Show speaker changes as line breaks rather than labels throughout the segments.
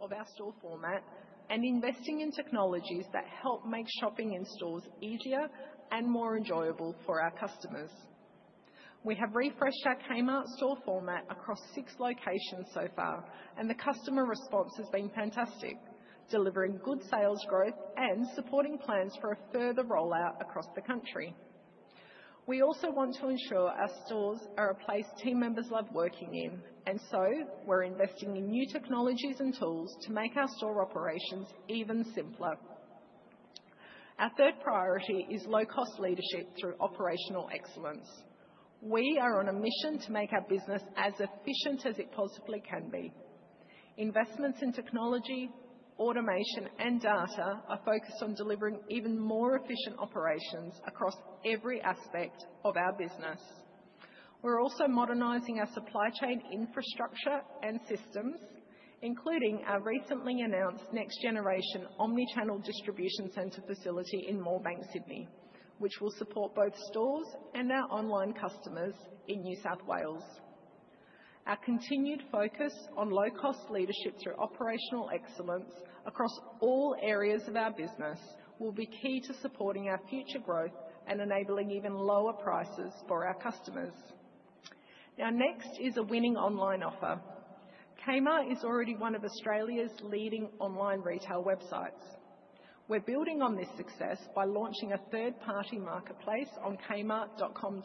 Renewal of our store format and investing in technologies that help make shopping in stores easier and more enjoyable for our customers. We have refreshed our Kmart store format across six locations so far, and the customer response has been fantastic, delivering good sales growth and supporting plans for a further rollout across the country. We also want to ensure our stores are a place team members love working in, and so we're investing in new technologies and tools to make our store operations even simpler. Our third priority is low-cost leadership through operational excellence. We are on a mission to make our business as efficient as it possibly can be. Investments in technology, automation, and data are focused on delivering even more efficient operations across every aspect of our business. We're also modernising our supply chain infrastructure and systems, including our recently announced next-generation omnichannel distribution centre facility in Moorebank, Sydney, which will support both stores and our online customers in New South Wales. Our continued focus on low-cost leadership through operational excellence across all areas of our business will be key to supporting our future growth and enabling even lower prices for our customers. Now, next is a winning online offer. Kmart is already one of Australia's leading online retail websites. We're building on this success by launching a third-party marketplace on kmart.com.au,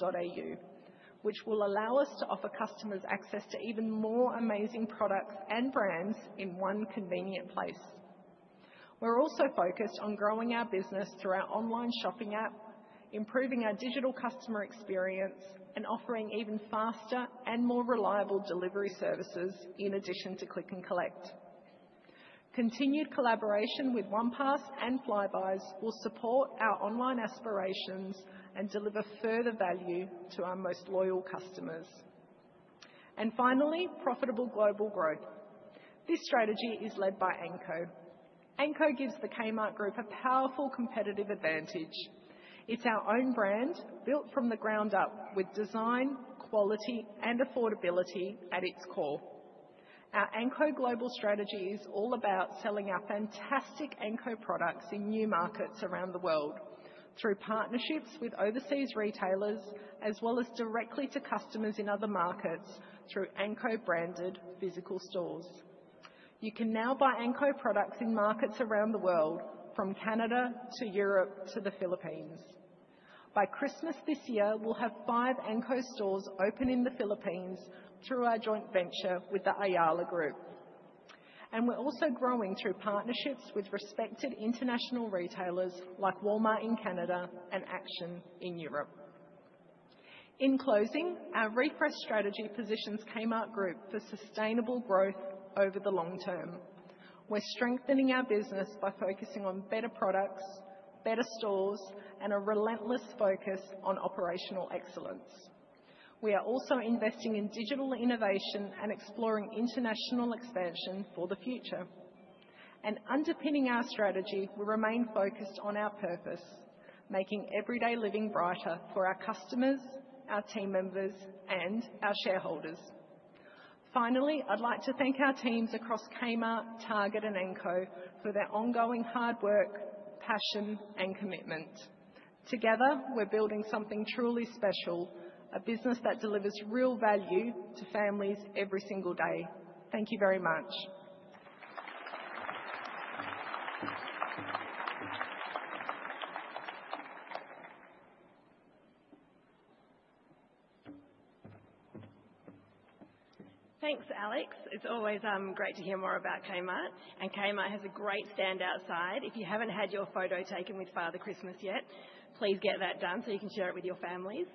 which will allow us to offer customers access to even more amazing products and brands in one convenient place. We're also focused on growing our business through our online shopping app, improving our digital customer experience, and offering even faster and more reliable delivery services in addition to click and collect. Continued collaboration with OnePass and Flybuys will support our online aspirations and deliver further value to our most loyal customers. Finally, profitable global growth. This strategy is led by Anko. Anko gives the Kmart Group a powerful competitive advantage. It's our own brand built from the ground up with design, quality, and affordability at its core. Our Anko Global strategy is all about selling our fantastic Anko products in new markets around the world through partnerships with overseas retailers, as well as directly to customers in other markets through Anko-branded physical stores. You can now buy Anko products in markets around the world, from Canada to Europe to the Philippines. By Christmas this year, we'll have five Anko stores open in the Philippines through our joint venture with the Ayala Group. We're also growing through partnerships with respected international retailers like Walmart in Canada and Action in Europe. In closing, our refresh strategy positions Kmart Group for sustainable growth over the long term. We're strengthening our business by focusing on better products, better stores, and a relentless focus on operational excellence. We are also investing in digital innovation and exploring international expansion for the future. Underpinning our strategy, we remain focused on our purpose, making everyday living brighter for our customers, our team members, and our shareholders. Finally, I'd like to thank our teams across Kmart, Target, and Anko for their ongoing hard work, passion, and commitment. Together, we're building something truly special, a business that delivers real value to families every single day. Thank you very much.
Thanks, Alex. It's always great to hear more about Kmart. Kmart has a great stand outside. If you haven't had your photo taken with Father Christmas yet, please get that done so you can share it with your families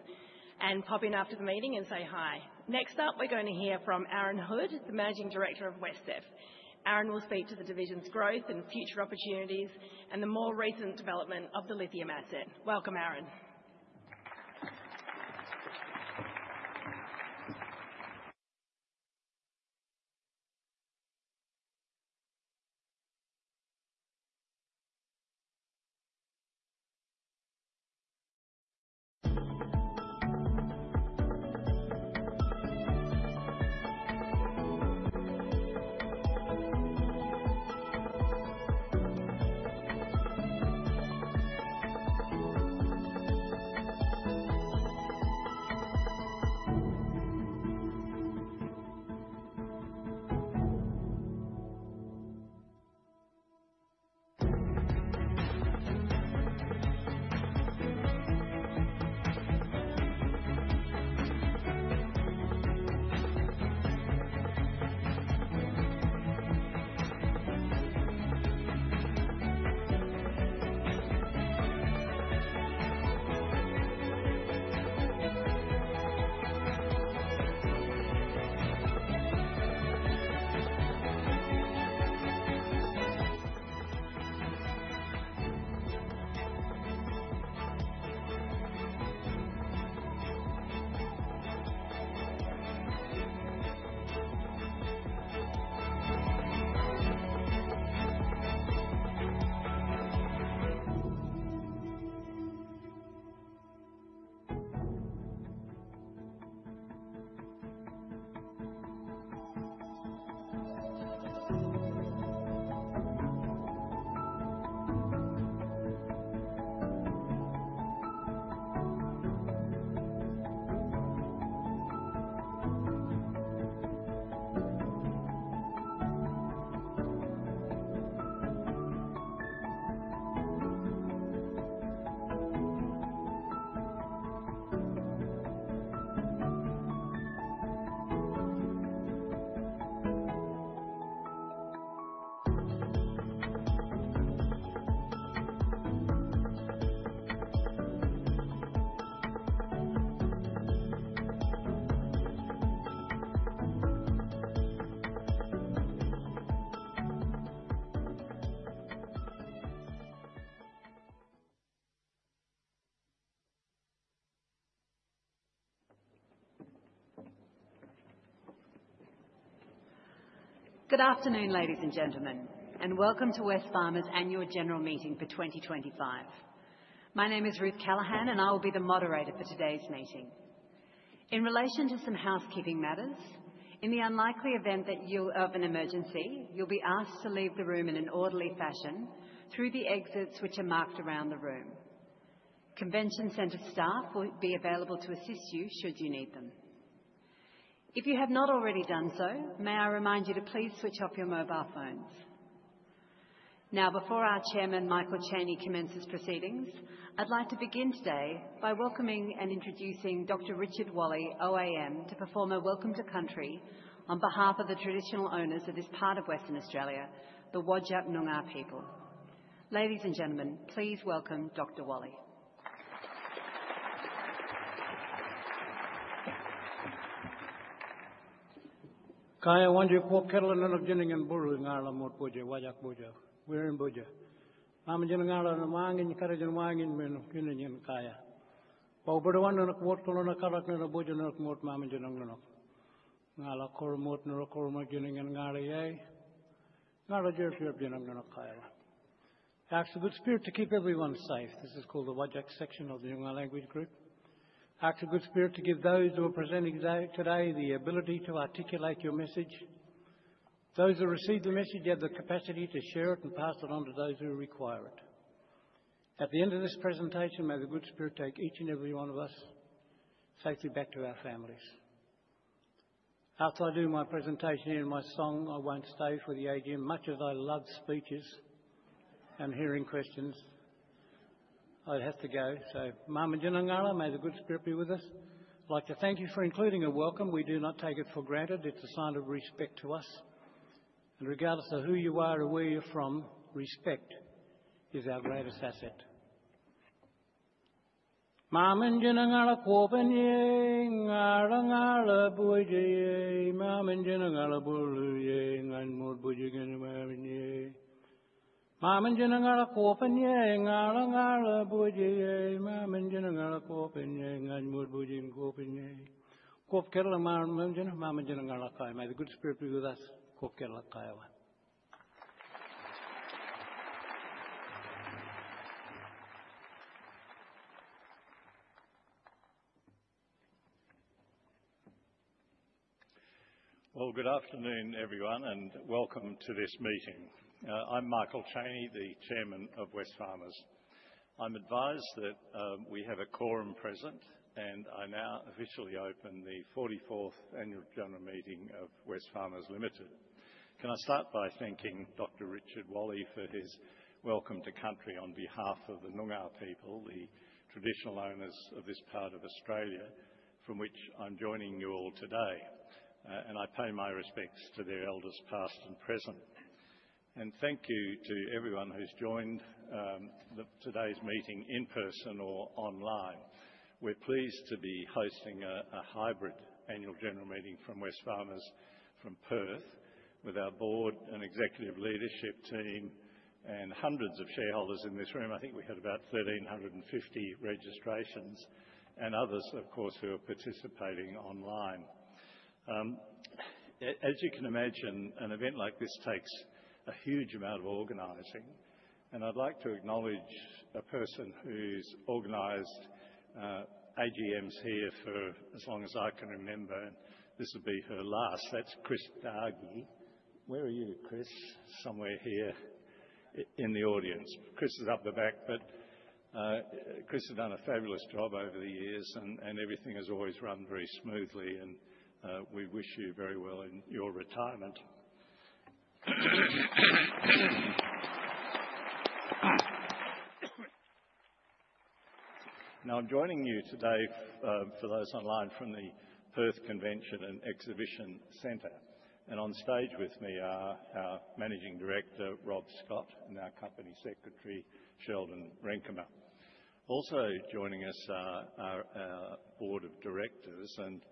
and pop in after the meeting and say hi. Next up, we're going to hear from Aaron Hood, the Managing Director of WesCEF. Aaron will speak to the division's growth and future opportunities and the more recent development of the lithium asset. Welcome, Aaron.
Good afternoon, ladies and gentlemen, and welcome to Wesfarmers' Annual General Meeting for 2025. My name is Ruth Callaghan, and I will be the moderator for today's meeting. In relation to some housekeeping matters, in the unlikely event that you have an emergency, you'll be asked to leave the room in an orderly fashion through the exits which are marked around the room. Convention Centre staff will be available to assist you should you need them. If you have not already done so, may I remind you to please switch off your mobile phones. Now, before our Chairman, Michael Chaney, commences proceedings, I'd like to begin today by welcoming and introducing Dr. Richard Walley, OAM, to perform a Welcome to Country on behalf of the Traditional Owners of this part of Western Australia, the Whadjuk Noongar people. Ladies and gentlemen, please welcome Dr. Walley. [Indigenous Language] Kaya wanja, po kilala na ng ginang and buyo ng alam mo't buyo wajak buyo wearing buyo mamang ginang alam na maingay niyong karin maingay ng ginang yan kaya pawi naman na ng kwot ko na nakarak na nabuyo na ng kwot mamang ginang na ngala ko remote na recome ginang yan ngali ay ngala jersey of ginang na nakaya acts of good spirit to keep everyone safe. This is called the wajak section of the language group acts of good spirit to give those who are presenting today the ability to articulate your message, those who receive the message have the capacity to share it and pass it on to those who require it. At the end of this presentation may the good spirit take each and every one of us safely back to our families. After I do my presentation here in my song I won't stay for the AGM, much as I love speeches and hearing questions I'd have to go. So mamang may the good spirit be with us. I'd like to thank you for including a welcome. We do not take it for granted. It's a sign of respect to us and regardless of who you are or where you're from, respect is our greatest asset mamang.
Well, good afternoon everyone and welcome to this meeting. I'm Michael Chaney, the Chairman of Wesfarmers. I'm advised that we have a quorum present, and I now officially open the 44th Annual General Meeting of Wesfarmers Limited. Can I start by thanking Dr. Richard Walley for his welcome to country on behalf of the Noongar people, the Traditional Owners of this part of Australia from which I'm joining you all today, and I pay my respects to their elders past and present. Thank you to everyone who's joined today's meeting in person or online. We're pleased to be hosting a hybrid Annual General Meeting from Wesfarmers from Perth with our board and executive leadership team and hundreds of shareholders in this room. I think we had about 1,350 registrations and others, of course, who are participating online. As you can imagine, an event like this takes a huge amount of organizing, and I'd like to acknowledge a person who's organized AGMs here for as long as I can remember, and this will be her last. That's Chris Dargie. Where are you, Chris? Somewhere here in the audience. Chris is up the back, but Chris has done a fabulous job over the years, and everything has always run very smoothly, and we wish you very well in your retirement. Now, I'm joining you today for those online from the Perth Convention and Exhibition Centre, and on stage with me are our Managing Director, Rob Scott, and our Company Secretary, Sheldon Renkema. Also joining us are our Board of Directors, and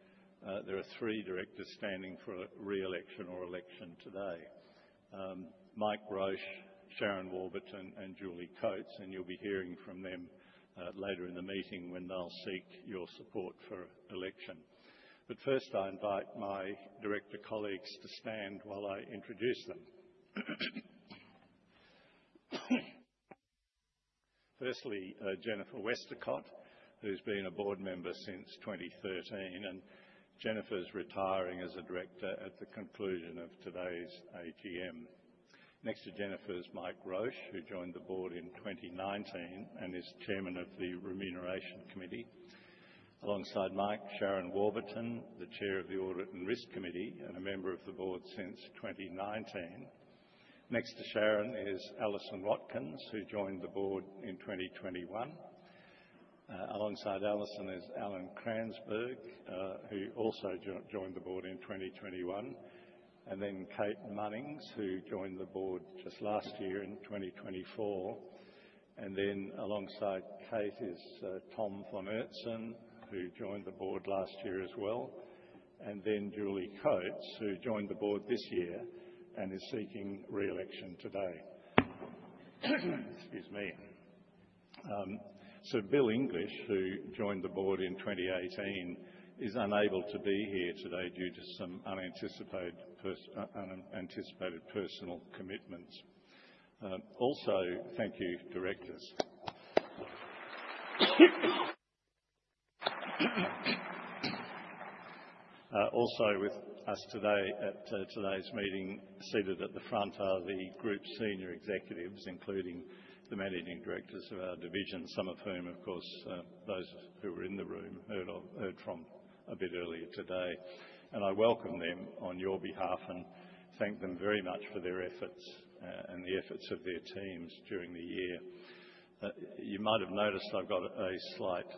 there are three directors standing for re-election or election today: Mike Roche, Sharon Warburton, and Julie Coates, and you'll be hearing from them later in the meeting when they'll seek your support for election. But first, I invite my director colleagues to stand while I introduce them. Firstly, Jennifer Westacott, who's been a board member since 2013, and Jennifer's retiring as a director at the conclusion of today's AGM. Next to Jennifer is Mike Roche, who joined the board in 2019 and is Chairman of the Remuneration Committee. Alongside Mike, Sharon Warburton, the Chair of the Audit and Risk Committee and a member of the board since 2019. Next to Sharon is Alison Watkins, who joined the board in 2021. Alongside Alison is Alan Cransberg, who also joined the board in 2021, and then Kate Munnings, who joined the board just last year in 2024. And then alongside Kate is Tom von Oertzen, who joined the board last year as well, and then Julie Coates, who joined the board this year and is seeking re-election today. Bill English, who joined the board in 2018, is unable to be here today due to some unanticipated personal commitments. Also, thank you, directors. Also with us today at today's meeting, seated at the front are the group's senior executives, including the Managing Directors of our division, some of whom, of course, those who were in the room heard from a bit earlier today. I welcome them on your behalf and thank them very much for their efforts and the efforts of their teams during the year. You might have noticed I've got a slight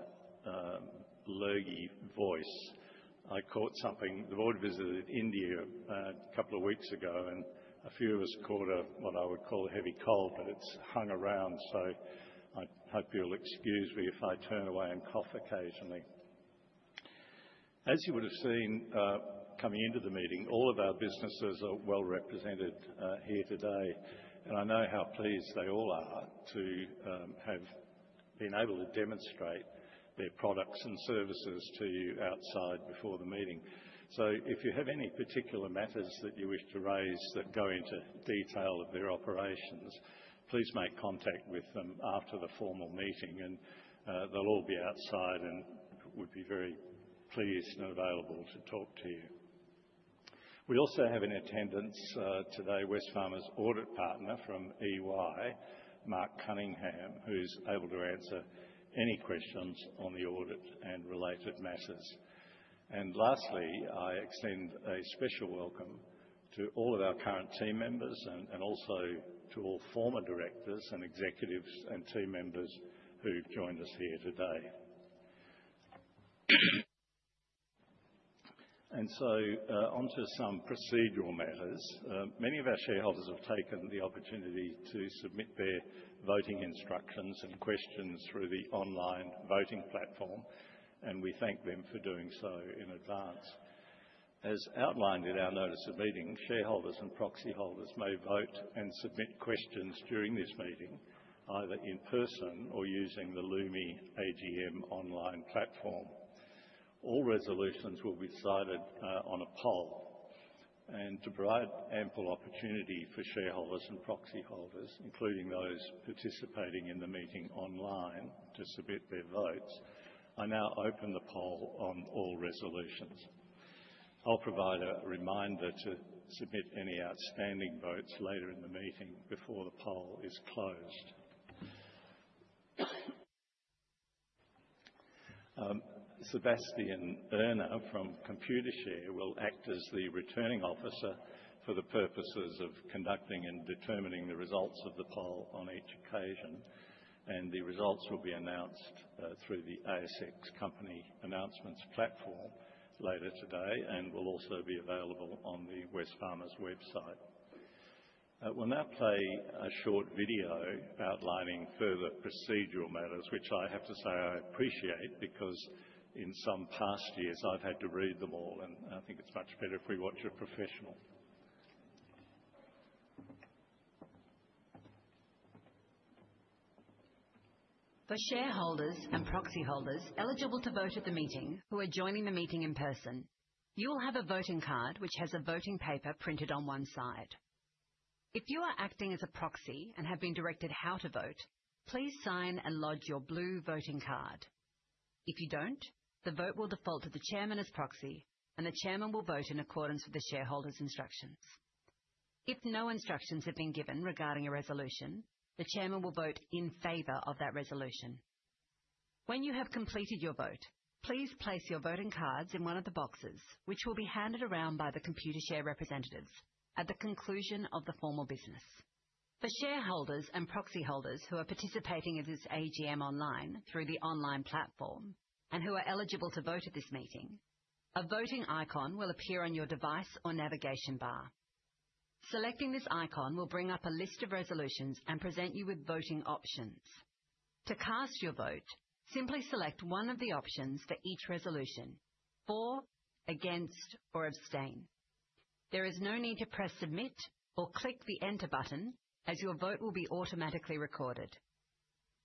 low voice. I caught something. The board visited India a couple of weeks ago, and a few of us caught what I would call a heavy cold, but it's hung around, so I hope you'll excuse me if I turn away and cough occasionally. As you would have seen coming into the meeting, all of our businesses are well represented here today, and I know how pleased they all are to have been able to demonstrate their products and services to you outside before the meeting. If you have any particular matters that you wish to raise that go into detail of their operations, please make contact with them after the formal meeting, and they'll all be outside and would be very pleased and available to talk to you.
We also have in attendance today Wesfarmers Audit Partner from EY, Mike Cunningham, who's able to answer any questions on the audit and related matters. Lastly, I extend a special welcome to all of our current team members and also to all former directors and executives and team members who've joined us here today. On to some procedural matters. Many of our shareholders have taken the opportunity to submit their voting instructions and questions through the online voting platform, and we thank them for doing so in advance. As outlined in our notice of meeting, shareholders and proxy holders may vote and submit questions during this meeting either in person or using the Lumi AGM online platform. All resolutions will be decided on a poll. To provide ample opportunity for shareholders and proxy holders, including those participating in the meeting online to submit their votes, I now open the poll on all resolutions. I'll provide a reminder to submit any outstanding votes later in the meeting before the poll is closed. Sebastian Verna from Computershare will act as the returning officer for the purposes of conducting and determining the results of the poll on each occasion, and the results will be announced through the ASX Company Announcements platform later today and will also be available on the Wesfarmers website. We'll now play a short video outlining further procedural matters, which I have to say I appreciate because in some past years I've had to read them all, and I think it's much better if we watch a professional.
For shareholders and proxy holders eligible to vote at the meeting who are joining the meeting in person, you will have a voting card which has a voting paper printed on one side. If you are acting as a proxy and have been directed how to vote, please sign and lodge your blue voting card. If you don't, the vote will default to the Chairman as proxy, and the Chairman will vote in accordance with the shareholders' instructions. If no instructions have been given regarding a resolution, the Chairman will vote in favor of that resolution. When you have completed your vote, please place your voting cards in one of the boxes which will be handed around by the Computershare representatives at the conclusion of the formal business.
For shareholders and proxy holders who are participating in this AGM online through the online platform and who are eligible to vote at this meeting, a voting icon will appear on your device or navigation bar. Selecting this icon will bring up a list of resolutions and present you with voting options. To cast your vote, simply select one of the options for each resolution: for, against, or abstain. There is no need to press submit or click the enter button, as your vote will be automatically recorded.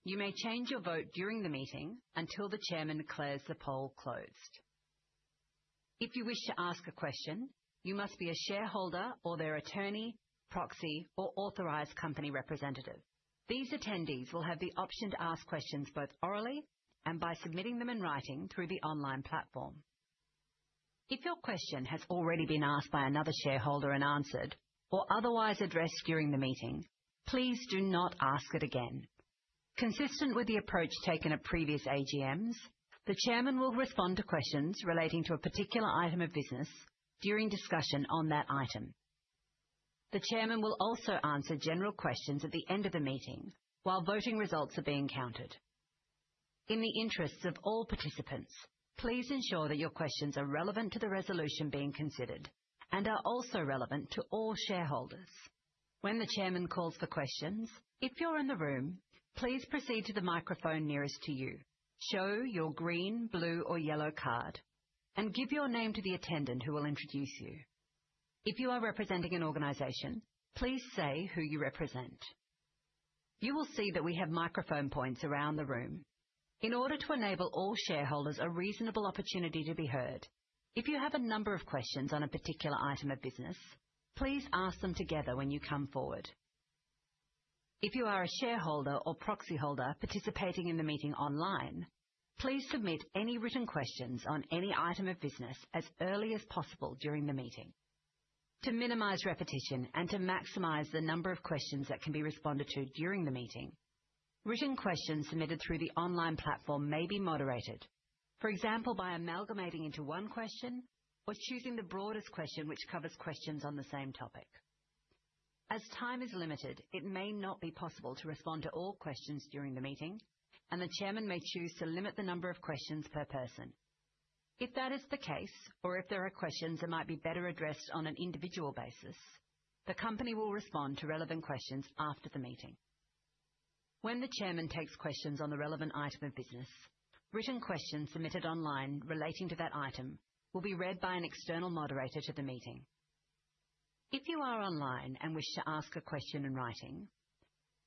You may change your vote during the meeting until the Chairman declares the poll closed. If you wish to ask a question, you must be a shareholder or their attorney, proxy, or authorized company representative. These attendees will have the option to ask questions both orally and by submitting them in writing through the online platform. If your question has already been asked by another shareholder and answered or otherwise addressed during the meeting, please do not ask it again. Consistent with the approach taken at previous AGMs, the Chairman will respond to questions relating to a particular item of business during discussion on that item. The Chairman will also answer general questions at the end of the meeting while voting results are being counted. In the interests of all participants, please ensure that your questions are relevant to the resolution being considered and are also relevant to all shareholders. When the Chairman calls for questions, if you're in the room, please proceed to the microphone nearest to you, show your green, blue, or yellow card, and give your name to the attendant who will introduce you. If you are representing an organization, please say who you represent. You will see that we have microphone points around the room. In order to enable all shareholders a reasonable opportunity to be heard, if you have a number of questions on a particular item of business, please ask them together when you come forward. If you are a shareholder or proxy holder participating in the meeting online, please submit any written questions on any item of business as early as possible during the meeting. To minimize repetition and to maximize the number of questions that can be responded to during the meeting, written questions submitted through the online platform may be moderated, for example, by amalgamating into one question or choosing the broadest question which covers questions on the same topic. As time is limited, it may not be possible to respond to all questions during the meeting, and the Chairman may choose to limit the number of questions per person. If that is the case or if there are questions that might be better addressed on an individual basis, the company will respond to relevant questions after the meeting. When the Chairman takes questions on the relevant item of business, written questions submitted online relating to that item will be read by an external moderator to the meeting. If you are online and wish to ask a question in writing,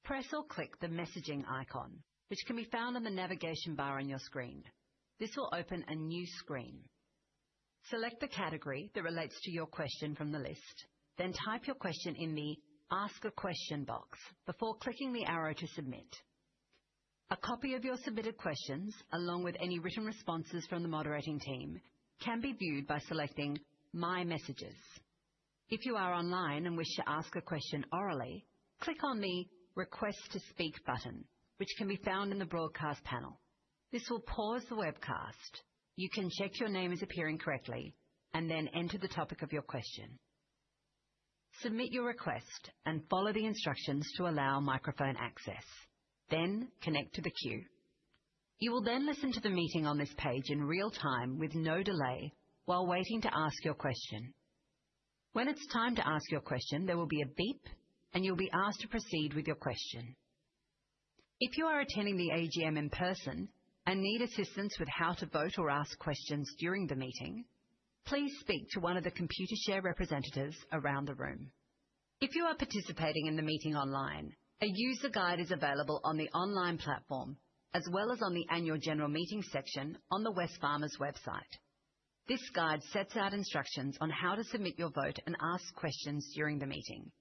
press or click the messaging icon, which can be found on the navigation bar on your screen. This will open a new screen. Select the category that relates to your question from the list, then type your question in the Ask a Question box before clicking the arrow to submit. A copy of your submitted questions, along with any written responses from the moderating team, can be viewed by selecting My Messages. If you are online and wish to ask a question orally, click on the Request to Speak button, which can be found in the broadcast panel. This will pause the webcast. You can check your name is appearing correctly and then enter the topic of your question. Submit your request and follow the instructions to allow microphone access, then connect to the queue. You will then listen to the meeting on this page in real time with no delay while waiting to ask your question. When it's time to ask your question, there will be a beep, and you'll be asked to proceed with your question. If you are attending the AGM in person and need assistance with how to vote or ask questions during the meeting, please speak to one of the Computershare representatives around the room. If you are participating in the meeting online, a user guide is available on the online platform as well as on the annual general meeting section on the Wesfarmers website. This guide sets out instructions on how to submit your vote and ask questions during the meeting.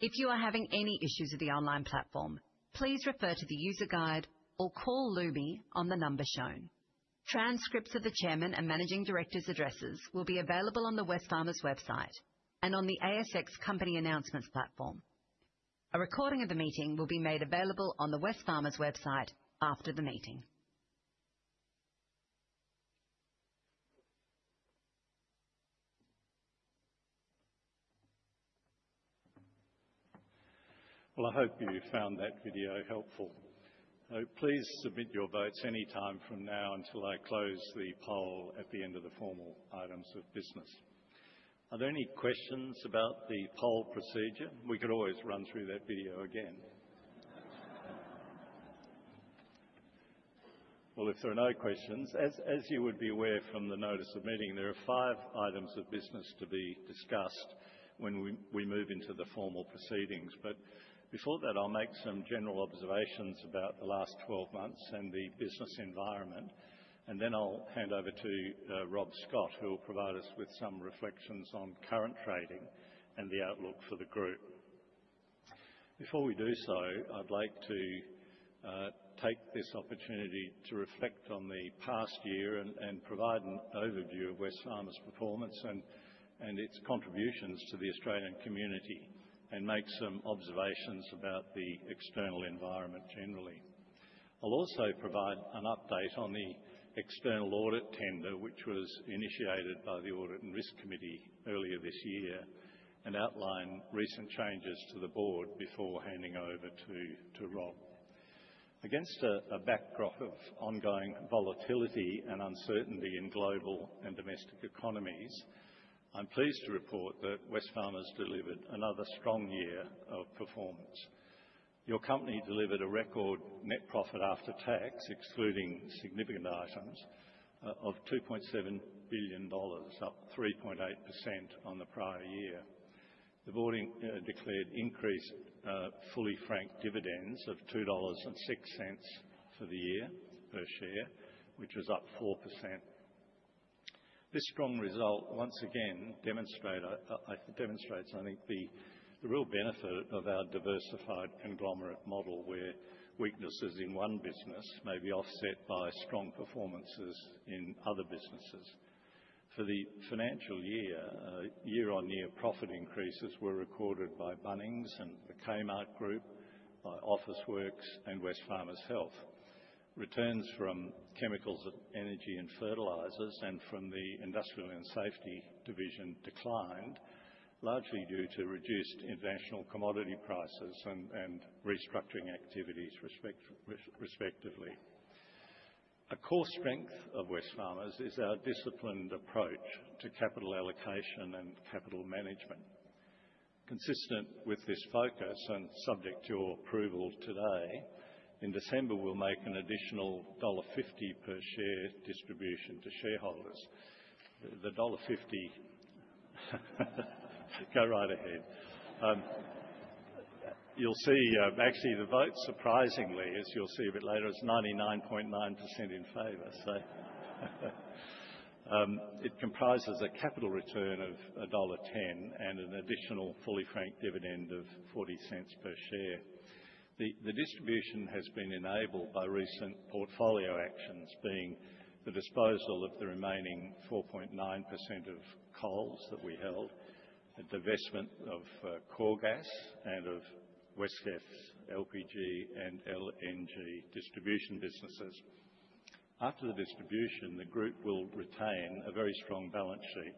If you are having any issues with the online platform, please refer to the user guide or call Lumi on the number shown. Transcripts of the Chairman and Managing Director's addresses will be available on the Wesfarmers website and on the ASX Company Announcements platform. A recording of the meeting will be made available on the Wesfarmers website after the meeting.
I hope you found that video helpful. Please submit your votes any time from now until I close the poll at the end of the formal items of business. Are there any questions about the poll procedure? We could always run through that video again. If there are no questions, as you would be aware from the notice of meeting, there are five items of business to be discussed when we move into the formal proceedings. But before that, I'll make some general observations about the last 12 months and the business environment, and then I'll hand over to Rob Scott, who will provide us with some reflections on current trading and the outlook for the group. Before we do so, I'd like to take this opportunity to reflect on the past year and provide an overview of Wesfarmers' performance and its contributions to the Australian community and make some observations about the external environment generally. I'll also provide an update on the external audit tender, which was initiated by the Audit and Risk Committee earlier this year, and outline recent changes to the board before handing over to Rob. Against a backdrop of ongoing volatility and uncertainty in global and domestic economies, I'm pleased to report that Wesfarmers delivered another strong year of performance. Your company delivered a record net profit after tax, excluding significant items, of $2.7 billion, up 3.8% on the prior year. The board declared increased fully franked dividends of $2.06 for the year per share, which was up 4%. This strong result once again demonstrates, I think, the real benefit of our diversified conglomerate model where weaknesses in one business may be offset by strong performances in other businesses. For the financial year, year-on-year profit increases were recorded by Bunnings and the Kmart Group, by Officeworks, and Wesfarmers Health. Returns from Chemicals, Energy and Fertilisers and from the Industrial and Safety Division declined, largely due to reduced international commodity prices and restructuring activities respectively. A core strength of Wesfarmers is our disciplined approach to capital allocation and capital management. Consistent with this focus and subject to your approval today, in December, we'll make an additional $1.50 per share distribution to shareholders. The $1.50 go right ahead. You'll see, actually, the vote, surprisingly, as you'll see a bit later, is 99.9% in favor. It comprises a capital return of $1.10 and an additional fully franked dividend of $0.40 per share. The distribution has been enabled by recent portfolio actions, being the disposal of the remaining 4.9% of Coles that we held, the divestment of Coregas and of Wesfarmers' LPG and LNG distribution businesses. After the distribution, the group will retain a very strong balance sheet,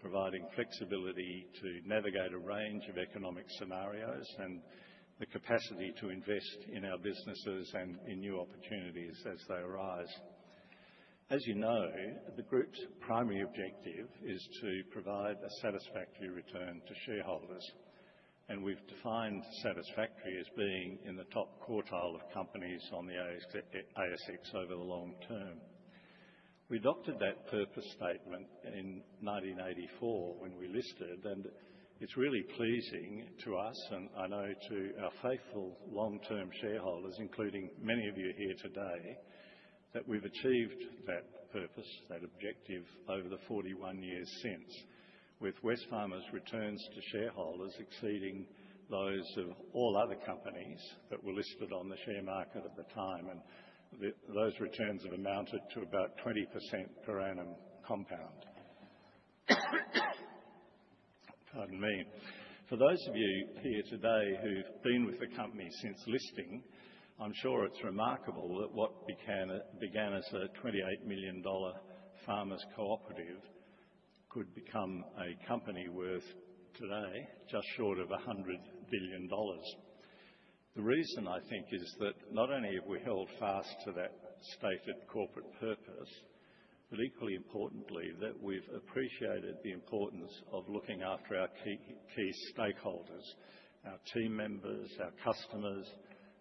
providing flexibility to navigate a range of economic scenarios and the capacity to invest in our businesses and in new opportunities as they arise. As you know, the group's primary objective is to provide a satisfactory return to shareholders, and we've defined satisfactory as being in the top quartile of companies on the ASX over the long term. We adopted that purpose statement in 1984 when we listed, and it's really pleasing to us, and I know to our faithful long-term shareholders, including many of you here today, that we've achieved that purpose, that objective over the 41 years since, with Wesfarmers' returns to shareholders exceeding those of all other companies that were listed on the share market at the time, and those returns have amounted to about 20% per annum compound. For those of you here today who've been with the company since listing, I'm sure it's remarkable that what began as a $28 million farmers cooperative could become a company worth today just short of $100 billion. The reason, I think, is that not only have we held fast to that stated corporate purpose, but equally importantly, that we've appreciated the importance of looking after our key stakeholders: our team members, our customers,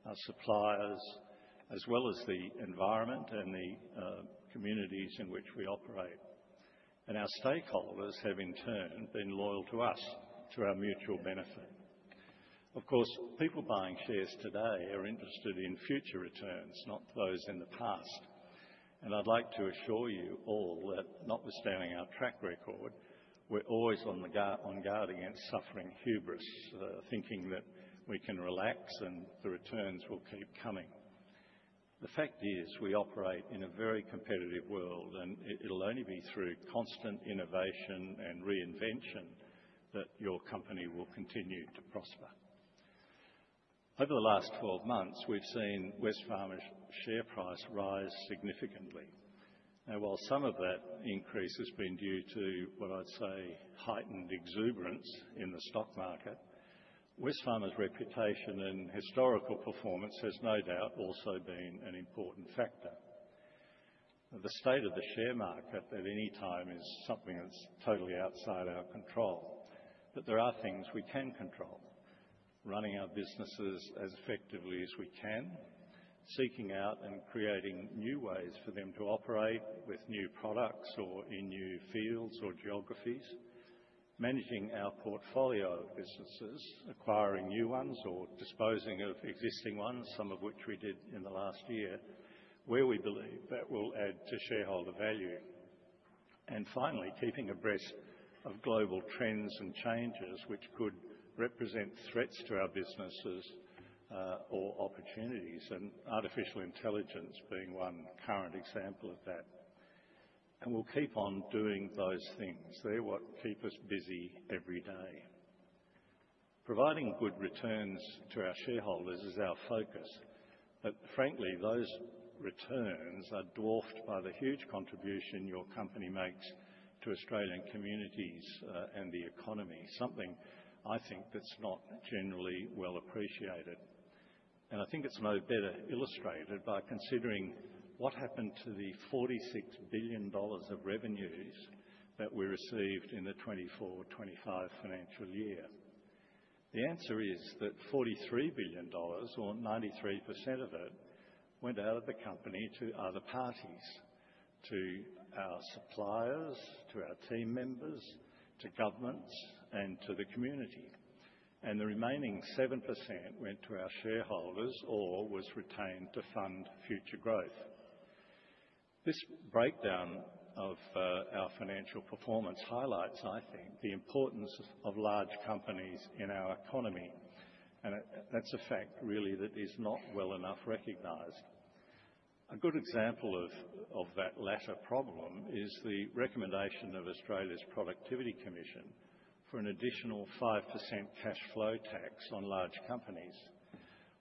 our suppliers, as well as the environment and the communities in which we operate. Our stakeholders have, in turn, been loyal to us, to our mutual benefit. Of course, people buying shares today are interested in future returns, not those in the past. I'd like to assure you all that, notwithstanding our track record, we're always on guard against suffering hubris, thinking that we can relax and the returns will keep coming. The fact is we operate in a very competitive world, and it'll only be through constant innovation and reinvention that your company will continue to prosper. Over the last 12 months, we've seen Wesfarmers' share price rise significantly. Now, while some of that increase has been due to what I'd say heightened exuberance in the stock market, Wesfarmers' reputation and historical performance has no doubt also been an important factor. The state of the share market at any time is something that's totally outside our control, but there are things we can control: running our businesses as effectively as we can, seeking out and creating new ways for them to operate with new products or in new fields or geographies, managing our portfolio of businesses, acquiring new ones or disposing of existing ones, some of which we did in the last year, where we believe that will add to shareholder value. Finally, keeping abreast of global trends and changes which could represent threats to our businesses or opportunities, and artificial intelligence being one current example of that. We'll keep on doing those things. They're what keep us busy every day. Providing good returns to our shareholders is our focus, but frankly, those returns are dwarfed by the huge contribution your company makes to Australian communities and the economy, something I think that's not generally well appreciated. I think it's no better illustrated by considering what happened to the $46 billion of revenues that we received in the 2024-2025 financial year. The answer is that $43 billion, or 93% of it, went out of the company to other parties: to our suppliers, to our team members, to governments, and to the community. The remaining 7% went to our shareholders or was retained to fund future growth. This breakdown of our financial performance highlights, I think, the importance of large companies in our economy, and that's a fact, really, that is not well enough recognized. A good example of that latter problem is the recommendation of Australia's Productivity Commission for an additional 5% cash flow tax on large companies.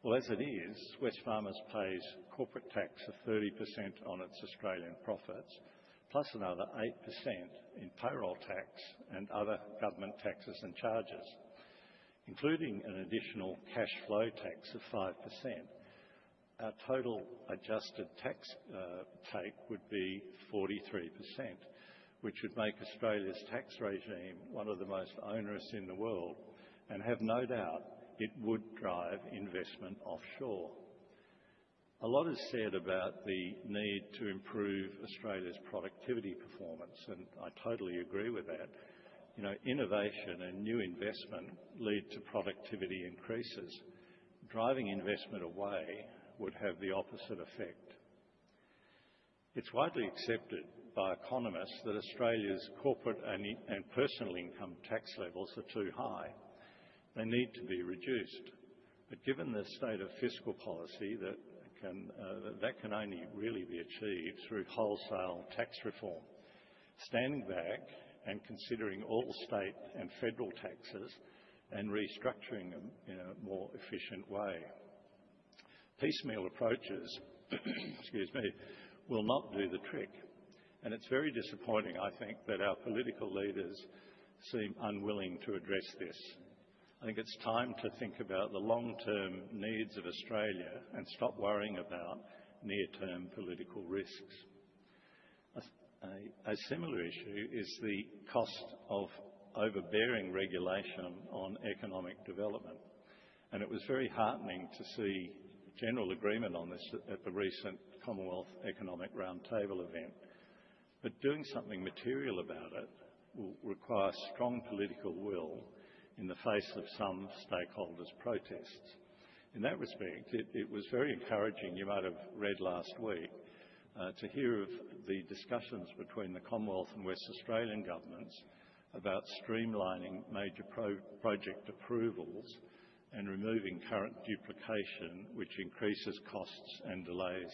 Well, as it is, Wesfarmers pays corporate tax of 30% on its Australian profits, plus another 8% in payroll tax and other government taxes and charges, including an additional cash flow tax of 5%. Our total adjusted tax take would be 43%, which would make Australia's tax regime one of the most onerous in the world, and have no doubt it would drive investment offshore. A lot is said about the need to improve Australia's productivity performance, and I totally agree with that. Innovation and new investment lead to productivity increases. Driving investment away would have the opposite effect. It's widely accepted by economists that Australia's corporate and personal income tax levels are too high. They need to be reduced. But given the state of fiscal policy that can only really be achieved through wholesale tax reform, standing back and considering all state and federal taxes and restructuring them in a more efficient way. Piecemeal approaches will not do the trick. It's very disappointing, I think, that our political leaders seem unwilling to address this. I think it's time to think about the long-term needs of Australia and stop worrying about near-term political risks. A similar issue is the cost of overbearing regulation on economic development. It was very heartening to see general agreement on this at the recent Commonwealth Economic Roundtable event. But doing something material about it will require strong political will in the face of some stakeholders' protests. In that respect, it was very encouraging, you might have read last week, to hear of the discussions between the Commonwealth and West Australian governments about streamlining major project approvals and removing current duplication, which increases costs and delays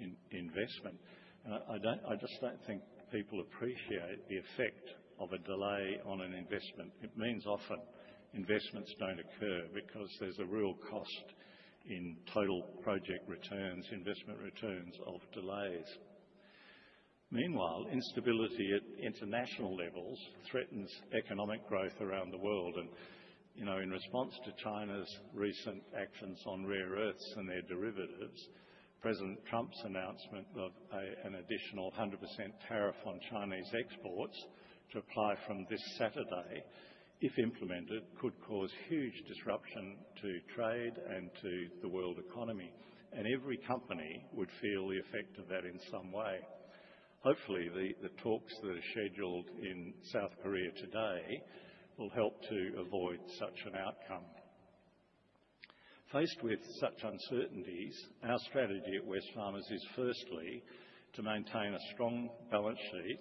in investment. I just don't think people appreciate the effect of a delay on an investment. It means often investments don't occur because there's a real cost in total project returns, investment returns of delays. Meanwhile, instability at international levels threatens economic growth around the world. In response to China's recent actions on rare earths and their derivatives, President Trump's announcement of an additional 100% tariff on Chinese exports to apply from this Saturday, if implemented, could cause huge disruption to trade and to the world economy. Every company would feel the effect of that in some way. Hopefully, the talks that are scheduled in South Korea today will help to avoid such an outcome. Faced with such uncertainties, our strategy at Wesfarmers is, firstly, to maintain a strong balance sheet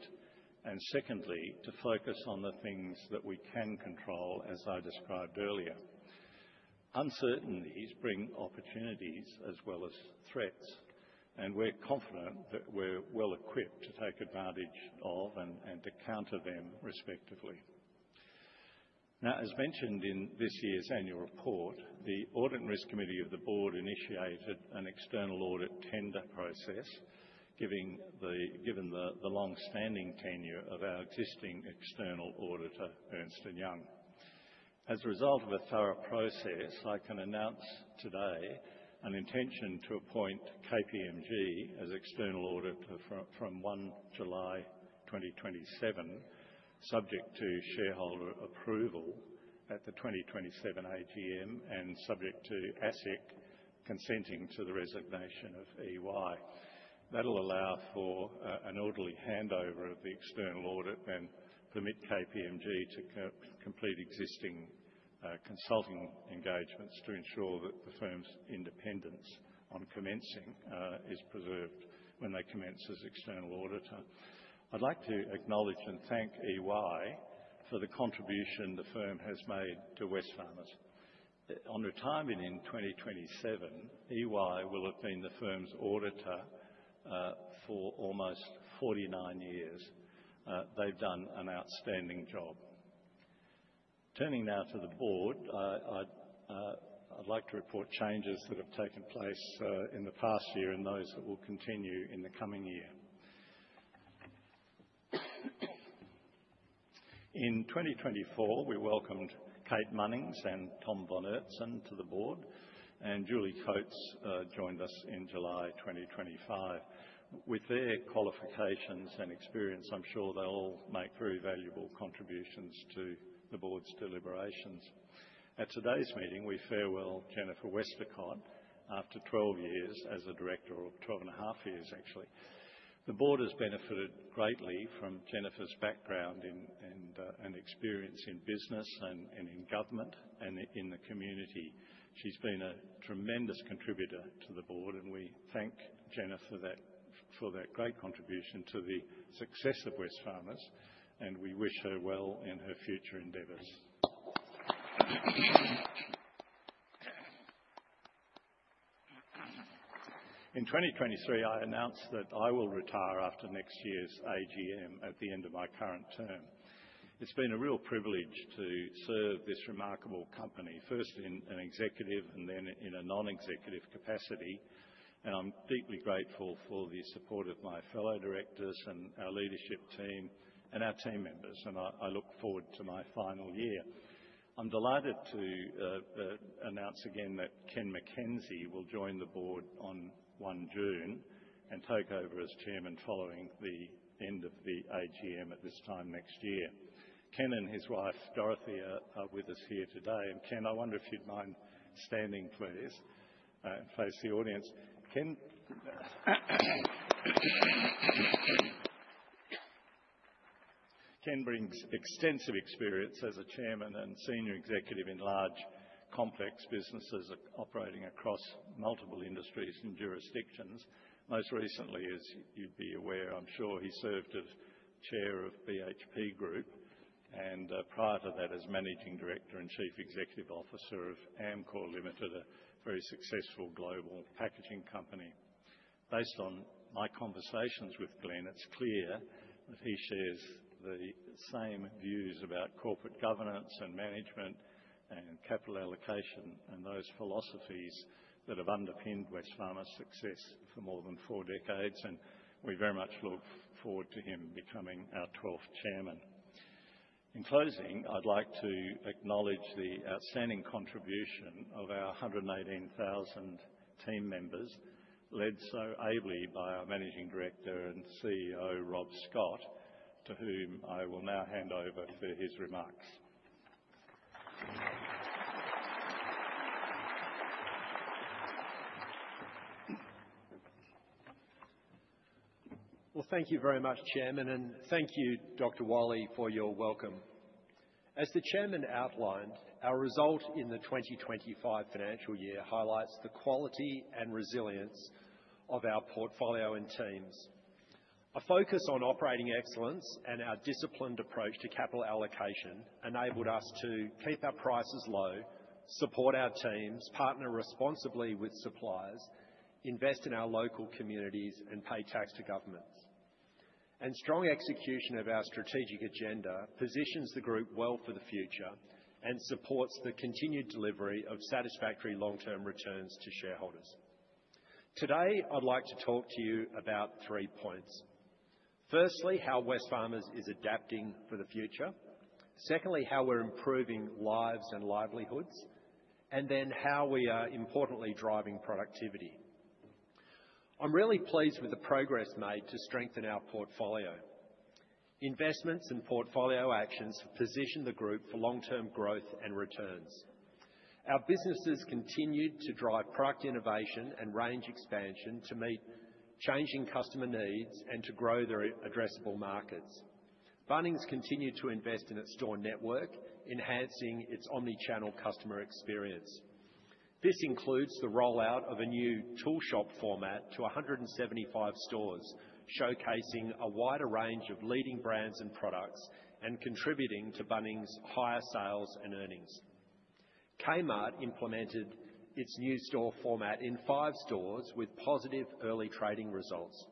and, secondly, to focus on the things that we can control, as I described earlier. Uncertainties bring opportunities as well as threats, and we're confident that we're well equipped to take advantage of and to counter them, respectively. Now, as mentioned in this year's annual report, the Audit and Risk Committee of the board initiated an external audit tender process, given the long-standing tenure of our existing external auditor, Ernst & Young. As a result of a thorough process, I can announce today an intention to appoint KPMG as external auditor from July 1, 2027, subject to shareholder approval at the 2027 AGM and subject to ASIC consenting to the resignation of EY. That'll allow for an orderly handover of the external audit and permit KPMG to complete existing consulting engagements to ensure that the firm's independence on commencing is preserved when they commence as external auditor. I'd like to acknowledge and thank EY for the contribution the firm has made to Wesfarmers. On retirement in 2027, EY will have been the firm's auditor for almost 49 years. They've done an outstanding job. Turning now to the board, I'd like to report changes that have taken place in the past year and those that will continue in the coming year. In 2024, we welcomed Kate Munnings and Tom von Oertzen to the board, and Julie Coates joined us in July 2025. With their qualifications and experience, I'm sure they'll all make very valuable contributions to the board's deliberations. At today's meeting, we farewell Jennifer Westacott after 12 years as a director or 12 and a half years, actually. The board has benefited greatly from Jennifer's background and experience in business and in government and in the community. She's been a tremendous contributor to the board, and we thank Jennifer for that great contribution to the success of Wesfarmers, and we wish her well in her future endeavors. In 2023, I announced that I will retire after next year's AGM at the end of my current term. It's been a real privilege to serve this remarkable company, first in an executive and then in a non-executive capacity, and I'm deeply grateful for the support of my fellow directors and our leadership team and our team members, and I look forward to my final year. I'm delighted to announce again that Ken MacKenzie will join the board on 1 June and take over as chairman following the end of the AGM at this time next year. Ken and his wife, Dorothy, are with us here today. Ken, I wonder if you'd mind standing, please, in place of the audience. Ken brings extensive experience as a chairman and senior executive in large complex businesses operating across multiple industries and jurisdictions. Most recently, as you'd be aware, I'm sure he served as Chair of BHP Group and prior to that as Managing Director and Chief Executive Officer of Amcor Limited, a very successful global packaging company. Based on my conversations with Ken, it's clear that he shares the same views about corporate governance and management and capital allocation and those philosophies that have underpinned Wesfarmers' success for more than four decades, and we very much look forward to him becoming our 12th chairman. In closing, I'd like to acknowledge the outstanding contribution of our 118,000 team members, led so ably by our Managing Director and CEO, Rob Scott, to whom I will now hand over for his remarks.
Thank you very much, Chairman, and thank you, Dr. Walley, for your welcome. As the Chairman outlined, our result in the 2025 financial year highlights the quality and resilience of our portfolio and teams. A focus on operating excellence and our disciplined approach to capital allocation enabled us to keep our prices low, support our teams, partner responsibly with suppliers, invest in our local communities, and pay tax to governments. Strong execution of our strategic agenda positions the group well for the future and supports the continued delivery of satisfactory long-term returns to shareholders. Today, I'd like to talk to you about three points. Firstly, how Wesfarmers is adapting for the future. Secondly, how we're improving lives and livelihoods, and then how we are importantly driving productivity. I'm really pleased with the progress made to strengthen our portfolio. Investments and portfolio actions position the group for long-term growth and returns. Our businesses continue to drive product innovation and range expansion to meet changing customer needs and to grow their addressable markets. Bunnings continued to invest in its store network, enhancing its omnichannel customer experience. This includes the rollout of a new Tool Shop format to 175 stores, showcasing a wider range of leading brands and products and contributing to Bunnings' higher sales and earnings. Kmart implemented its new store format in five stores with positive early trading results.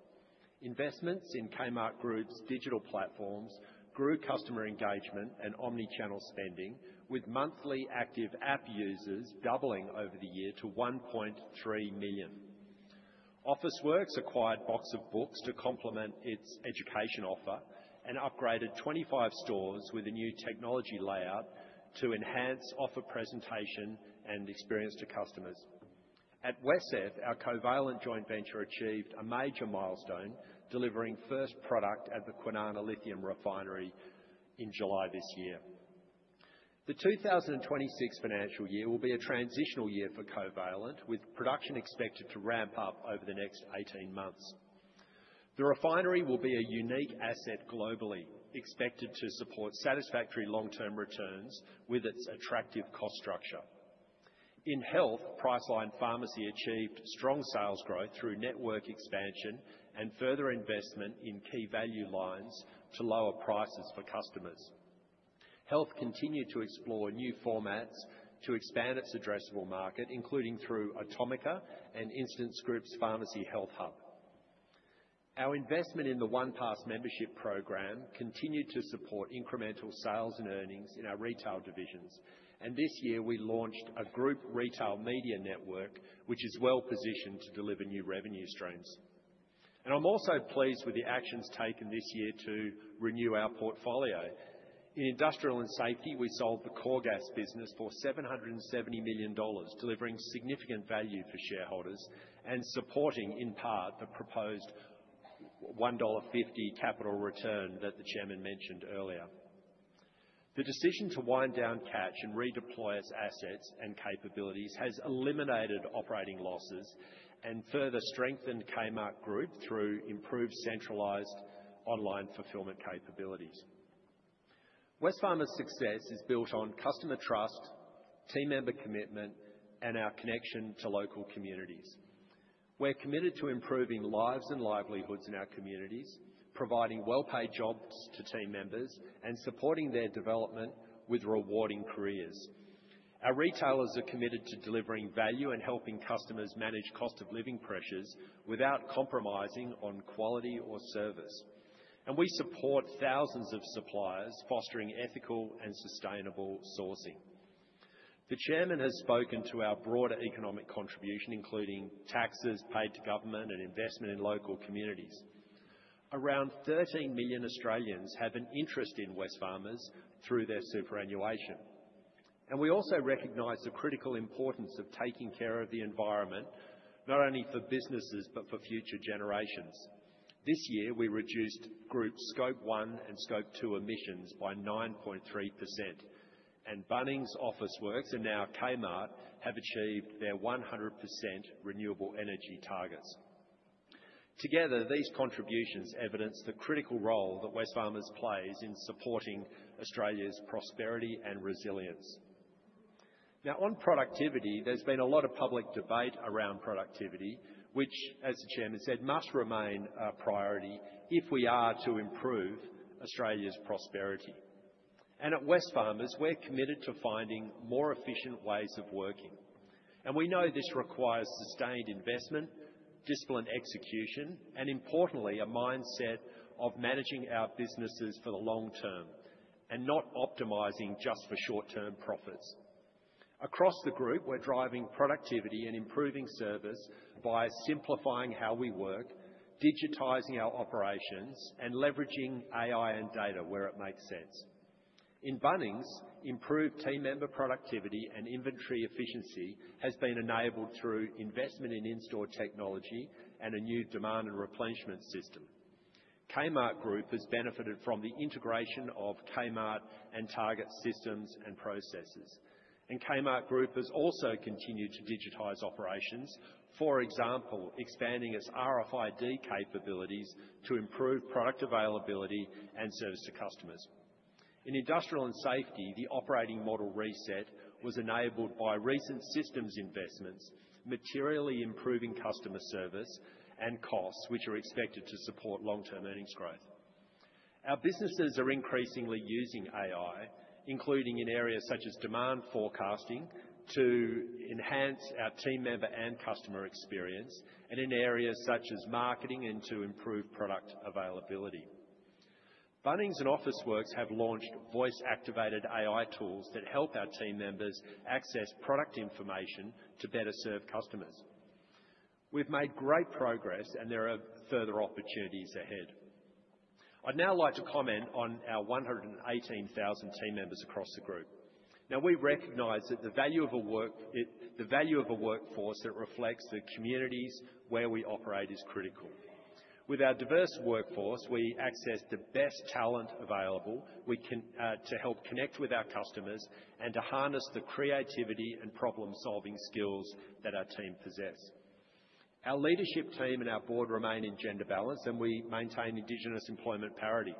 Investments in Kmart Group's digital platforms grew customer engagement and omnichannel spending, with monthly active app users doubling over the year to 1.3 million. Officeworks acquired Box of Books to complement its education offer and upgraded 25 stores with a new technology layout to enhance offer presentation and experience to customers. At WesCEF, our Covalent joint venture achieved a major milestone, delivering first product at the Kwinana Lithium Refinery in July this year. The 2026 financial year will be a transitional year for Covalent, with production expected to ramp up over the next 18 months. The refinery will be a unique asset globally, expected to support satisfactory long-term returns with its attractive cost structure. In health, Priceline Pharmacy achieved strong sales growth through network expansion and further investment in key value lines to lower prices for customers. Health continued to explore new formats to expand its addressable market, including through Atomica and InstantScripts Pharmacy Health Hub. Our investment in the OnePass membership program continued to support incremental sales and earnings in our retail divisions. This year, we launched a group retail media network, which is well positioned to deliver new revenue streams. I'm also pleased with the actions taken this year to renew our portfolio. In Industrial and Safety, we sold the Coregas business for $770 million, delivering significant value for shareholders and supporting, in part, the proposed $1.50 capital return that the chairman mentioned earlier. The decision to wind down Catch and redeploy its assets and capabilities has eliminated operating losses and further strengthened Kmart Group through improved centralized online fulfillment capabilities. Wesfarmers' success is built on customer trust, team member commitment, and our connection to local communities. We're committed to improving lives and livelihoods in our communities, providing well-paid jobs to team members, and supporting their development with rewarding careers. Our retailers are committed to delivering value and helping customers manage cost of living pressures without compromising on quality or service. We support thousands of suppliers, fostering ethical and sustainable sourcing. The chairman has spoken to our broader economic contribution, including taxes paid to government and investment in local communities. Around 13 million Australians have an interest in Wesfarmers through their superannuation. We also recognize the critical importance of taking care of the environment, not only for businesses but for future generations. This year, we reduced Group Scope 1 and Scope 2 emissions by 9.3%. Bunnings Officeworks and now Kmart have achieved their 100% renewable energy targets. Together, these contributions evidence the critical role that Wesfarmers plays in supporting Australia's prosperity and resilience. On productivity, there's been a lot of public debate around productivity, which, as the chairman said, must remain a priority if we are to improve Australia's prosperity. At Wesfarmers, we're committed to finding more efficient ways of working. We know this requires sustained investment, disciplined execution, and importantly, a mindset of managing our businesses for the long term and not optimizing just for short-term profits. Across the group, we're driving productivity and improving service by simplifying how we work, digitizing our operations, and leveraging AI and data where it makes sense. In Bunnings, improved team member productivity and inventory efficiency has been enabled through investment in in-store technology and a new demand and replenishment system. Kmart Group has benefited from the integration of Kmart and Target systems and processes. Kmart Group has also continued to digitize operations, for example, expanding its RFID capabilities to improve product availability and service to customers. In Industrial and Safety, the operating model reset was enabled by recent systems investments, materially improving customer service and costs, which are expected to support long-term earnings growth. Our businesses are increasingly using AI, including in areas such as demand forecasting to enhance our team member and customer experience, and in areas such as marketing and to improve product availability. Bunnings and Officeworks have launched voice-activated AI tools that help our team members access product information to better serve customers. We've made great progress, and there are further opportunities ahead. I'd now like to comment on our 118,000 team members across the group. We recognize that the value of a workforce that reflects the communities where we operate is critical. With our diverse workforce, we access the best talent available to help connect with our customers and to harness the creativity and problem-solving skills that our team possess. Our leadership team and our board remain in gender balance, and we maintain indigenous employment parity.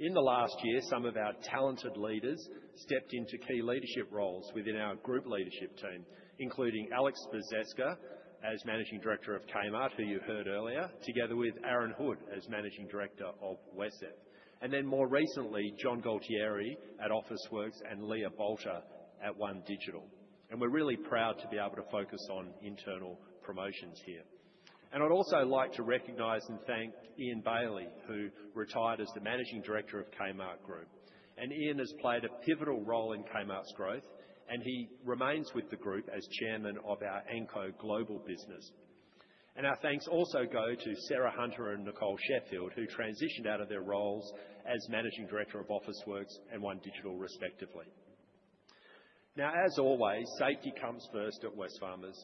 In the last year, some of our talented leaders stepped into key leadership roles within our group leadership team, including Aleksandra Spaseska as Managing Director of Kmart, who you heard earlier, together with Aaron Hood as Managing Director of WesCEF. More recently, John Gualtieri at Officeworks and Leah Balter at OneDigital. We're really proud to be able to focus on internal promotions here. I'd also like to recognize and thank Ian Bailey, who retired as the Managing Director of Kmart Group. Ian has played a pivotal role in Kmart's growth, and he remains with the group as Chairman of our Anko Global business. Our thanks also go to Sarah Hunter and Nicole Sheffield, who transitioned out of their roles as Managing Director of Officeworks and OneDigital, respectively. As always, safety comes first at Wesfarmers.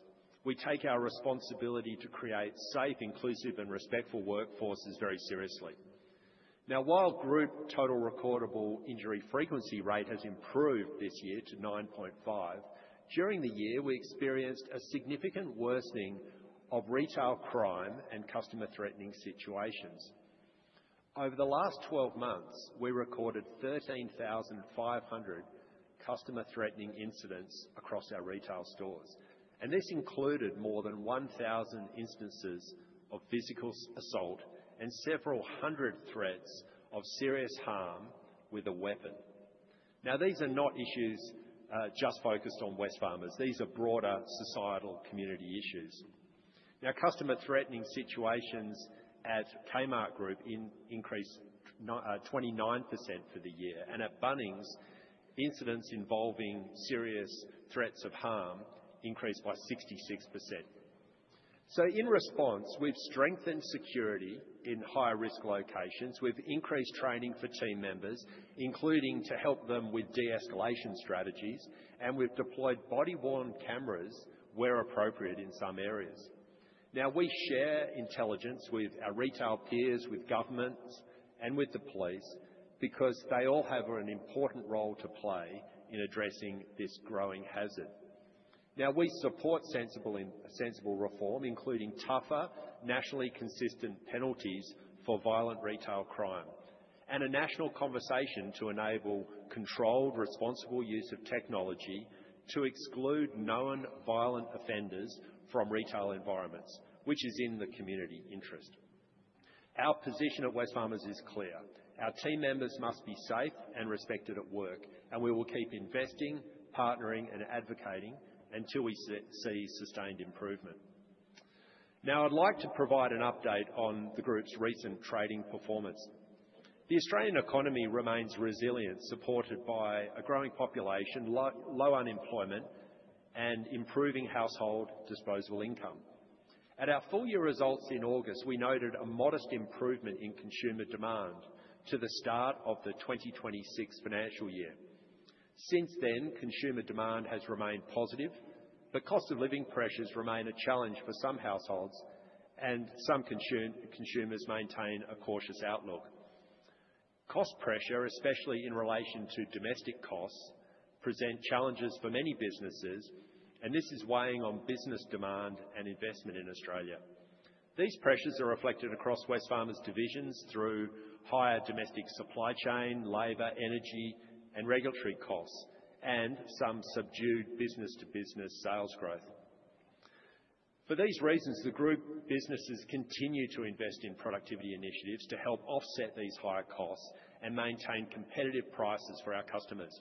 We take our responsibility to create safe, inclusive, and respectful workforces very seriously. While group total recordable injury frequency rate has improved this year to 9.5, during the year, we experienced a significant worsening of retail crime and customer threatening situations. Over the last 12 months, we recorded 13,500 customer threatening incidents across our retail stores. This included more than 1,000 instances of physical assault and several hundred threats of serious harm with a weapon. These are not issues just focused on Wesfarmers. These are broader societal community issues. Customer threatening situations at Kmart Group increased 29% for the year. At Bunnings, incidents involving serious threats of harm increased by 66%. In response, we've strengthened security in high-risk locations. We've increased training for team members, including to help them with de-escalation strategies, and we've deployed body-worn cameras where appropriate in some areas. We share intelligence with our retail peers, with governments, and with the police because they all have an important role to play in addressing this growing hazard. Now, we support sensible reform, including tougher, nationally consistent penalties for violent retail crime and a national conversation to enable controlled, responsible use of technology to exclude known violent offenders from retail environments, which is in the community interest. Our position at Wesfarmers is clear. Our team members must be safe and respected at work, and we will keep investing, partnering, and advocating until we see sustained improvement. Now, I'd like to provide an update on the group's recent trading performance. The Australian economy remains resilient, supported by a growing population, low unemployment, and improving household disposable income. At our full-year results in August, we noted a modest improvement in consumer demand to the start of the 2025 financial year. Since then, consumer demand has remained positive, but cost of living pressures remain a challenge for some households, and some consumers maintain a cautious outlook. Cost pressure, especially in relation to domestic costs, presents challenges for many businesses, and this is weighing on business demand and investment in Australia. These pressures are reflected across Wesfarmers' divisions through higher domestic supply chain, labor, energy, and regulatory costs, and some subdued business-to-business sales growth. For these reasons, the group businesses continue to invest in productivity initiatives to help offset these higher costs and maintain competitive prices for our customers.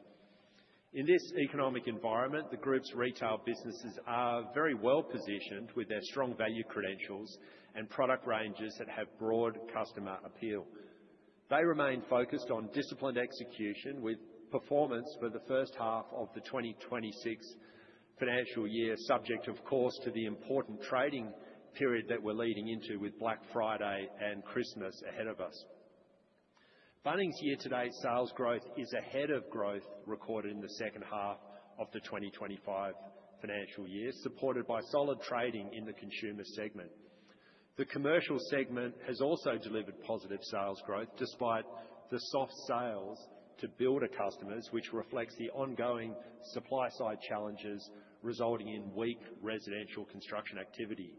In this economic environment, the group's retail businesses are very well positioned with their strong value credentials and product ranges that have broad customer appeal. They remain focused on disciplined execution with performance for the first half of the 2026 financial year, subject, of course, to the important trading period that we're leading into with Black Friday and Christmas ahead of us. Bunnings' year-to-date sales growth is ahead of growth recorded in the second half of the 2025 financial year, supported by solid trading in the consumer segment. The commercial segment has also delivered positive sales growth despite the soft sales to builder customers, which reflects the ongoing supply-side challenges resulting in weak residential construction activity.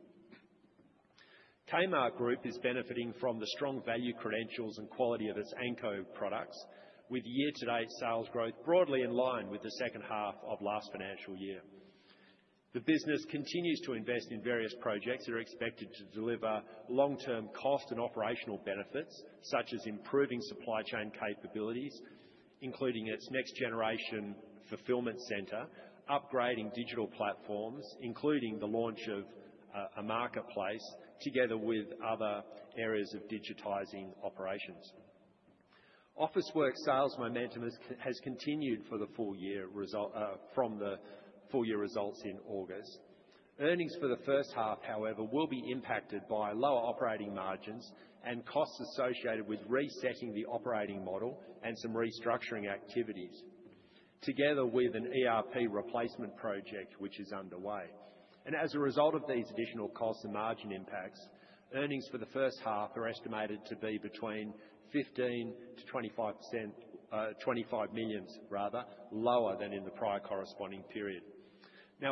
Kmart Group is benefiting from the strong value credentials and quality of its Anko products, with year-to-date sales growth broadly in line with the second half of last financial year. The business continues to invest in various projects that are expected to deliver long-term cost and operational benefits, such as improving supply chain capabilities, including its next-generation fulfillment center, upgrading digital platforms, including the launch of a marketplace, together with other areas of digitizing operations. Officeworks' sales momentum has continued for the full year... the full-year results in August. Earnings for the first half, however, will be impacted by lower operating margins and costs associated with resetting the operating model and some restructuring activities, together with an ERP replacement project, which is underway. As a result of these additional costs and margin impacts, earnings for the first half are estimated to be between $15-$25 million lower than in the prior corresponding period.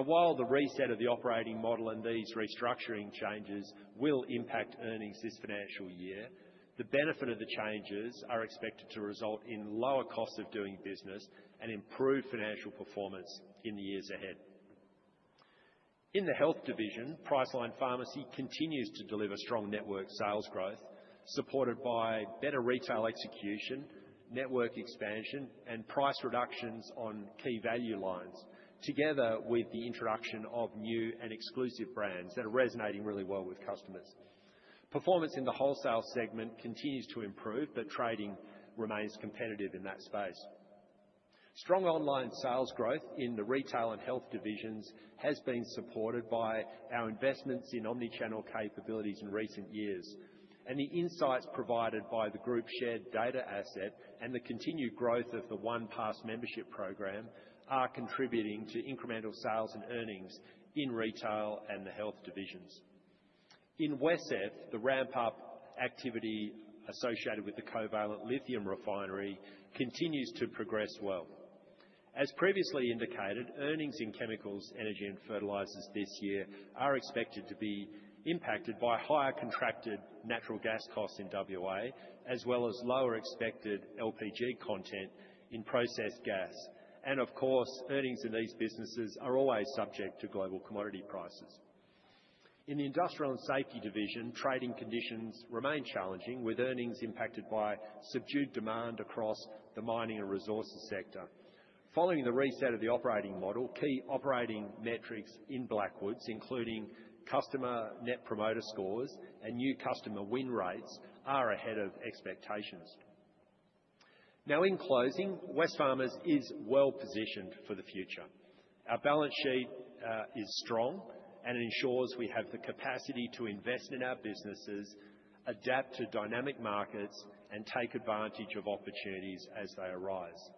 While the reset of the operating model and these restructuring changes will impact earnings this financial year, the benefit of the changes are expected to result in lower costs of doing business and improved financial performance in the years ahead. In the Health division, Priceline Pharmacy continues to deliver strong network sales growth, supported by better retail execution, network expansion, and price reductions on key value lines, together with the introduction of new and exclusive brands that are resonating really well with customers. Performance in the wholesale segment continues to improve, but trading remains competitive in that space. Strong online sales growth in the retail and Health divisions has been supported by our investments in omnichannel capabilities in recent years. The insights provided by the group shared data asset and the continued growth of the OnePass membership program are contributing to incremental sales and earnings in retail and the Health divisions. In WesCEF, the ramp-up activity associated with the Covalent Lithium refinery continues to progress well. As previously indicated, earnings in Chemicals, Energy and Fertilisers this year are expected to be impacted by higher contracted natural gas costs in WA, as well as lower expected LPG content in processed gas. Of course, earnings in these businesses are always subject to global commodity prices. In the Industrial and Safety division, trading conditions remain challenging, with earnings impacted by subdued demand across the mining and resources sector. Following the reset of the operating model, key operating metrics in Blackwoods, including customer Net Promoter Scores and new customer win rates, are ahead of expectations. In closing, Wesfarmers is well positioned for the future. Our balance sheet is strong, and it ensures we have the capacity to invest in our businesses, adapt to dynamic markets, and take advantage of opportunities as they arise.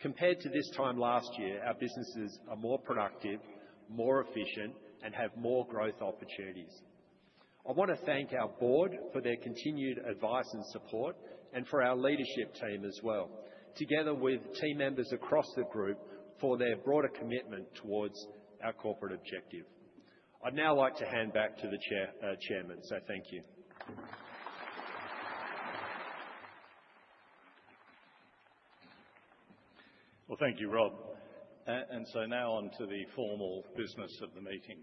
Compared to this time last year, our businesses are more productive, more efficient, and have more growth opportunities. I want to thank our board for their continued advice and support and our leadership team as well, together with team members across the group for their broader commitment towards our corporate objective. I'd now like to hand back to the chairman. Thank you.
Well, thank you, Rob. Now on to the formal business of the meeting.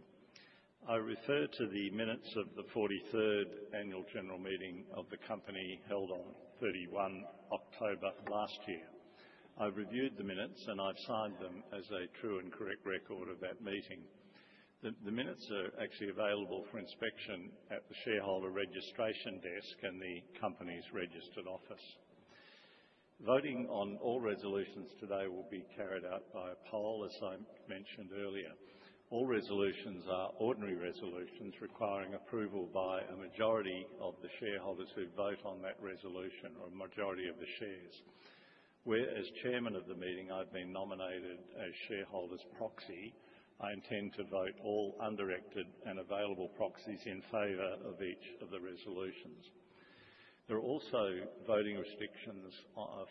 I refer to the minutes of the 43rd Annual General Meeting of the company held on October 31st last year. I've reviewed the minutes, and I've signed them as a true and correct record of that meeting. The minutes are available for inspection at the shareholder registration desk and the company's registered office. Voting on all resolutions today will be carried out by a poll, as I mentioned earlier. All resolutions are ordinary resolutions requiring approval by a majority of the shareholders who vote on that resolution or a majority of the shares. As Chairman of the meeting, I've been nominated as shareholder's proxy. I intend to vote all undirected and available proxies in favor of each of the resolutions. There are also voting restrictions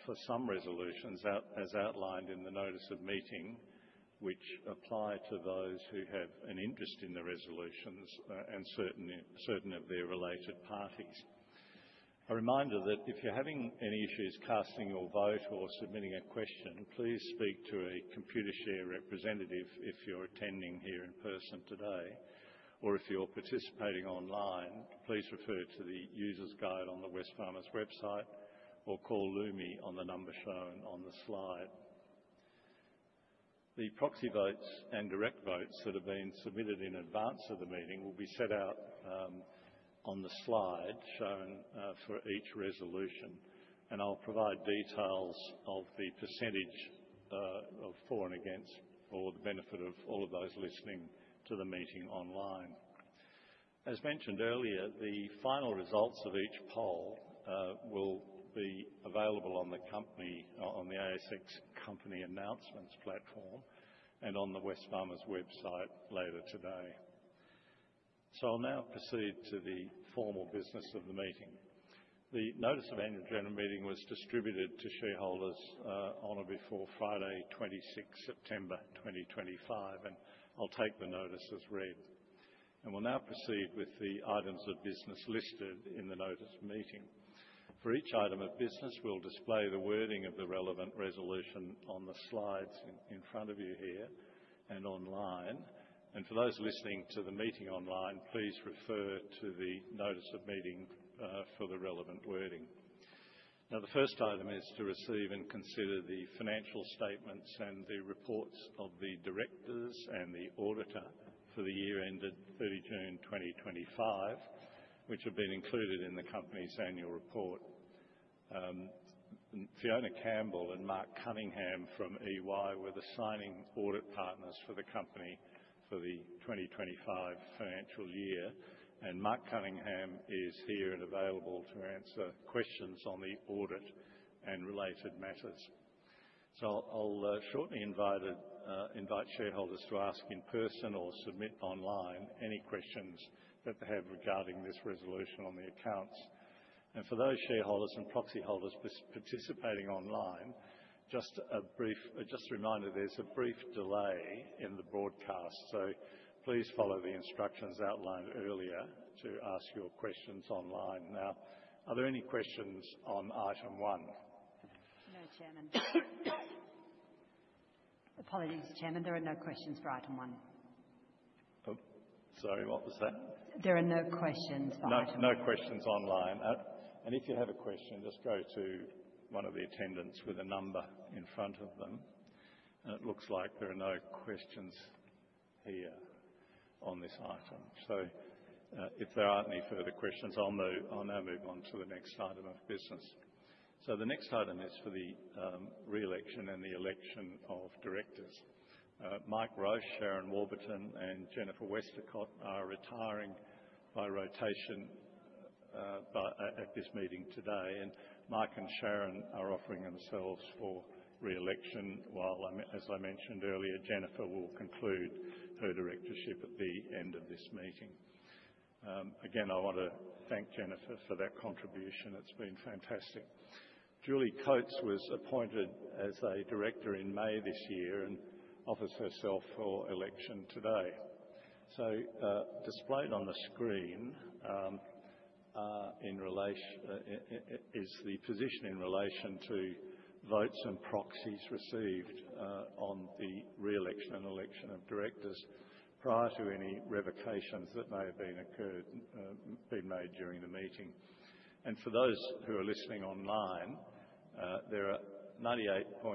for some resolutions, as outlined in the notice of meeting, which apply to those who have an interest in the resolutions and certain of their related parties. A reminder that if you're having any issues casting your vote or submitting a question, please speak to a Computershare representative if you're attending here in person today, or if you're participating online, please refer to the user's guide on the Wesfarmers website or call Lumi on the number shown on the slide. The proxy votes and direct votes that have been submitted in advance of the meeting will be set out on the slide shown for each resolution. I'll provide details of the percentage of for and against for the benefit of all of those listening to the meeting online. As mentioned earlier, the final results of each poll will be available on the ASX company announcements platform and on the Wesfarmers website later today. I'll now proceed to the formal business of the meeting. The notice of annual general meeting was distributed to shareholders on or before Friday, 26 September 2025, and I'll take the notice as read. We'll now proceed with the items of business listed in the notice of meeting. For each item of business, we'll display the wording of the relevant resolution on the slides in front of you here and online. For those listening to the meeting online, please refer to the notice of meeting for the relevant wording. Now, the first item is to receive and consider the financial statements and the reports of the directors and the auditor for the year ended 30 June 2025, which have been included in the company's annual report. Fiona Campbell and Mike Cunningham from EY were the signing audit partners for the company for the 2025 financial year. Mike Cunningham is here and available to answer questions on the audit and related matters. I'll shortly invite shareholders to ask in person or submit online any questions that they have regarding this resolution on the accounts. For those shareholders and proxy holders participating online, just a brief reminder, there's a brief delay in the broadcast. Please follow the instructions outlined earlier to ask your questions online. Now, are there any questions on item one?
No, Chairman. Apologies, Chairman. There are no questions for item one.
Oh, sorry, what was that?
There are no questions for item.
No questions online. If you have a question, just go to one of the attendants with a number in front of them. It looks like there are no questions here on this item. If there aren't any further questions, I'll now move on to the next item of business. The next item is for the re-election and the election of directors. Mike Roche, Sharon Warburton, and Jennifer Westacott are retiring by rotation at this meeting today. Mike and Sharon are offering themselves for re-election. While, as I mentioned earlier, Jennifer will conclude her directorship at the end of this meeting. Again, I want to thank Jennifer for that contribution. It's been fantastic. Julie Coates was appointed as a director in May this year and offers herself for election today. Displayed on the screen is the position in relation to votes and proxies received on the re-election and election of directors prior to any revocations that may have been made during the meeting. For those who are listening online, there are 98.07%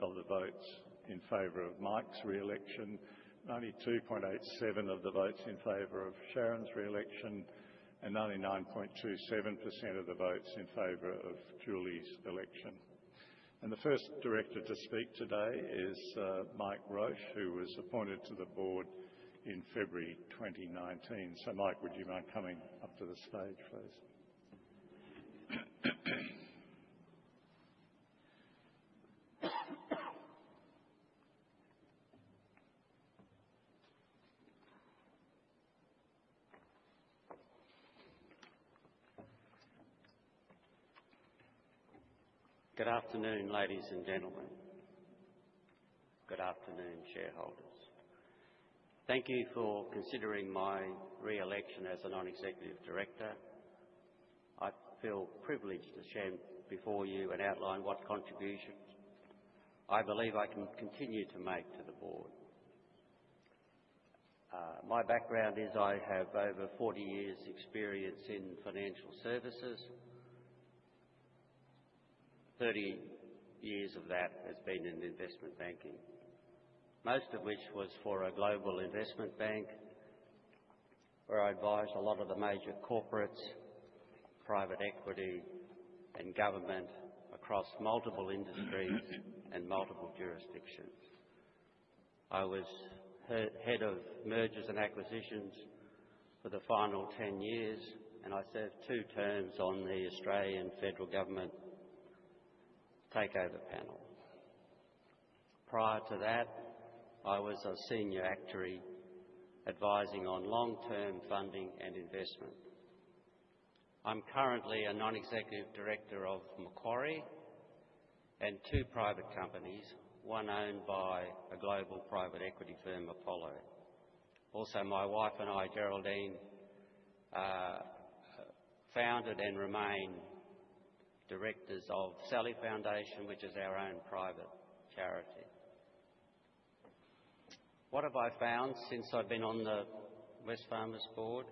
of the votes in favor of Mike's re-election, 92.87% of the votes in favor of Sharon's re-election, and 99.27% of the votes in favor of Julie's election. The first director to speak today is Mike Roche, who was appointed to the board in February 2019. Mike, would you mind coming up to the stage, please?
Good afternoon, ladies and gentlemen. Good afternoon, shareholders. Thank you for considering my re-election as a non-executive director. I feel privileged to stand before you and outline what contributions I believe I can continue to make to the board. My background is I have over 40 years' experience in financial services. 30 years of that has been in investment banking, most of which was for a global investment bank where I advised a lot of the major corporates, private equity, and government across multiple industries and multiple jurisdictions. I was Head of Mergers and Acquisitions for the final 10 years, and I served two terms on the Australian Federal Government Takeovers Panel. Prior to that, I was a Senior Actuary advising on long-term funding and investment. I'm currently a non-executive director of Macquarie and two private companies, one owned by a global private equity firm, Apollo. Also, my wife and I, Geraldine, founded and remain directors of Sally Foundation, which is our own private charity. What have I found since I've been on the Wesfarmers board?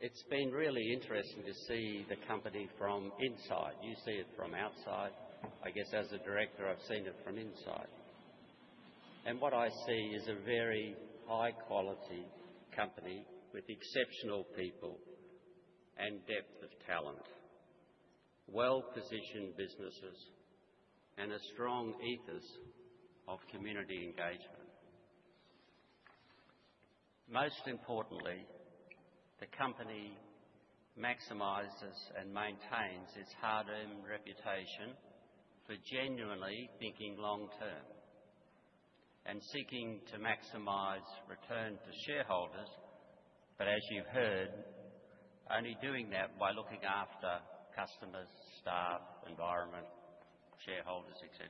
It's been really interesting to see the company from inside. You see it from outside. I guess as a director, I've seen it from inside. What I see is a very high-quality company with exceptional people and depth of talent, well-positioned businesses, and a strong ethos of community engagement. Most importantly, the company maximizes and maintains its hard-earned reputation for genuinely thinking long-term and seeking to maximize return to shareholders, but as you've heard, only doing that by looking after customers, staff, environment, shareholders, etc.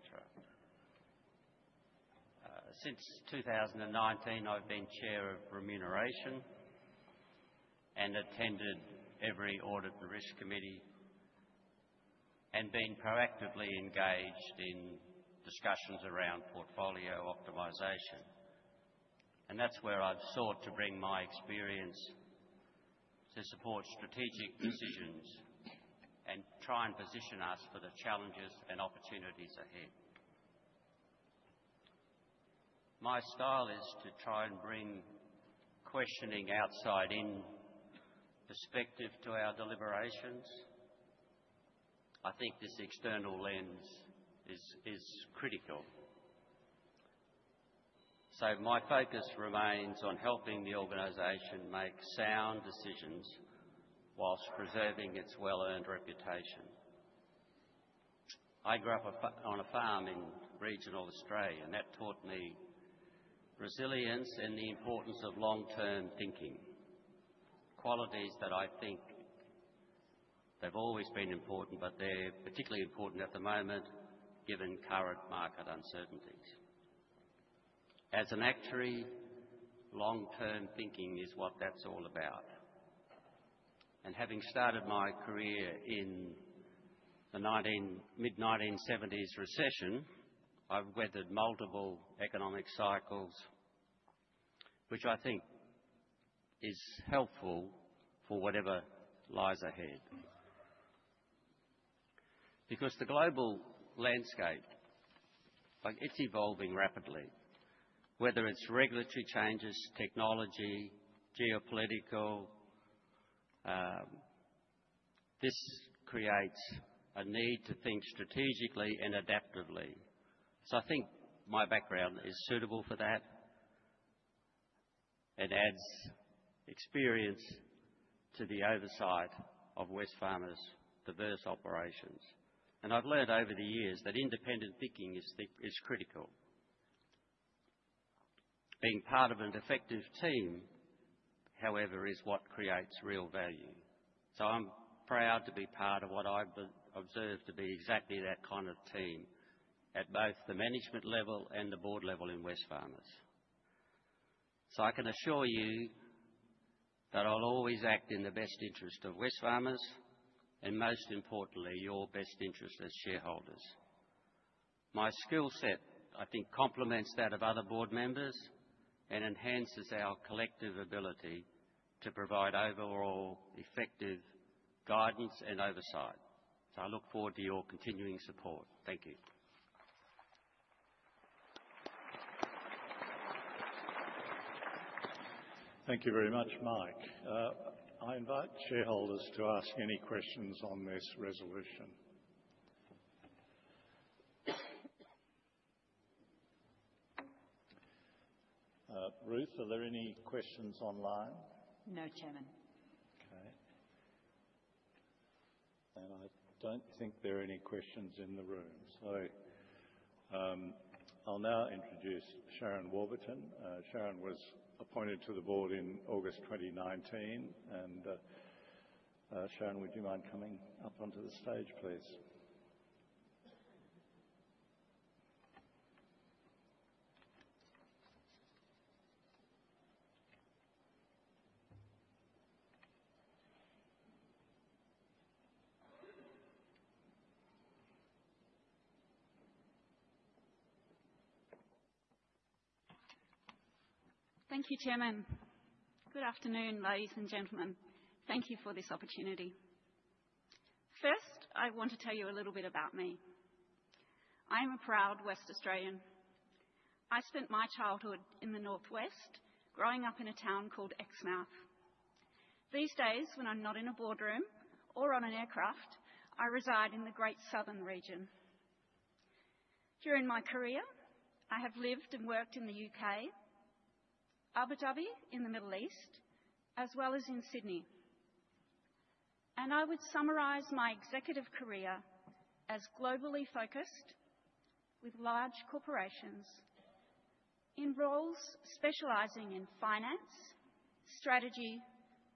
Since 2019, I've been chair of remuneration and attended every audit and risk committee and been proactively engaged in discussions around portfolio optimization. That's where I've sought to bring my experience to support strategic decisions and try and position us for the challenges and opportunities ahead. My style is to try and bring questioning outside-in perspective to our deliberations. I think this external lens is critical. My focus remains on helping the organization make sound decisions whilst preserving its well-earned reputation. I grew up on a farm in regional Australia, and that taught me resilience and the importance of long-term thinking, qualities that I think they've always been important, but they're particularly important at the moment given current market uncertainties. As an actuary, long-term thinking is what that's all about. Having started my career in the mid-1970s recession, I've weathered multiple economic cycles, which I think is helpful for whatever lies ahead. Because the global landscape, it's evolving rapidly. Whether it's regulatory changes, technology, geopolitical, this creates a need to think strategically and adaptively. I think my background is suitable for that and adds experience to the oversight of Wesfarmers' diverse operations. I've learned over the years that independent thinking is critical. Being part of an effective team, however, is what creates real value. I'm proud to be part of what I've observed to be exactly that kind of team at both the management level and the board level in Wesfarmers. I can assure you that I'll always act in the best interest of Wesfarmers and, most importantly, your best interest as shareholders. My skill set, I think, complements that of other board members and enhances our collective ability to provide overall effective guidance and oversight. I look forward to your continuing support. Thank you.
Thank you very much, Mike. I invite shareholders to ask any questions on this resolution. Ruth, are there any questions online?
No, Chairman.
Okay. I don't think there are any questions in the room. So I'll now introduce Sharon Warburton. Sharon was appointed to the board in August 2019. Sharon, would you mind coming up onto the stage, please?
Thank you, Chairman. Good afternoon, ladies and gentlemen. Thank you for this opportunity. First, I want to tell you a little bit about me. I am a proud West Australian. I spent my childhood in the Northwest, growing up in a town called Exmouth. These days, when I'm not in a boardroom or on an aircraft, I reside in the. During my career, I have lived and worked in the U.K., Abu Dhabi, in the Middle East, as well as in Sydney. I would summarize my executive career as globally focused with large corporations in roles specializing in finance, strategy,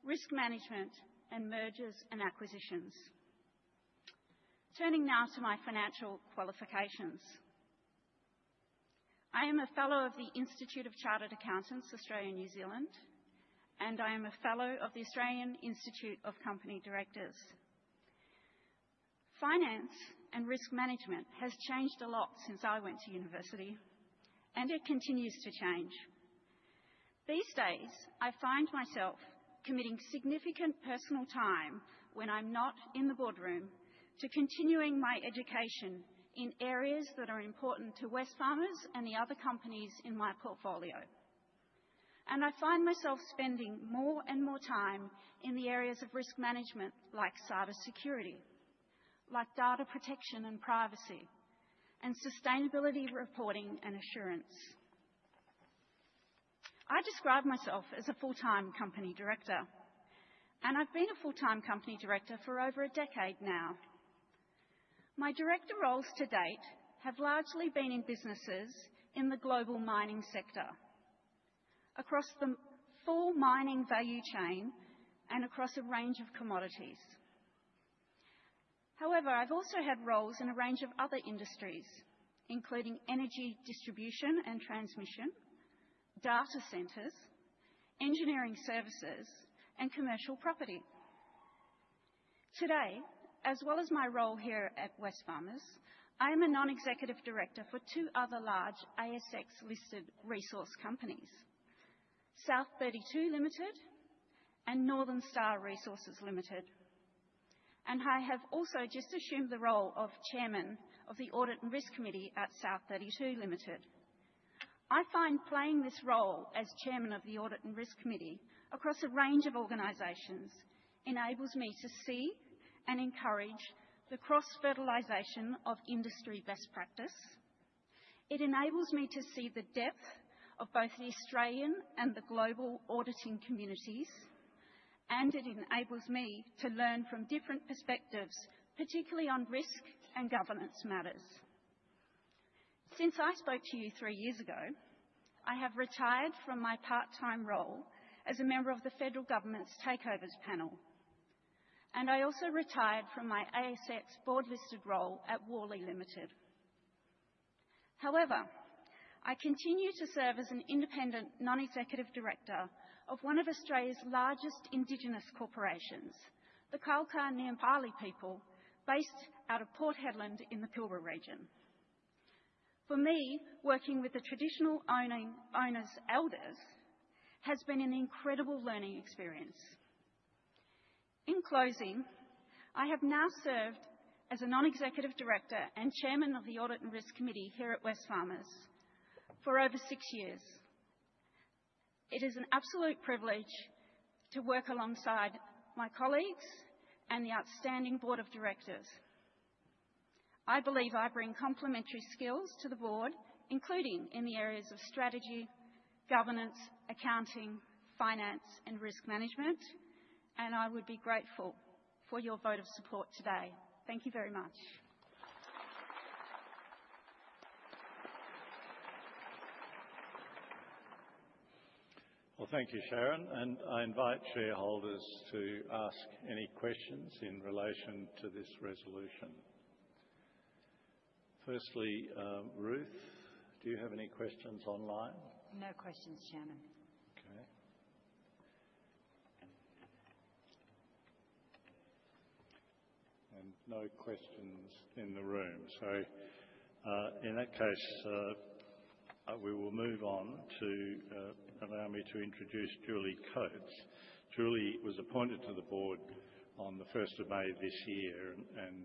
risk management, and mergers and acquisitions. Turning now to my financial qualifications. I am a fellow of the Institute of Chartered Accountants, Australia and New Zealand, and I am a fellow of the Australian Institute of Company Directors. Finance and risk management has changed a lot since I went to university, and it continues to change. These days, I find myself committing significant personal time when I'm not in the boardroom to continuing my education in areas that are important to Wesfarmers and the other companies in my portfolio. I find myself spending more and more time in the areas of risk management like cybersecurity, like data protection and privacy, and sustainability reporting and assurance. I describe myself as a full-time company director, and I've been a full-time company director for over a decade now. My director roles to date have largely been in businesses in the global mining sector across the full mining value chain and across a range of commodities. However, I've also had roles in a range of other industries, including energy distribution and transmission, data centers, engineering services, and commercial property. Today, as well as my role here at Wesfarmers, I am a non-executive director for two other large ASX-listed resource companies, South32 Limited and Northern Star Resources Limited. I have also just assumed the role of Chairman of the Audit and Risk Committee at South32 Limited. I find playing this role as Chairman of the Audit and Risk Committee across a range of organizations enables me to see and encourage the cross-fertilization of industry best practice. It enables me to see the depth of both the Australian and the global auditing communities, and it enables me to learn from different perspectives, particularly on risk and governance matters. Since I spoke to you three years ago, I have retired from my part-time role as a member of the Federal Government's Takeovers Panel, and I also retired from my ASX board-listed role at Worley Limited. However, I continue to serve as an independent non-executive director of one of Australia's largest indigenous corporations, the Karlka Nyiyaparli people, based out of Port Hedland in the Pilbara region. For me, working with the Traditional Owners' elders has been an incredible learning experience. In closing, I have now served as a non-executive director and chairman of the audit and risk committee here at Wesfarmers for over six years. It is an absolute privilege to work alongside my colleagues and the outstanding board of directors. I believe I bring complementary skills to the board, including in the areas of strategy, governance, accounting, finance, and risk management, and I would be grateful for your vote of support today. Thank you very much.
Well, thank you, Sharon. I invite shareholders to ask any questions in relation to this resolution. Firstly, Ruth, do you have any questions online?
No questions, Chairman.
Okay. No questions in the room. So in that case, we will move on to allow me to introduce Julie Coates. Julie was appointed to the board on the 1st of May this year, and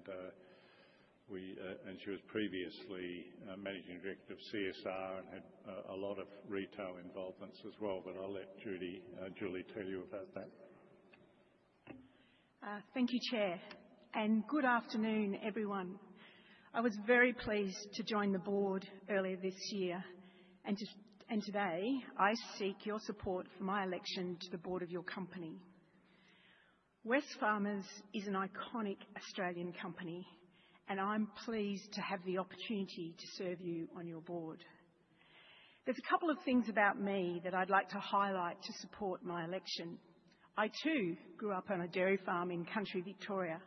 she was previously Managing Director of CSR and had a lot of retail involvements as well. But I'll let Julie tell you about that.
Thank you, Chair. Good afternoon, everyone. I was very pleased to join the board earlier this year. Today, I seek your support for my election to the board of your company. Wesfarmers is an iconic Australian company, and I'm pleased to have the opportunity to serve you on your board. There's a couple of things about me that I'd like to highlight to support my election. I, too, grew up on a dairy farm in country Victoria.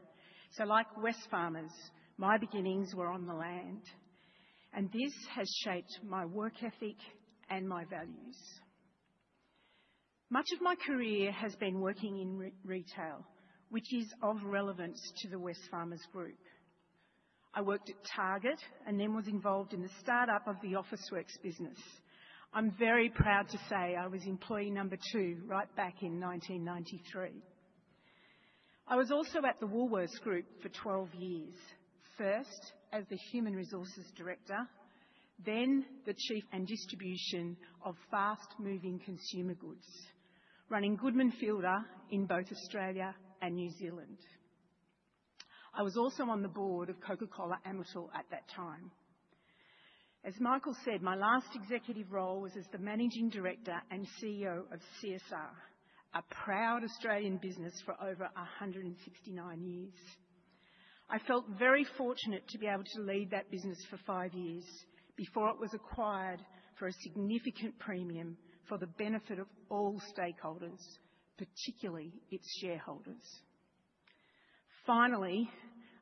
So, like Wesfarmers, my beginnings were on the land, and this has shaped my work ethic and my values. Much of my career has been working in retail, which is of relevance to the Wesfarmers group. I worked at Target and then was involved in the startup of the Officeworks business. I'm very proud to say I was employee number two right back in 1993. I was also at the Woolworths Group for 12 years, first as the Human Resources Director, then the Chief and Distribution of Fast-Moving Consumer Goods, running Goodman Fielder in both Australia and New Zealand. I was also on the board of Coca-Cola Amatil at that time. As Michael said, my last executive role was as the Managing Director and CEO of CSR, a proud Australian business for over 169 years. I felt very fortunate to be able to lead that business for five years before it was acquired for a significant premium for the benefit of all stakeholders, particularly its shareholders. Finally,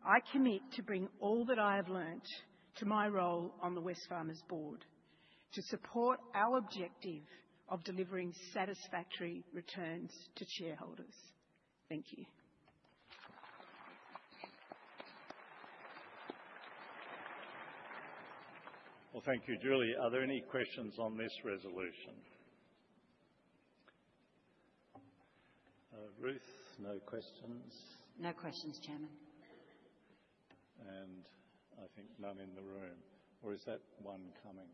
I commit to bring all that I have learned to my role on the Wesfarmers board to support our objective of delivering satisfactory returns to shareholders. Thank you.
Well, thank you, Julie. Are there any questions on this resolution? Ruth, no questions.
No questions, Chairman.
I think none in the room. Or is that one coming?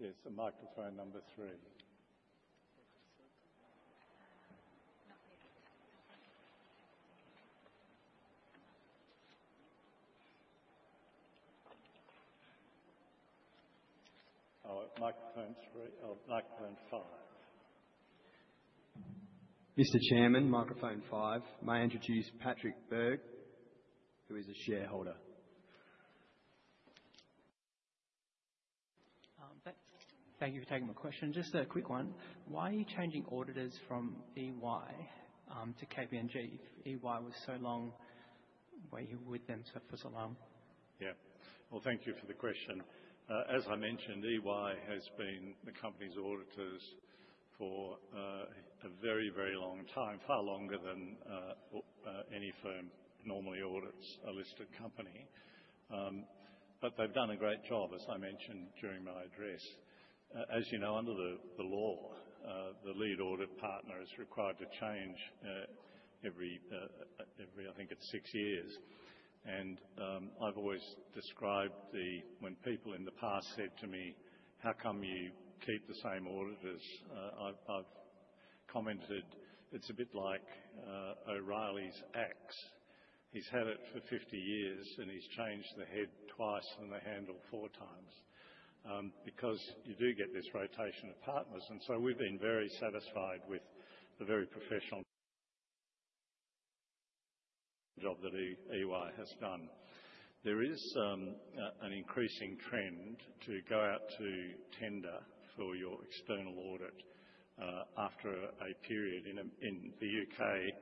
Yes, a microphone number three. Microphone three. Microphone five.
Mr. Chairman, microphone five. May I introduce Patrick Berg, who is a shareholder? Thank you for taking my question. Just a quick one. Why are you changing auditors from EY to KPMG if you were with them for so long?
Well, thank you for the question. As I mentioned, EY has been the company's auditors for a very, very long time, far longer than any firm normally audits a listed company. But they've done a great job, as I mentioned during my address. As you know, under the law, the lead audit partner is required to change every, I think, it's six years. I've always described when people in the past said to me, "How come you keep the same auditors?" I've commented, "It's a bit like O'Reilly's axe. He's had it for 50 years, and he's changed the head twice and the handle four times." Because you do get this rotation of partners. So we've been very satisfied with the very professional job that EY has done. There is an increasing trend to go out to tender for your external audit after a period. In the UK,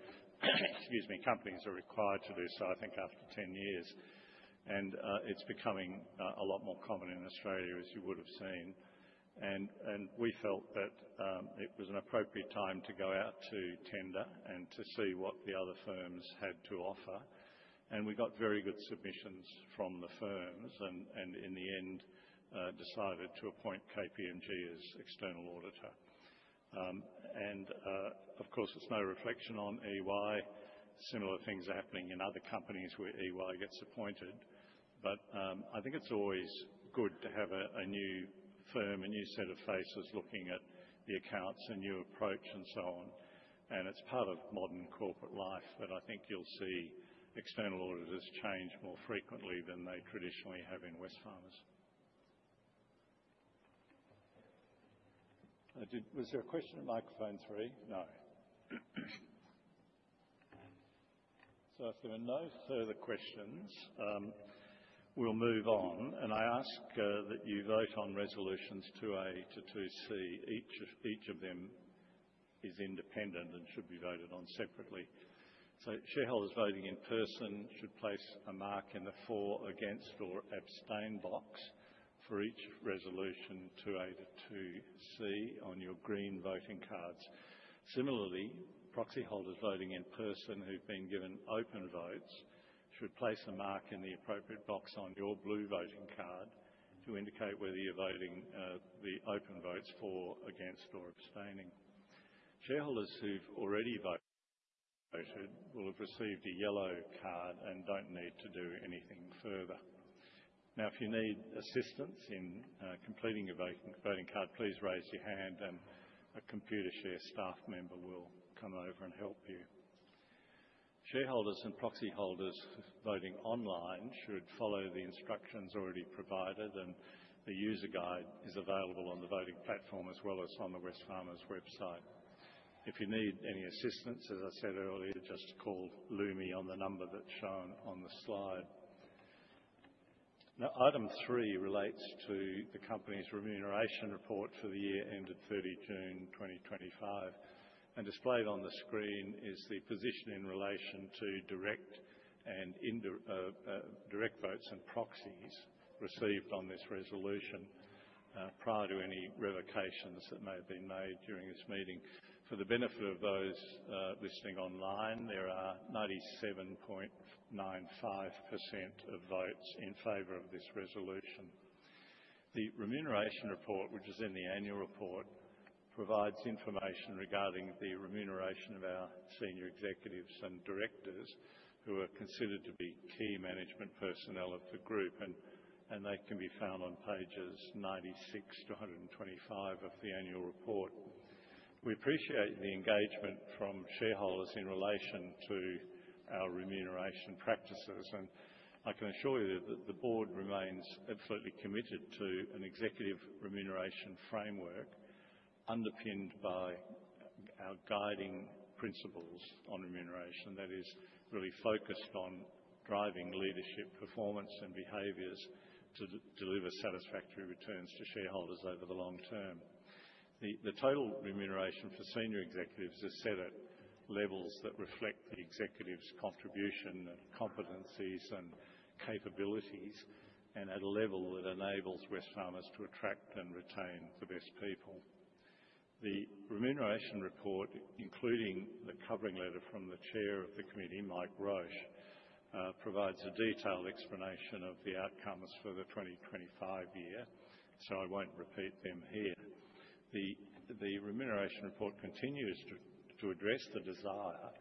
companies are required to do so, I think, after 10 years. It's becoming a lot more common in Australia, as you would have seen. We felt that it was an appropriate time to go out to tender and to see what the other firms had to offer. We got very good submissions from the firms and, in the end, decided to appoint KPMG as external auditor. Of course, it's no reflection on EY. Similar things are happening in other companies where EY gets appointed. I think it's always good to have a new firm, a new set of faces looking at the accounts, a new approach, and so on. It's part of modern corporate life that I think you'll see external auditors change more frequently than they traditionally have in Wesfarmers. Was there a question at microphone three? No. If there are no further questions, we'll move on. I ask that you vote on resolutions 2A-2C. Each of them is independent and should be voted on separately. Shareholders voting in person should place a Mike in the for, against, or abstain box for each resolution 2A-2C on your green voting cards. Similarly, proxy holders voting in person who've been given open votes should place a Mike in the appropriate box on your blue voting card to indicate whether you're voting the open votes, for, against, or abstaining. Shareholders who've already voted will have received a yellow card and don't need to do anything further. If you need assistance in completing your voting card, please raise your hand, and a Computershare staff member will come over and help you. Shareholders and proxy holders voting online should follow the instructions already provided, and the user guide is available on the voting platform as well as on the Wesfarmers website. If you need any assistance, as I said earlier, just call Lumi on the number that's shown on the slide. Now, item three relates to the company's remuneration report for the year ended 30 June 2025. Displayed on the screen is the position in relation to direct votes and proxies received on this resolution prior to any revocations that may have been made during this meeting. For the benefit of those listening online, there are 97.95% of votes in favor of this resolution. The remuneration report, which is in the annual report, provides information regarding the remuneration of our senior executives and directors who are considered to be key management personnel of the group, and they can be found on pages 96-125 of the annual report. We appreciate the engagement from shareholders in relation to our remuneration practices. I can assure you that the board remains absolutely committed to an executive remuneration framework underpinned by our guiding principles on remuneration that is really focused on driving leadership performance and behaviours to deliver satisfactory returns to shareholders over the long term. The total remuneration for senior executives is set at levels that reflect the executive's contribution, competencies, and capabilities, and at a level that enables Wesfarmers to attract and retain the best people. The remuneration report, including the covering letter from the chair of the committee, Mike Roche, provides a detailed explanation of the outcomes for the 2025 year, so I won't repeat them here. The remuneration report continues to address the desire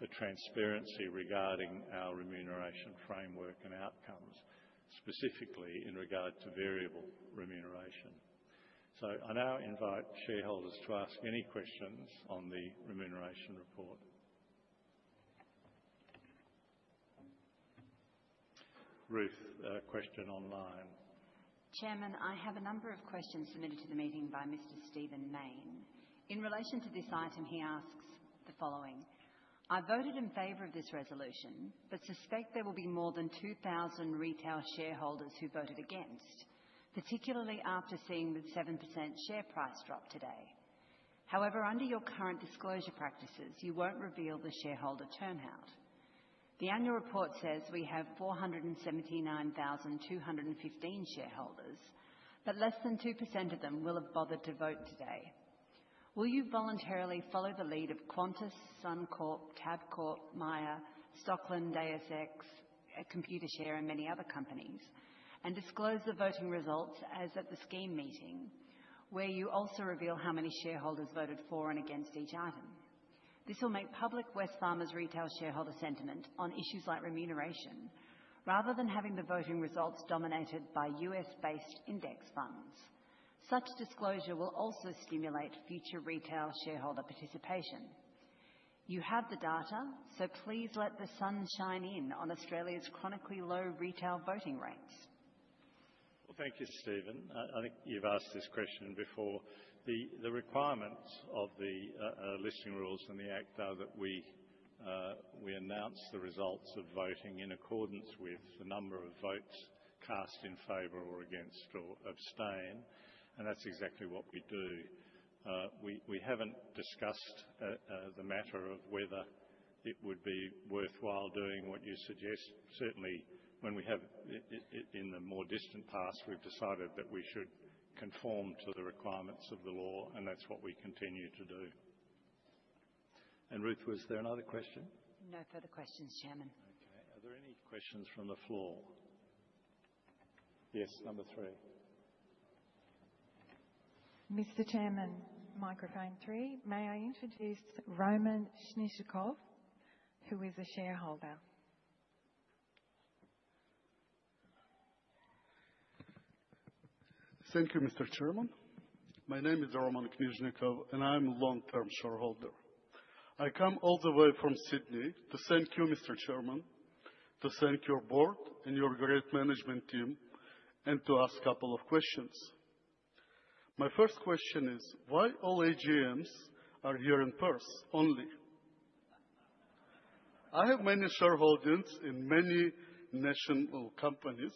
for transparency regarding our remuneration framework and outcomes, specifically in regard to variable remuneration. So I now invite shareholders to ask any questions on the remuneration report. Ruth, question online.
Chairman, I have a number of questions submitted to the meeting by Mr. Stephen Mayne. In relation to this item, he asks the following: I voted in favor of this resolution, but suspect there will be more than 2,000 retail shareholders who voted against, particularly after seeing the 7% share price drop today. However, under your current disclosure practices, you won't reveal the shareholder turnout. The annual report says we have 479,215 shareholders, but less than 2% of them will have bothered to vote today. Will you voluntarily follow the lead of Qantas, Suncorp, Tabcorp, Myer, Stockland, ASX, Computershare, and many other companies, and disclose the voting results as at the scheme meeting where you also reveal how many shareholders voted for and against each item? This will make public Wesfarmers retail shareholder sentiment on issues like remuneration, rather than having the voting results dominated by US-based index funds. Such disclosure will also stimulate future retail shareholder participation. You have the data, so please let the sun shine in on Australia's chronically low retail voting rates.
Well, thank you, Stephen. I think you've asked this question before. The requirements of the listing rules and the act are that we announce the results of voting in accordance with the number of votes cast in favor or against or abstain. And that's exactly what we do. We haven't discussed the matter of whether it would be worthwhile doing what you suggest. Certainly, when we have in the more distant past, we've decided that we should conform to the requirements of the law, and that's what we continue to do. And Ruth, was there another question?
No further questions, Chairman.
Okay. Are there any questions from the floor? Yes, number three.
Mr. Chairman, microphone three. May I introduce Roman Tsnitsnikov, who is a shareholder?
Thank you, Mr. Chairman. My name is Roman Tsnitsnikov, and I'm a long-term shareholder. I come all the way from Sydney to thank you, Mr. Chairman, to thank your board and your great management team, and to ask a couple of questions. My first question is, why are all AGMs here in Perth only? I have many shareholders in many national companies,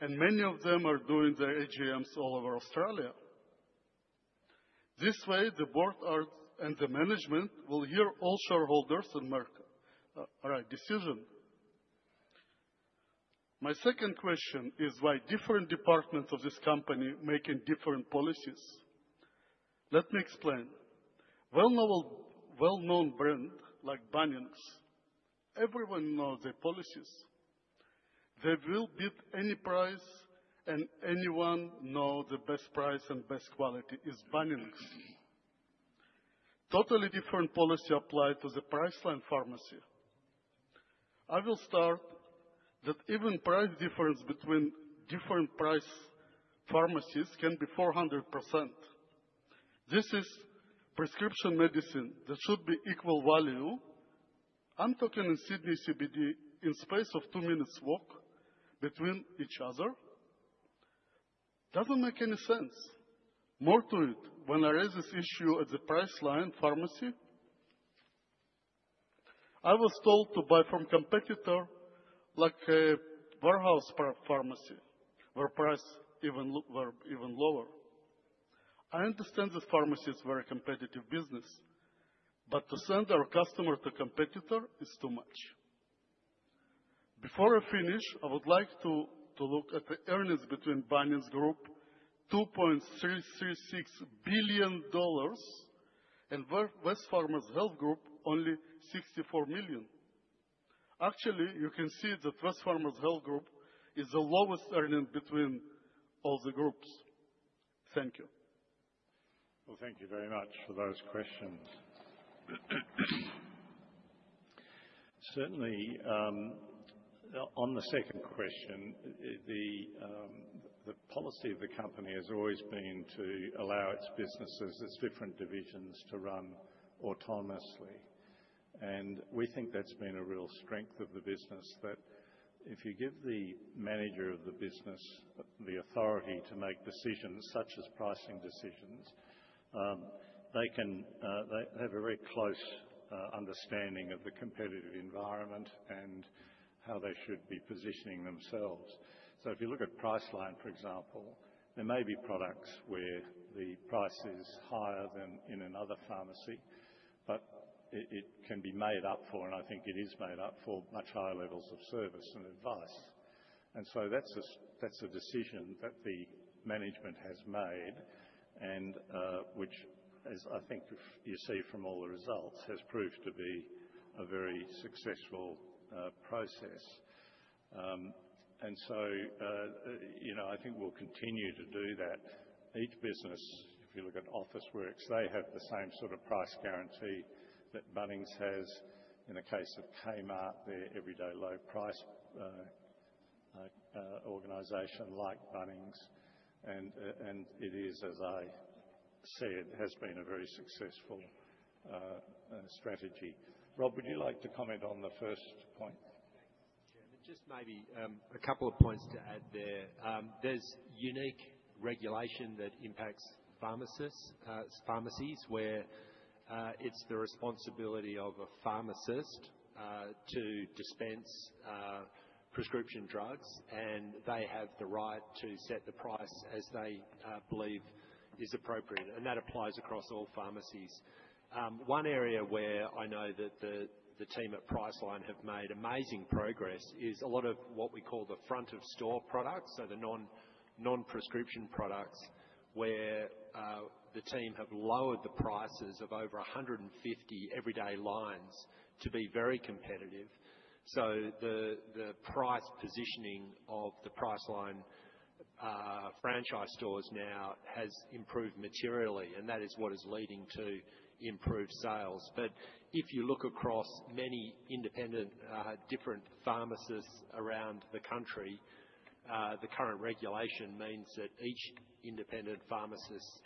and many of them are doing their AGMs all over Australia. This way, the board and the management will hear all shareholders and make the right decision. My second question is, why are different departments of this company making different policies? Let me explain. Well-known brands like Bunnings, everyone knows their policies. They will bid any price, and anyone knows the best price and best quality is Bunnings. Totally different policy applies to the Priceline Pharmacy. I will start that even price differences between different pharmacies can be 400%. This is prescription medicine that should be equal value. I'm talking in Sydney CBD in space of two minutes' walk between each other. Doesn't make any sense. More to it, when there is this issue at the Priceline Pharmacy, I was told to buy from a competitor like a warehouse pharmacy where prices were even lower. I understand that pharmacies are a very competitive business, but to send our customers to a competitor is too much. Before I finish, I would like to look at the earnings between Bunnings Group, $2.36 billion, and Wesfarmers Health Group, only $64 million. Actually, you can see that Wesfarmers Health Group is the lowest earning between all the groups. Thank you.
Thank you very much for those questions. Certainly, on the second question, the policy of the company has always been to allow its businesses, its different divisions, to run autonomously. We think that's been a real strength of the business, that if you give the manager of the business the authority to make decisions, such as pricing decisions, they have a very close understanding of the competitive environment and how they should be positioning themselves. So if you look at Priceline, for example, there may be products where the price is higher than in another pharmacy, but it can be made up for, and I think it is made up for, much higher levels of service and advice. That's a decision that the management has made, and which, as I think you see from all the results, has proved to be a very successful process. I think we'll continue to do that. Each business, if you look at Officeworks, they have the same sort of price guarantee that Bunnings has. In the case of Kmart, they're an everyday low-price organisation like Bunnings. It has been a very successful strategy. Rob, would you like to comment on the first point?
Thanks, Chairman. Just maybe a couple of points to add there. There's unique regulation that impacts pharmacies where it's the responsibility of a pharmacist to dispense prescription drugs, and they have the right to set the price as they believe is appropriate. That applies across all pharmacies. One area where I know that the team at Priceline have made amazing progress is a lot of what we call the front-of-store products, so the non-prescription products, where the team have lowered the prices of over 150 everyday lines to be very competitive. So the price positioning of the Priceline franchise stores now has improved materially, and that is what is leading to improved sales. But if you look across many independent different pharmacists around the country, the current regulation means that each independent pharmacist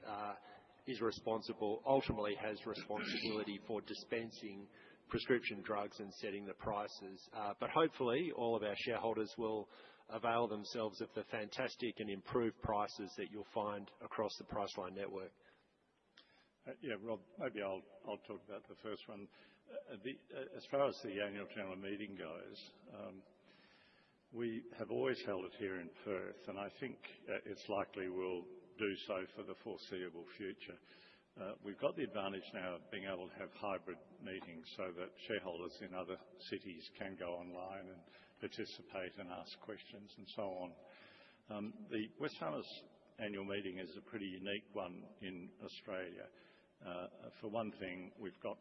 ultimately has responsibility for dispensing prescription drugs and setting the prices. But hopefully, all of our shareholders will avail themselves of the fantastic and improved prices that you'll find across the Priceline network.
Yeah, Rob, maybe I'll talk about the first one. As far as the annual general meeting goes, we have always held it here in Perth, and I think it's likely we'll do so for the foreseeable future. We've got the advantage now of being able to have hybrid meetings so that shareholders in other cities can go online and participate and ask questions and so on. The Wesfarmers annual meeting is a pretty unique one in Australia. For one thing, we've got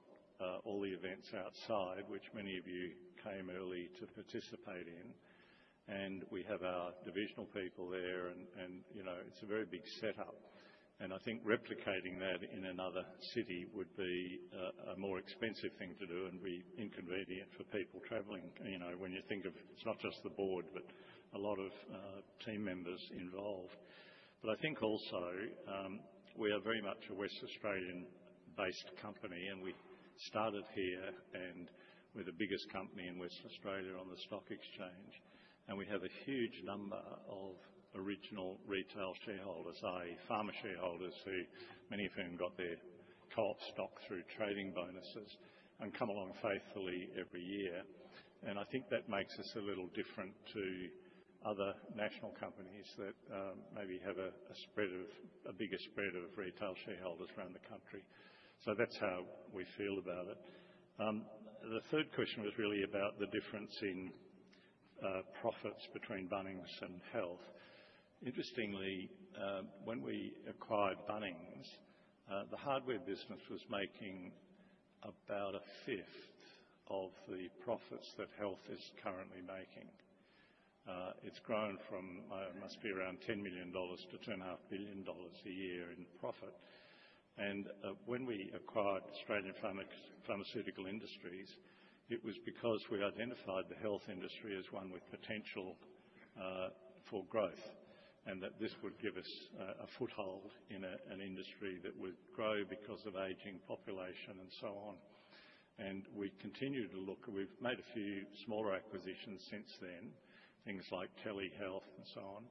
all the events outside, which many of you came early to participate in, and we have our divisional people there, and it's a very big setup. I think replicating that in another city would be a more expensive thing to do and be inconvenient for people travelling. When you think of it, it's not just the board, but a lot of team members involved. I think also we are very much a West Australian-based company, and we started here and we're the biggest company in West Australia on the stock exchange. We have a huge number of original retail shareholders, i.e., pharma shareholders, many of whom got their co-op stock through trading bonuses and come along faithfully every year. I think that makes us a little different to other national companies that maybe have a bigger spread of retail shareholders around the country. So that's how we feel about it. The third question was really about the difference in profits between Bunnings and Health. Interestingly, when we acquired Bunnings, the hardware business was making about a fifth of the profits that Health is currently making. It's grown from, I must be around $10 million-$2.5 billion a year in profit. When we acquired Australian Pharmaceutical Industries, it was because we identified the Health industry as one with potential for growth and that this would give us a foothold in an industry that would grow because of aging population and so on. We continue to look. We've made a few smaller acquisitions since then, things like telehealth and so on,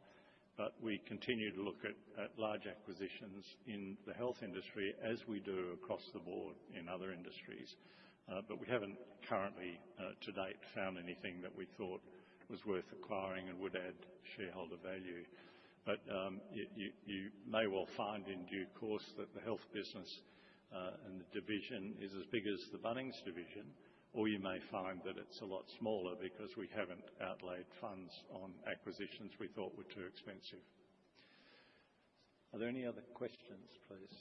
but we continue to look at large acquisitions in the Health industry as we do across the board in other industries. We haven't currently, to date, found anything that we thought was worth acquiring and would add shareholder value. You may well find in due course that the Health business and the division is as big as the Bunnings division, or you may find that it's a lot smaller because we haven't outlaid funds on acquisitions we thought were too expensive. Are there any other questions, please?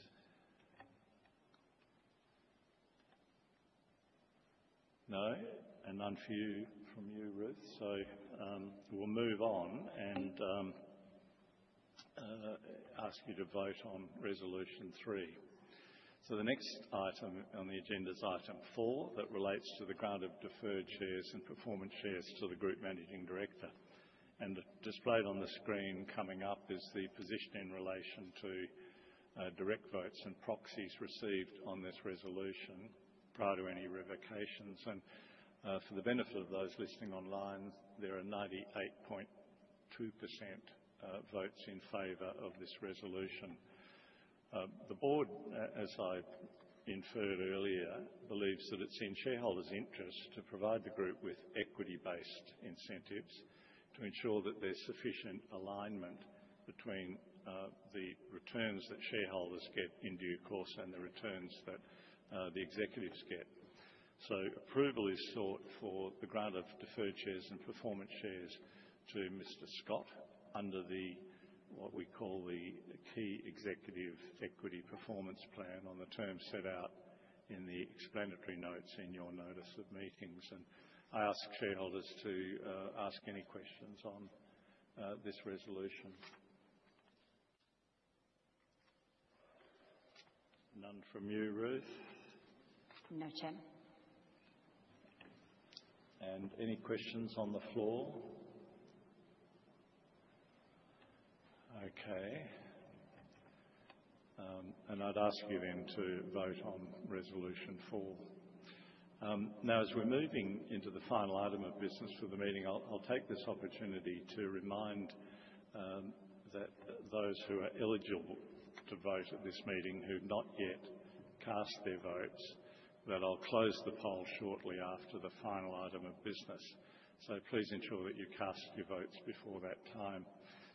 No? None from you, Ruth. So we'll move on and ask you to vote on Resolution Three. The next item on the agenda is Item Four that relates to the grant of deferred shares and performance shares to the Group Managing Director. Displayed on the screen coming up is the position in relation to direct votes and proxies received on this resolution prior to any revocations. For the benefit of those listening online, there are 98.2% votes in favour of this resolution. The board, as I inferred earlier, believes that it's in shareholders' interest to provide the group with equity-based incentives to ensure that there's sufficient alignment between the returns that shareholders get in due course and the returns that the executives get. Approval is sought for the grant of deferred shares and performance shares to Mr. Scott under what we call the Key Executive Equity Performance Plan on the terms set out in the explanatory notes in your notice of meetings. I ask shareholders to ask any questions on this resolution. None from you, Ruth.
No, Chairman.
Any questions on the floor? Okay. I'd ask you then to vote on Resolution Four. Now, as we're moving into the final item of business for the meeting, I'll take this opportunity to remind those who are eligible to vote at this meeting who have not yet cast their votes that I'll close the poll shortly after the final item of business. Please ensure that you cast your votes before that time.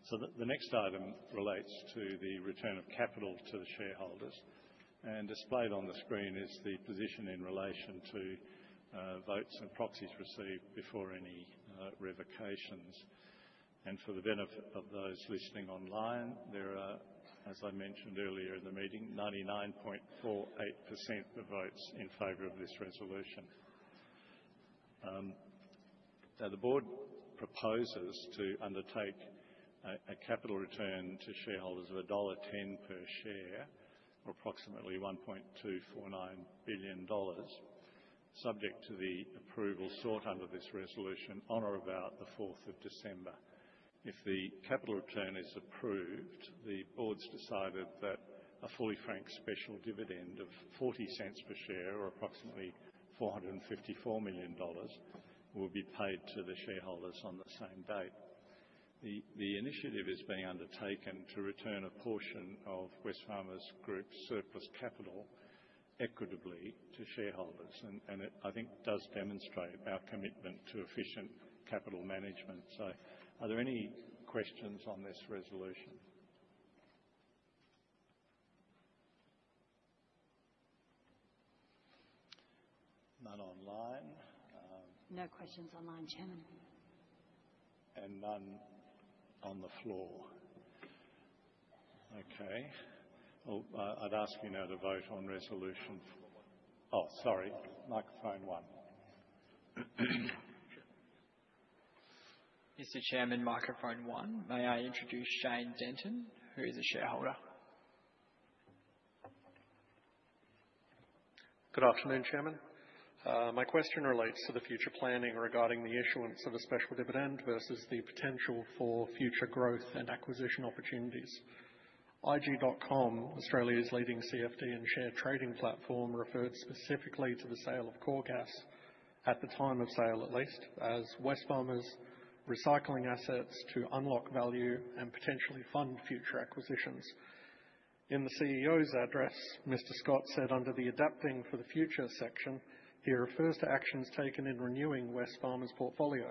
The next item relates to the return on capital to the shareholders. Displayed on the screen is the position in relation to votes and proxies received before any revocations. For the benefit of those listening online, there are, as I mentioned earlier in the meeting, 99.48% of votes in favour of this resolution. Now, the board proposes to undertake a capital return to shareholders of $1.10 per share, or approximately $1.249 billion, subject to the approval sought under this resolution on or about the 4th of December. If the capital return is approved, the board's decided that a fully franked special dividend of $0.40 per share, or approximately $454 million, will be paid to the shareholders on the same date. The initiative is being undertaken to return a portion of Wesfarmers Group's surplus capital equitably to shareholders, and I think it does demonstrate our commitment to efficient capital management. Are there any questions on this resolution? None online.
No questions online, Chairman.
And none on the floor. Okay. I'd ask you now to vote on Resolution Oh. Sorry. Microphone One.
Mr. Chairman, Microphone One. May I introduce Jane Denton, who is a shareholder?
Good afternoon, Chairman. My question relates to the future planning regarding the issuance of a special dividend versus the potential for future growth and acquisition opportunities. IG.com, Australia's leading CFD and share trading platform, referred specifically to the sale of Coregas, at the time of sale at least, as Wesfarmers' recycling assets to unlock value and potentially fund future acquisitions. In the CEO's address, Mr. Scott said under the Adapting for the Future section, he refers to actions taken in renewing Wesfarmers' portfolio,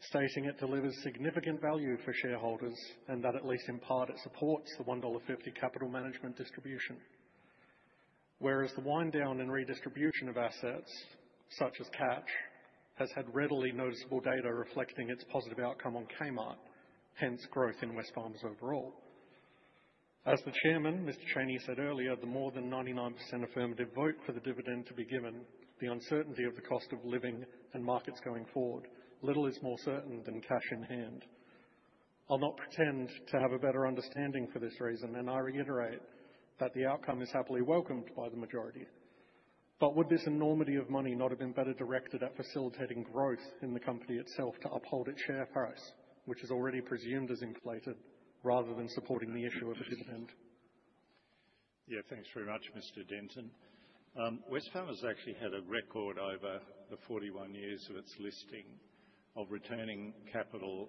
stating it delivers significant value for shareholders and that at least in part it supports the $1.50 capital management distribution. Whereas the wind-down and redistribution of assets, such as Catch, has had readily noticeable data reflecting its positive outcome on Kmart, hence growth in Wesfarmers overall. As the Chairman, Mr. Chaney said earlier, the more than 99% affirmative vote for the dividend to be given, the uncertainty of the cost of living and markets going forward, little is more certain than cash in hand. I'll not pretend to have a better understanding for this reason, and I reiterate that the outcome is happily welcomed by the majority. But would this enormity of money not have been better directed at facilitating growth in the company itself to uphold its share price, which is already presumed as inflated, rather than supporting the issue of a dividend?
Yeah, thanks very much, Mr. Denton. Wesfarmers actually had a record over the 41 years of its listing of returning capital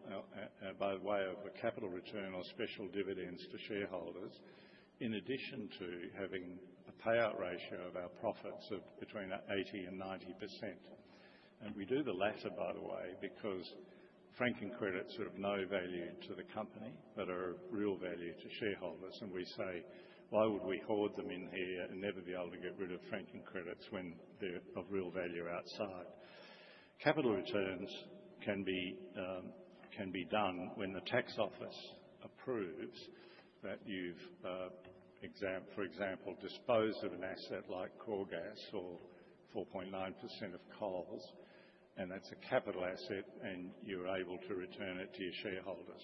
by way of a capital return or special dividends to shareholders, in addition to having a payout ratio of our profits of between 80% and 90%. We do the latter, by the way, because franking credits are of no value to the company, but are of real value to shareholders. We say, why would we hoard them in here and never be able to get rid of franking credits when they're of real value outside? Capital returns can be done when the tax office approves that you've, for example, disposed of an asset like Coregas or 4.9% of Coles, and that's a capital asset, and you're able to return it to your shareholders.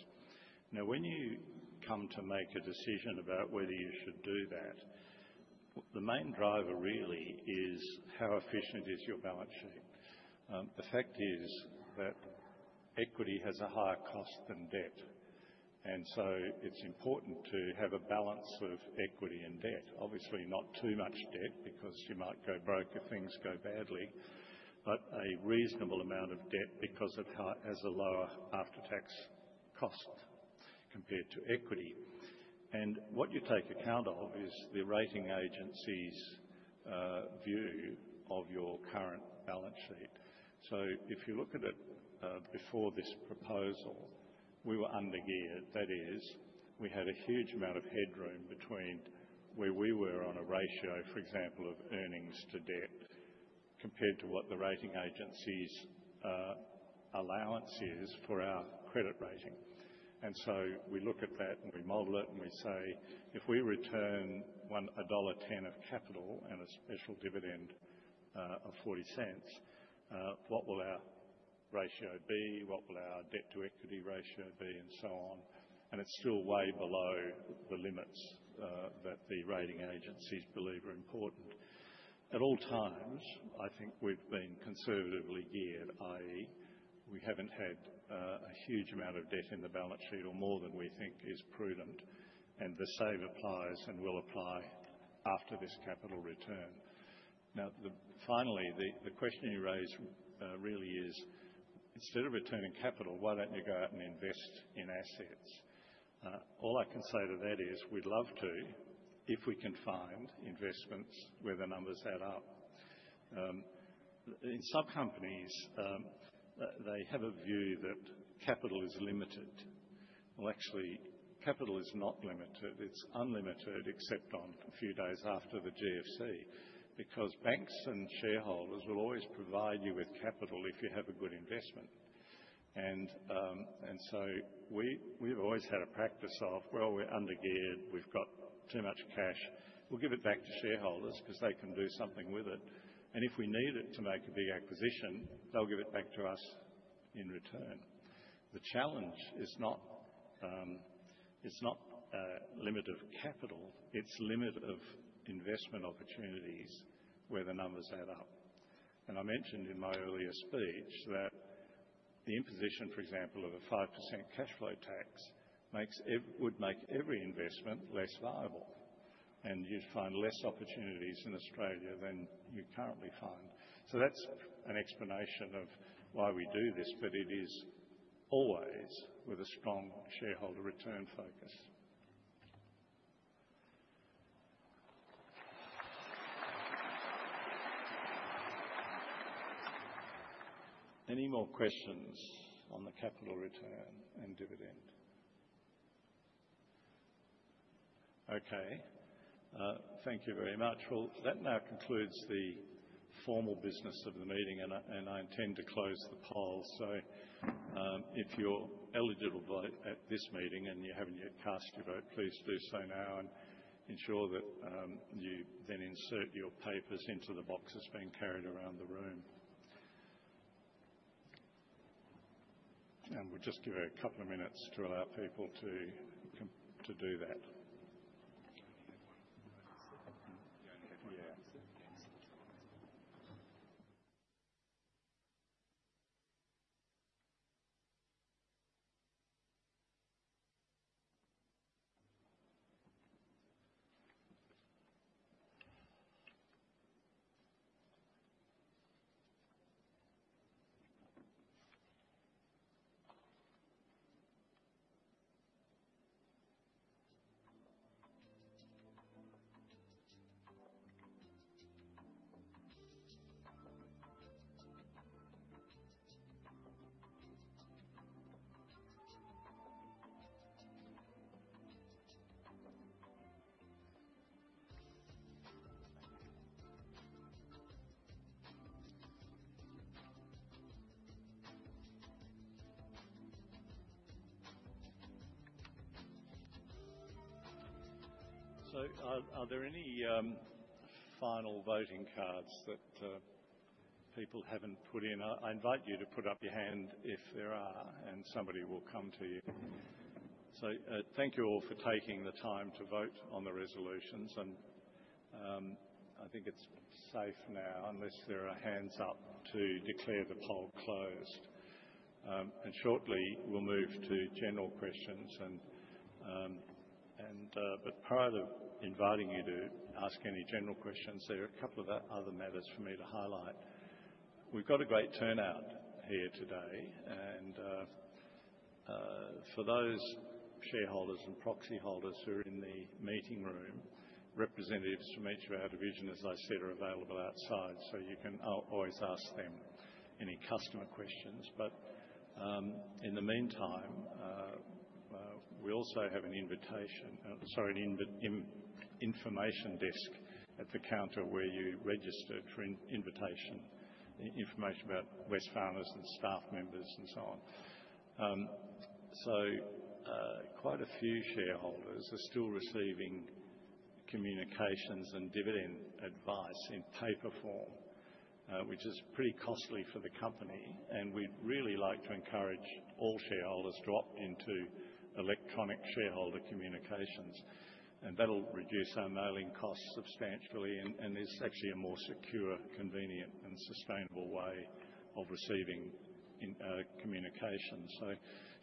Now, when you come to make a decision about whether you should do that, the main driver really is how efficient is your balance sheet. The fact is that equity has a higher cost than debt, and so it's important to have a balance of equity and debt. Obviously, not too much debt because you might go broke if things go badly, but a reasonable amount of debt because it has a lower after-tax cost compared to equity. What you take account of is the rating agency's view of your current balance sheet. So if you look at it before this proposal, we were under gear. That is, we had a huge amount of headroom between where we were on a ratio, for example, of earnings to debt compared to what the rating agency's allowance is for our credit rating. We look at that and we model it and we say, if we return $1.10 of capital and a special dividend of $0.40, what will our ratio be? What will our debt to equity ratio be? It's still way below the limits that the rating agencies believe are important. At all times, I think we've been conservatively geared, i.e., we haven't had a huge amount of debt in the balance sheet or more than we think is prudent, and the same applies and will apply after this capital return. Finally, the question you raise really is, instead of returning capital, why don't you go out and invest in assets? All I can say to that is we'd love to, if we can find investments where the numbers add up. In some companies, they have a view that capital is limited. Actually, capital is not limited. It's unlimited except on a few days after the GFC because banks and shareholders will always provide you with capital if you have a good investment. We've always had a practice of, we're under geared. We've got too much cash. We'll give it back to shareholders because they can do something with it. If we need it to make a big acquisition, they'll give it back to us in return. The challenge is not limit of capital. It's limit of investment opportunities where the numbers add up. I mentioned in my earlier speech that the imposition, for example, of a 5% cash flow tax would make every investment less viable. You'd find less opportunities in Australia than you currently find. That's an explanation of why we do this, but it is always with a strong shareholder return focus. Any more questions on the capital return and dividend? Okay. Thank you very much. Well, that now concludes the formal business of the meeting, and I intend to close the poll. If you're eligible at this meeting and you haven't yet cast your vote, please do so now and ensure that you then insert your papers into the boxes being carried around the room. We'll just give a couple of minutes to allow people to do that.
You only had one answer.
Yeah.
Thanks.
Are there any final voting cards that people haven't put in? I invite you to put up your hand if there are, and somebody will come to you. Thank you all for taking the time to vote on the resolutions. I think it's safe now, unless there are hands up, to declare the poll closed. Shortly, we'll move to general questions. But prior to inviting you to ask any general questions, there are a couple of other matters for me to highlight. We've got a great turnout here today. For those shareholders and proxy holders who are in the meeting room, representatives from each of our divisions, as I said, are available outside, so you can always ask them any customer questions. In the meantime, we also have an information desk at the counter where you register for invitation, information about Wesfarmers and staff members and so on. Quite a few shareholders are still receiving communications and dividend advice in paper form, which is pretty costly for the company. We'd really like to encourage all shareholders to opt into electronic shareholder communications. That'll reduce our mailing costs substantially. It's actually a more secure, convenient, and sustainable way of receiving communications.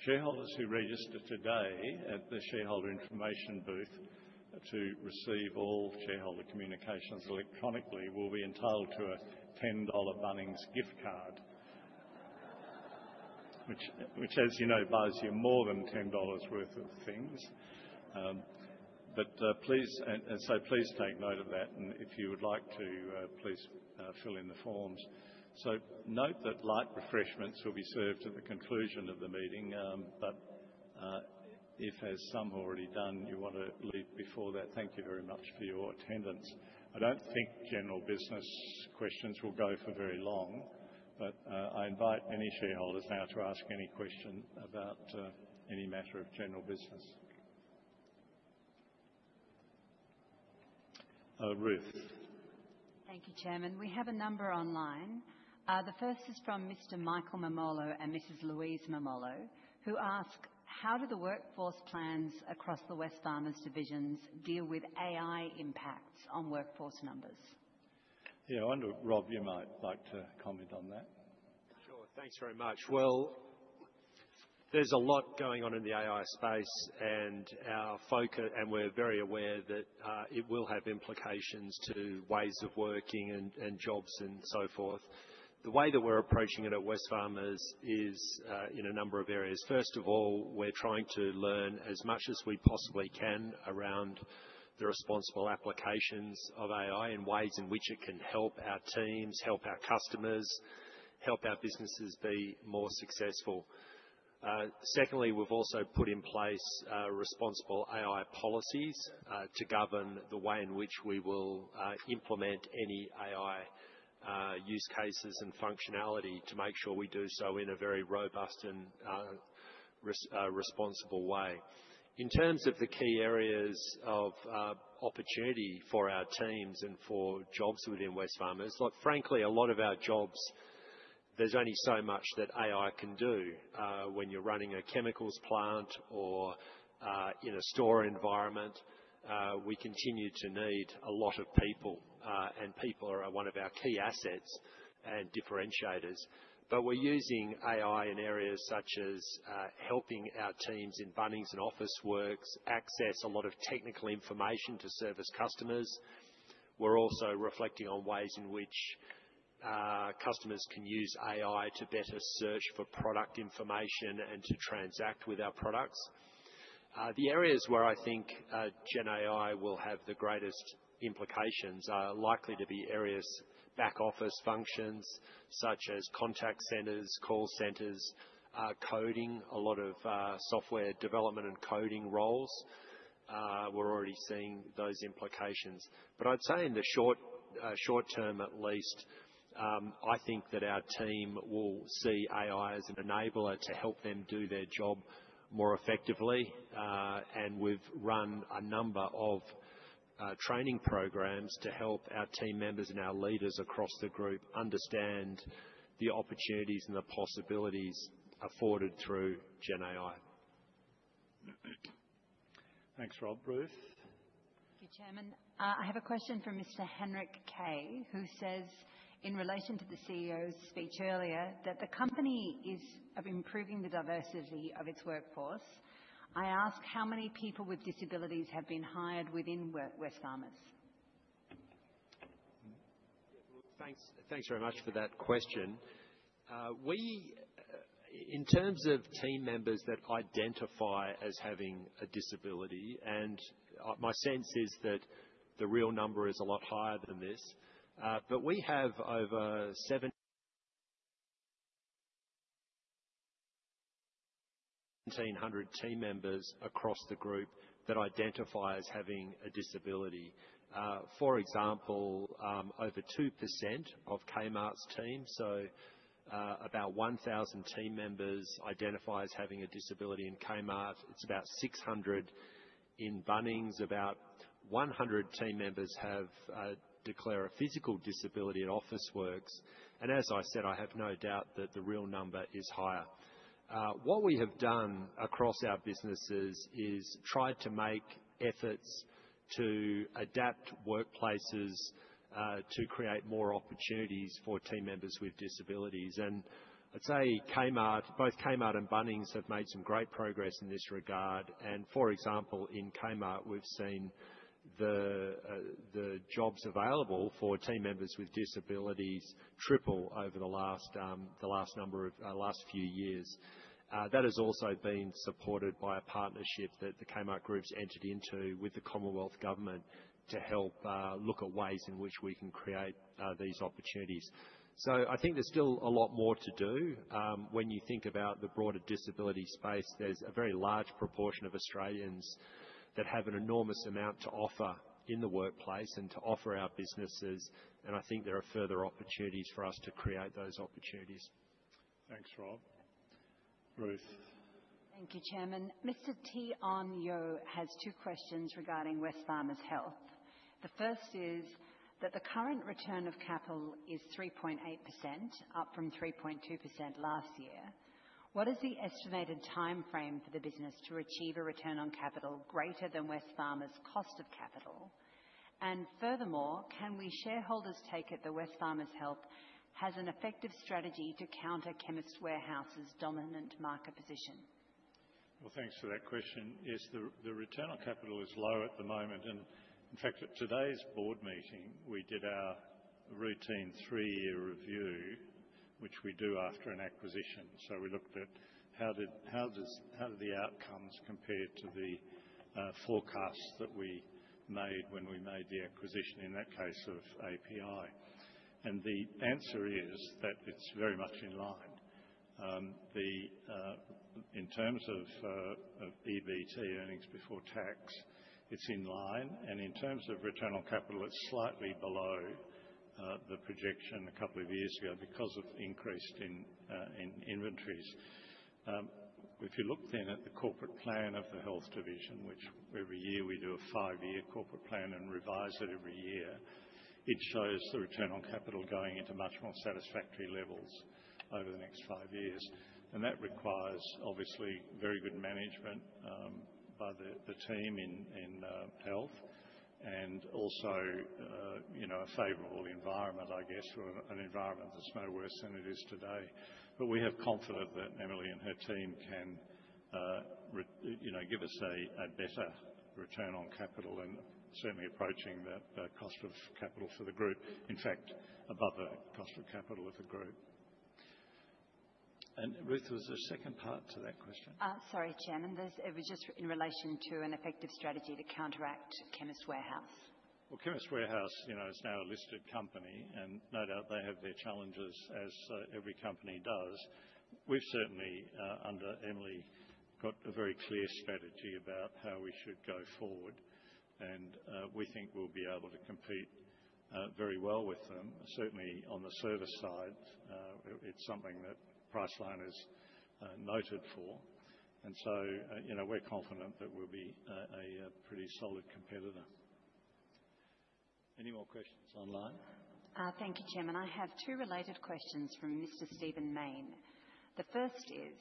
Shareholders who register today at the shareholder information booth to receive all shareholder communications electronically will be entitled to a $10 Bunnings gift card, which, as you know, buys you more than $10 worth of things. Please take note of that. If you would like to, please fill in the forms. Note that light refreshments will be served at the conclusion of the meeting. But if, as some have already done, you want to leave before that, thank you very much for your attendance. I don't think general business questions will go for very long, but I invite any shareholders now to ask any question about any matter of general business. Ruth.
Thank you, Chairman. We have a number online. The first is from Mr. Michael Mammolo and Mrs. Louise Mammolo, who ask, how do the workforce plans across the Wesfarmers divisions deal with AI impacts on workforce numbers?
Yeah, I wonder Rob, you might like to comment on that.
Sure. Thanks very much. Well, there's a lot going on in the AI space, and we're very aware that it will have implications to ways of working and jobs and so forth. The way that we're approaching it at Wesfarmers is in a number of areas. First of all, we're trying to learn as much as we possibly can around the responsible applications of AI and ways in which it can help our teams, help our customers, help our businesses be more successful. Secondly, we've also put in place responsible AI policies to govern the way in which we will implement any AI use cases and functionality to make sure we do so in a very robust and responsible way. In terms of the key areas of opportunity for our teams and for jobs within Wesfarmers, look, frankly, a lot of our jobs, there's only so much that AI can do. When you're running a chemicals plant or in a store environment, we continue to need a lot of people, and people are one of our key assets and differentiators. But we're using AI in areas such as helping our teams in Bunnings and Officeworks access a lot of technical information to service customers. We're also reflecting on ways in which customers can use AI to better search for product information and to transact with our products. The areas where I think GenAI will have the greatest implications are likely to be areas back office functions such as contact centers, call centers, coding, a lot of software development and coding roles. We're already seeing those implications. I'd say in the short term, at least, I think that our team will see AI as an enabler to help them do their job more effectively. We've run a number of training programs to help our team members and our leaders across the group understand the opportunities and the possibilities afforded through GenAI.
Thanks. Thanks, Rob. Ruth.
Thank you, Chairman. I have a question from Mr. Henry Kay, who says, in relation to the CEO's speech earlier, that the company is improving the diversity of its workforce. I ask, how many people with disabilities have been hired within Wesfarmers?
Thanks very much for that question. In terms of team members that identify as having a disability, and my sense is that the real number is a lot higher than this, but we have over 1,700 team members across the group that identify as having a disability. For example, over 2% of Kmart's team, so about 1,000 team members identify as having a disability in Kmart. It's about 600 in Bunnings. About 100 team members declare a physical disability at Officeworks. As I said, I have no doubt that the real number is higher. What we have done across our businesses is tried to make efforts to adapt workplaces to create more opportunities for team members with disabilities. I'd say both Kmart and Bunnings have made some great progress in this regard. For example, in Kmart, we've seen the jobs available for team members with disabilities triple over the last few years. That has also been supported by a partnership that the Kmart Group's entered into with the Commonwealth Government to help look at ways in which we can create these opportunities. I think there's still a lot more to do. When you think about the broader disability space, there's a very large proportion of Australians that have an enormous amount to offer in the workplace and to offer our businesses. I think there are further opportunities for us to create those opportunities.
Thanks, Rob. Ruth.
Thank you, Chairman. Mr. Teong Yeo has two questions regarding Wesfarmers Health. The first is that the current return on capital is 3.8%, up from 3.2% last year. What is the estimated timeframe for the business to achieve a return on capital greater than Wesfarmers' cost of capital? Furthermore, can we shareholders take it that Wesfarmers Health has an effective strategy to counter Chemist Warehouse's dominant market position?
Thanks for that question. Yes, the return on capital is low at the moment. In fact, at today's board meeting, we did our routine three-year review, which we do after an acquisition. So we looked at how did the outcomes compare to the forecasts that we made when we made the acquisition, in that case of API. The answer is that it's very much in line. In terms of EBT earnings before tax, it's in line. In terms of return on capital, it's slightly below the projection a couple of years ago because of increase in inventories. If you look then at the corporate plan of the Health division, which every year we do a five-year corporate plan and revise it every year, it shows the return on capital going into much more satisfactory levels over the next five years. That requires, obviously, very good management by the team in Health and also a favorable environment, I guess, or an environment that's no worse than it is today. But we have confidence that Emily and her team can give us a better return on capital and certainly approaching the cost of capital for the group, in fact, above the cost of capital of the group. Ruth, there was a second part to that question.
Sorry, Chairman. This is just in relation to an effective strategy to counteract Chemist Warehouse.
Chemist Warehouse is now a listed company, and no doubt they have their challenges, as every company does. We've certainly, under Emily, got a very clear strategy about how we should go forward. And we think we'll be able to compete very well with them. Certainly, on the service side, it's something that Priceline is noted for. And so we're confident that we'll be a pretty solid competitor. Any more questions online?
Thank you, Chairman. I have two related questions from Mr. Stephen Mayne. The first is,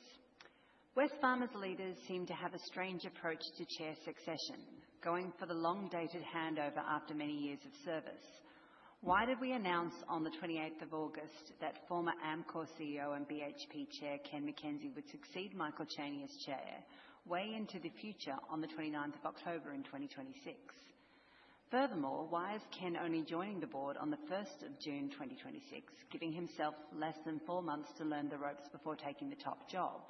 Wesfarmers leaders seem to have a strange approach to chair succession, going for the long-dated handover after many years of service. Why did we announce on the 28th of August that former Amcor CEO and BHP Chair Ken MacKenzie would succeed Michael Chaney as Chair way into the future on the 29th of October in 2026? Furthermore, why is Ken only joining the board on the 1st of June 2026, giving himself less than four months to learn the ropes before taking the top job?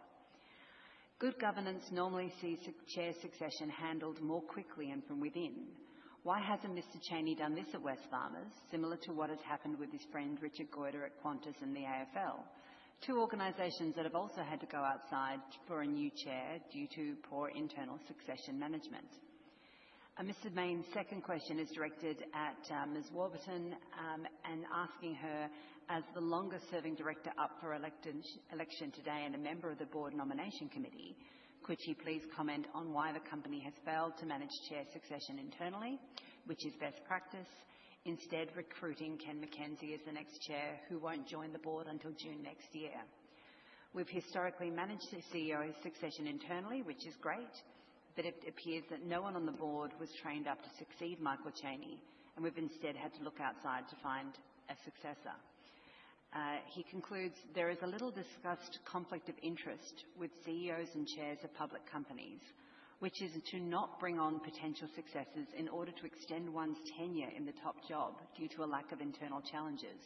Good governance normally sees chair succession handled more quickly and from within. Why hasn't Mr. Chaney done this at Wesfarmers, similar to what has happened with his friend Richard Goyder at Qantas and the AFL, two organizations that have also had to go outside for a new chair due to poor internal succession management? Mr. Mayne's second question is directed at Ms. Westacott and asking her, as the longest-serving director up for election today and a member of the board nomination committee, could she please comment on why the company has failed to manage chair succession internally, which is best practice, instead recruiting Ken MacKenzie as the next chair who won't join the board until June next year? We've historically managed to see CEO succession internally, which is great, but it appears that no one on the board was trained up to succeed Michael Chaney, and we've instead had to look outside to find a successor. He concludes there is a little discussed conflict of interest with CEOs and chairs of public companies, which is to not bring on potential successors in order to extend one's tenure in the top job due to a lack of internal challenges.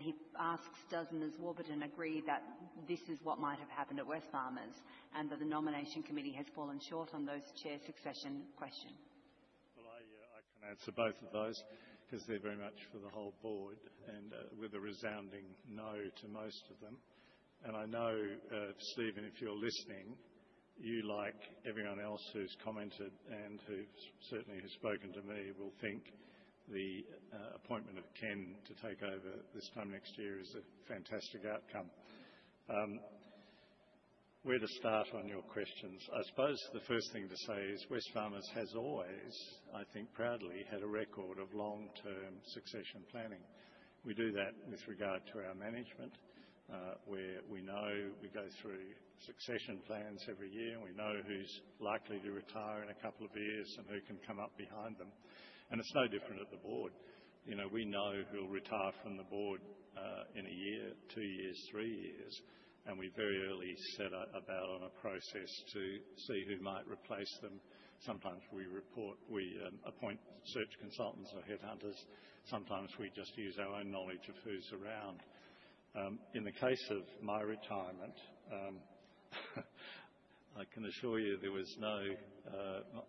He asks, does Ms. Warburton agree that this is what might have happened at Wesfarmers and that the nomination committee has fallen short on those chair succession questions?
I can answer both of those because they're very much for the whole board and with a resounding no to most of them. I know, Stephen, if you're listening, you like everyone else who's commented and who certainly has spoken to me will think the appointment of Ken to take over this time next year is a fantastic outcome. Where to start on your questions, I suppose the first thing to say is Wesfarmers has always, I think proudly, had a record of long-term succession planning. We do that with regard to our management, where we go through succession plans every year, and we know who's likely to retire in a couple of years and who can come up behind them. It's no different at the board. We know who will retire from the board in a year, two years, three years, and we very early set about on a process to see who might replace them. Sometimes we appoint search consultants or headhunters. Sometimes we just use our own knowledge of who's around. In the case of my retirement, I can assure you there was no...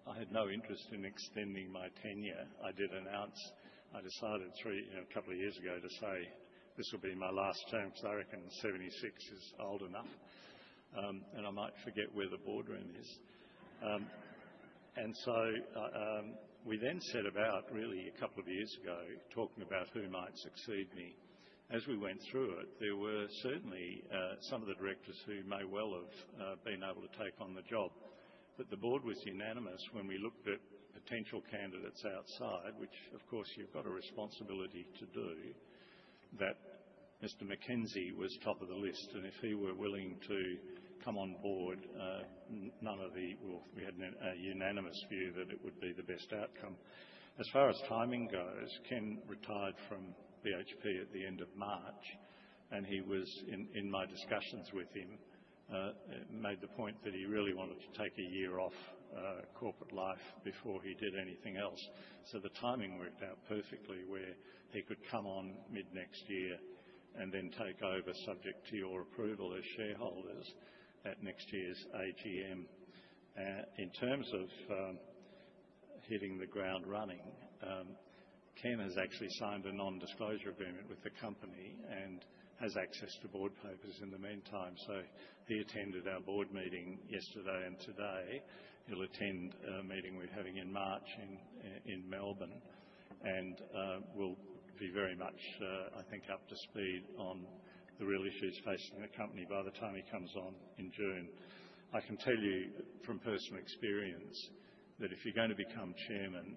I had no interest in extending my tenure. I did announce, I decided a couple of years ago to say this will be my last term because I reckon 76 is old enough, and I might forget where the boardroom is. So we then set about, really, a couple of years ago, talking about who might succeed me. As we went through it, there were certainly some of the directors who may well have been able to take on the job. But the board was unanimous when we looked at potential candidates outside, which, of course, you've got a responsibility to do, that Mr. MacKenzie was top of the list. If he were willing to come on board, we had a unanimous view that it would be the best outcome. As far as timing goes, Ken retired from BHP at the end of March, and he was, in my discussions with him, made the point that he really wanted to take a year off corporate life before he did anything else. So the timing worked out perfectly where he could come on mid-next year and then take over, subject to your approval as shareholders, at next year's AGM. In terms of hitting the ground running, Ken has actually signed a non-disclosure agreement with the company and has access to board papers in the meantime. He attended our board meeting yesterday and today. He'll attend a meeting we're having in March in Melbourne. We'll be very much, I think, up to speed on the real issues facing the company by the time he comes on in June. I can tell you from personal experience that if you're going to become chairman,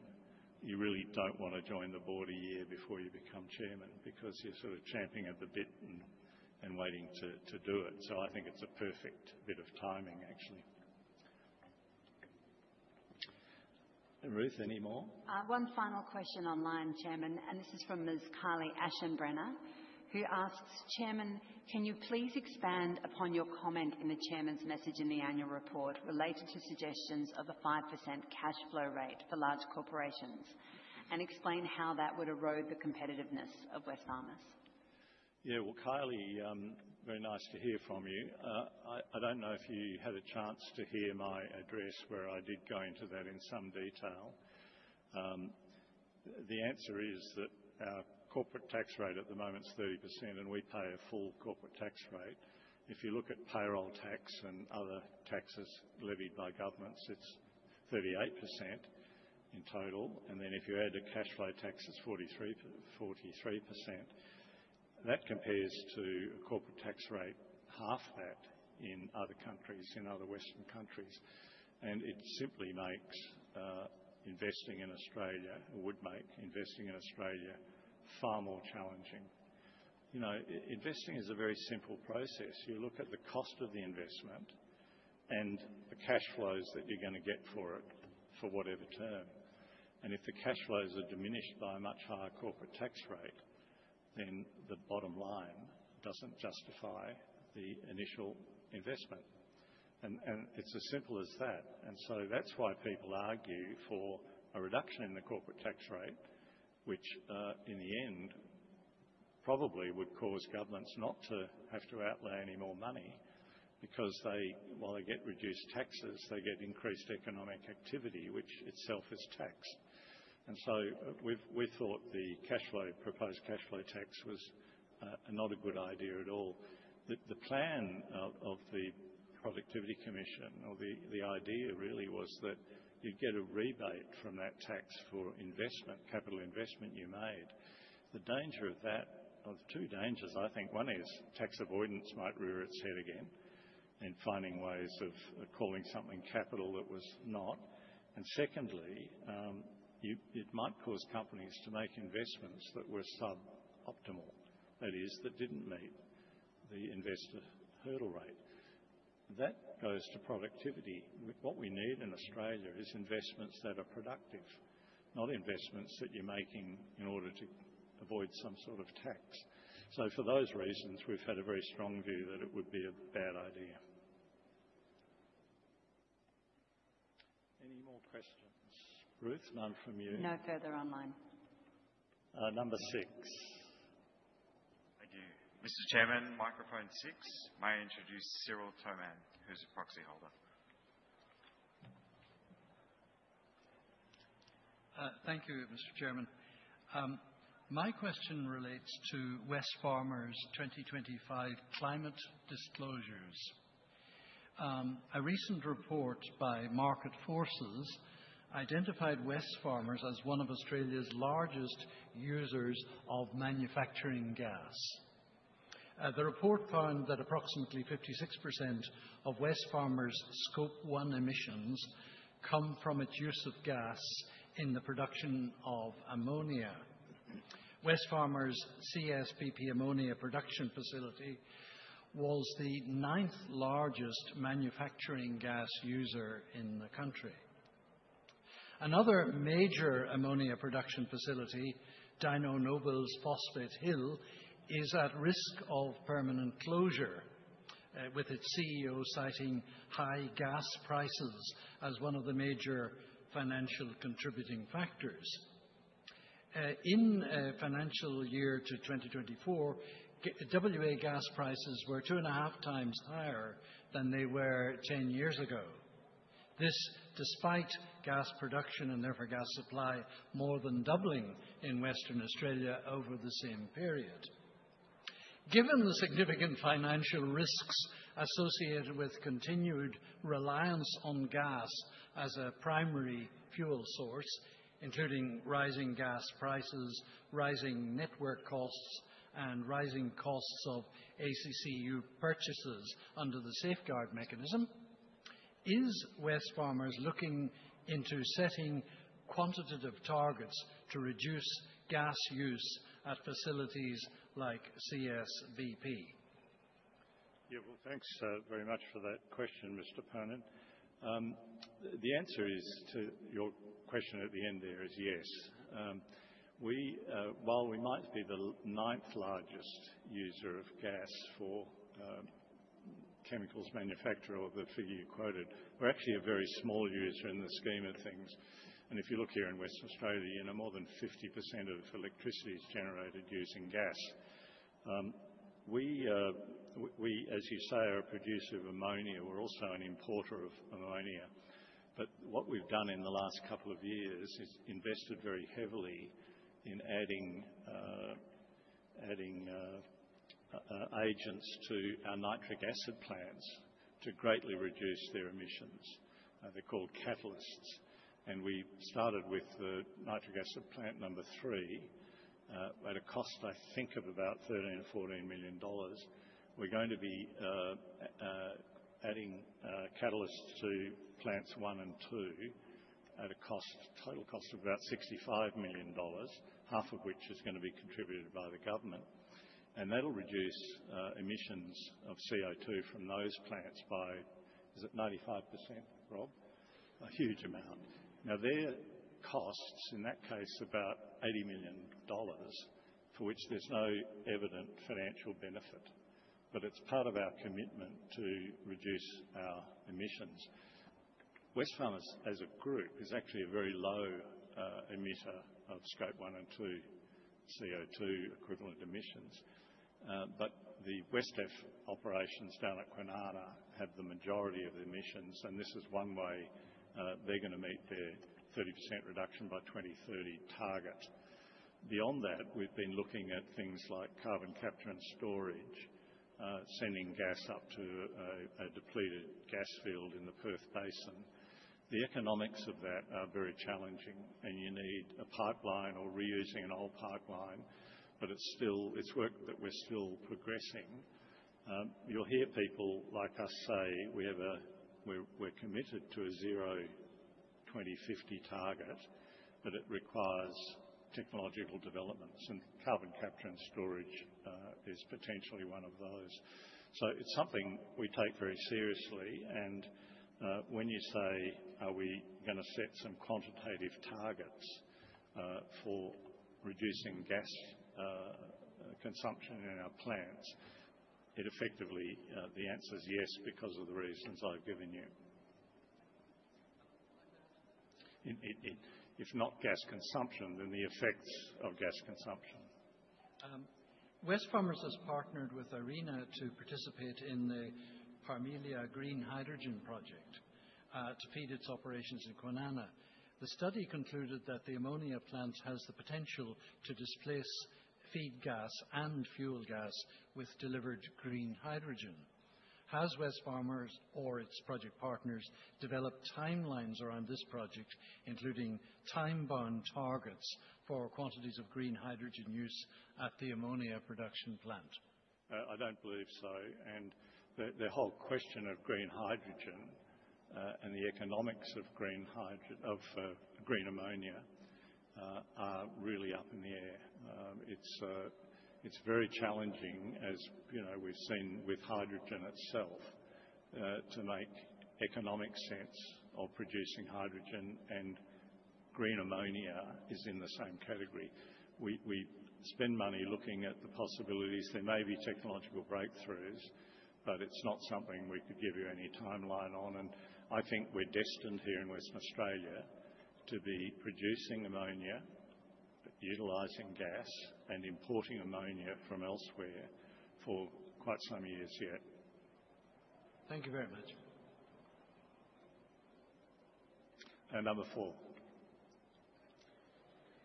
you really don't want to join the board a year before you become chairman because you're sort of champing at the bit and waiting to do it. I think it's a perfect bit of timing, actually. Ruth, any more?
One final question online, Chairman. This is from Ms. Carly Aschenbrenner, who asks, "Chairman, can you please expand upon your comment in the Chairman's message in the annual report related to suggestions of a 5% cash flow rate for large corporations and explain how that would erode the competitiveness of Wesfarmers?"
Well, Carly, very nice to hear from you. I don't know if you had a chance to hear my address where I did go into that in some detail. The answer is that our corporate tax rate at the moment is 30%, and we pay a full corporate tax rate. If you look at payroll tax and other taxes levied by governments, it's 38% in total. If you add the cash flow tax, it's 43%. That compares to a corporate tax rate half that in other countries, in other Western countries. It simply makes investing in Australia, would make investing in Australia far more challenging. Investing is a very simple process. You look at the cost of the investment and the cash flows that you're going to get for it for whatever term. If the cash flows are diminished by a much higher corporate tax rate, then the bottom line doesn't justify the initial investment. It's as simple as that. That's why people argue for a reduction in the corporate tax rate, which in the end probably would cause governments not to have to outlay any more money because while they get reduced taxes, they get increased economic activity, which itself is taxed. We thought the proposed cash flow tax was not a good idea at all. The plan of the Productivity Commission, or the idea really was that you'd get a rebate from that tax for investment, capital investment you made. The danger of that, of two dangers, I think. One is tax avoidance might rear its head again and finding ways of calling something capital that was not. Secondly, it might cause companies to make investments that were sub-optimal, that is, that didn't meet the investor hurdle rate. That goes to productivity. What we need in Australia is investments that are productive, not investments that you're making in order to avoid some sort of tax. For those reasons, we've had a very strong view that it would be a bad idea. Any more questions? Ruth, none from you.
No further online.
Number six.
Thank you. Mr. Chairman, microphone six. May I introduce Cyril Thomann, who's a proxy holder?
Thank you, Mr. Chairman. My question relates to Wesfarmers' 2025 climate disclosures. A recent report by Market Forces identified Wesfarmers as one of Australia's largest users of manufacturing gas. The report found that approximately 56% of Wesfarmers' Scope 1 emissions come from its use of gas in the production of ammonia. Wesfarmers' CSBP ammonia production facility was the ninth largest manufacturing gas user in the country. Another major ammonia production facility, Incitec Pivot's Phosphate Hill, is at risk of permanent closure, with its CEO citing high gas prices as one of the major financial contributing factors. In financial year 2024, WA gas prices were two and a half times higher than they were ten years ago, this despite gas production and therefore gas supply more than doubling in Western Australia over the same period. Given the significant financial risks associated with continued reliance on gas as a primary fuel source, including rising gas prices, rising network costs, and rising costs of ACCU purchases under the Safeguard Mechanism, is Wesfarmers looking into setting quantitative targets to reduce gas use at facilities like CSBP?
Well, thanks very much for that question, Mr. Thomann. The answer to your question at the end there is yes. While we might be the ninth largest user of gas for chemicals manufacturers, or the figure you quoted, we're actually a very small user in the scheme of things. If you look here in Western Australia, you know more than 50% of electricity is generated using gas. We, as you say, are a producer of ammonia. We're also an importer of ammonia. But what we've done in the last couple of years is invested very heavily in adding agents to our nitric acid plants to greatly reduce their emissions. They're called catalysts. We started with the nitric acid plant number three at a cost, I think, of about $13 or $14 million. We're going to be adding catalysts to plants one and two at a total cost of about $65 million, half of which is going to be contributed by the government. That'll reduce emissions of CO2 from those plants by, is it 95%, Rob? A huge amount. Now, their costs, in that case, about $80 million, for which there's no evident financial benefit. But it's part of our commitment to reduce our emissions. Wesfarmers, as a group, is actually a very low emitter of Scope 1 and 2 CO2 equivalent emissions. But the WesCEF operations down at Kwinana have the majority of the emissions. This is one way they're going to meet their 30% reduction by 2030 target. Beyond that, we've been looking at things like carbon capture and storage, sending gas up to a depleted gas field in the Perth Basin. The economics of that are very challenging. You need a pipeline or reusing an old pipeline. But it's work that we're still progressing. You'll hear people like us say we're committed to a zero 2050 target, but it requires technological developments. Carbon capture and storage is potentially one of those. It's something we take very seriously. When you say, are we going to set some quantitative targets for reducing gas consumption in our plants, it effectively, the answer is yes because of the reasons I've given you. If not gas consumption, then the effects of gas consumption.
Wesfarmers has partnered with ARENA to participate in the Parmelia Green Hydrogen Project to feed its operations in Kwinana. The study concluded that the ammonia plant has the potential to displace feed gas and fuel gas with delivered green hydrogen. Has Wesfarmers or its project partners developed timelines around this project, including time-bound targets for quantities of green hydrogen use at the ammonia production plant?
I don't believe so. The whole question of green hydrogen and the economics of green ammonia are really up in the air. It's very challenging, as we've seen with hydrogen itself, to make economic sense of producing hydrogen. Green ammonia is in the same category. We spend money looking at the possibilities. There may be technological breakthroughs, but it's not something we could give you any timeline on. I think we're destined here in Western Australia to be producing ammonia, utilizing gas, and importing ammonia from elsewhere for quite some years yet.
Thank you very much.
Number four.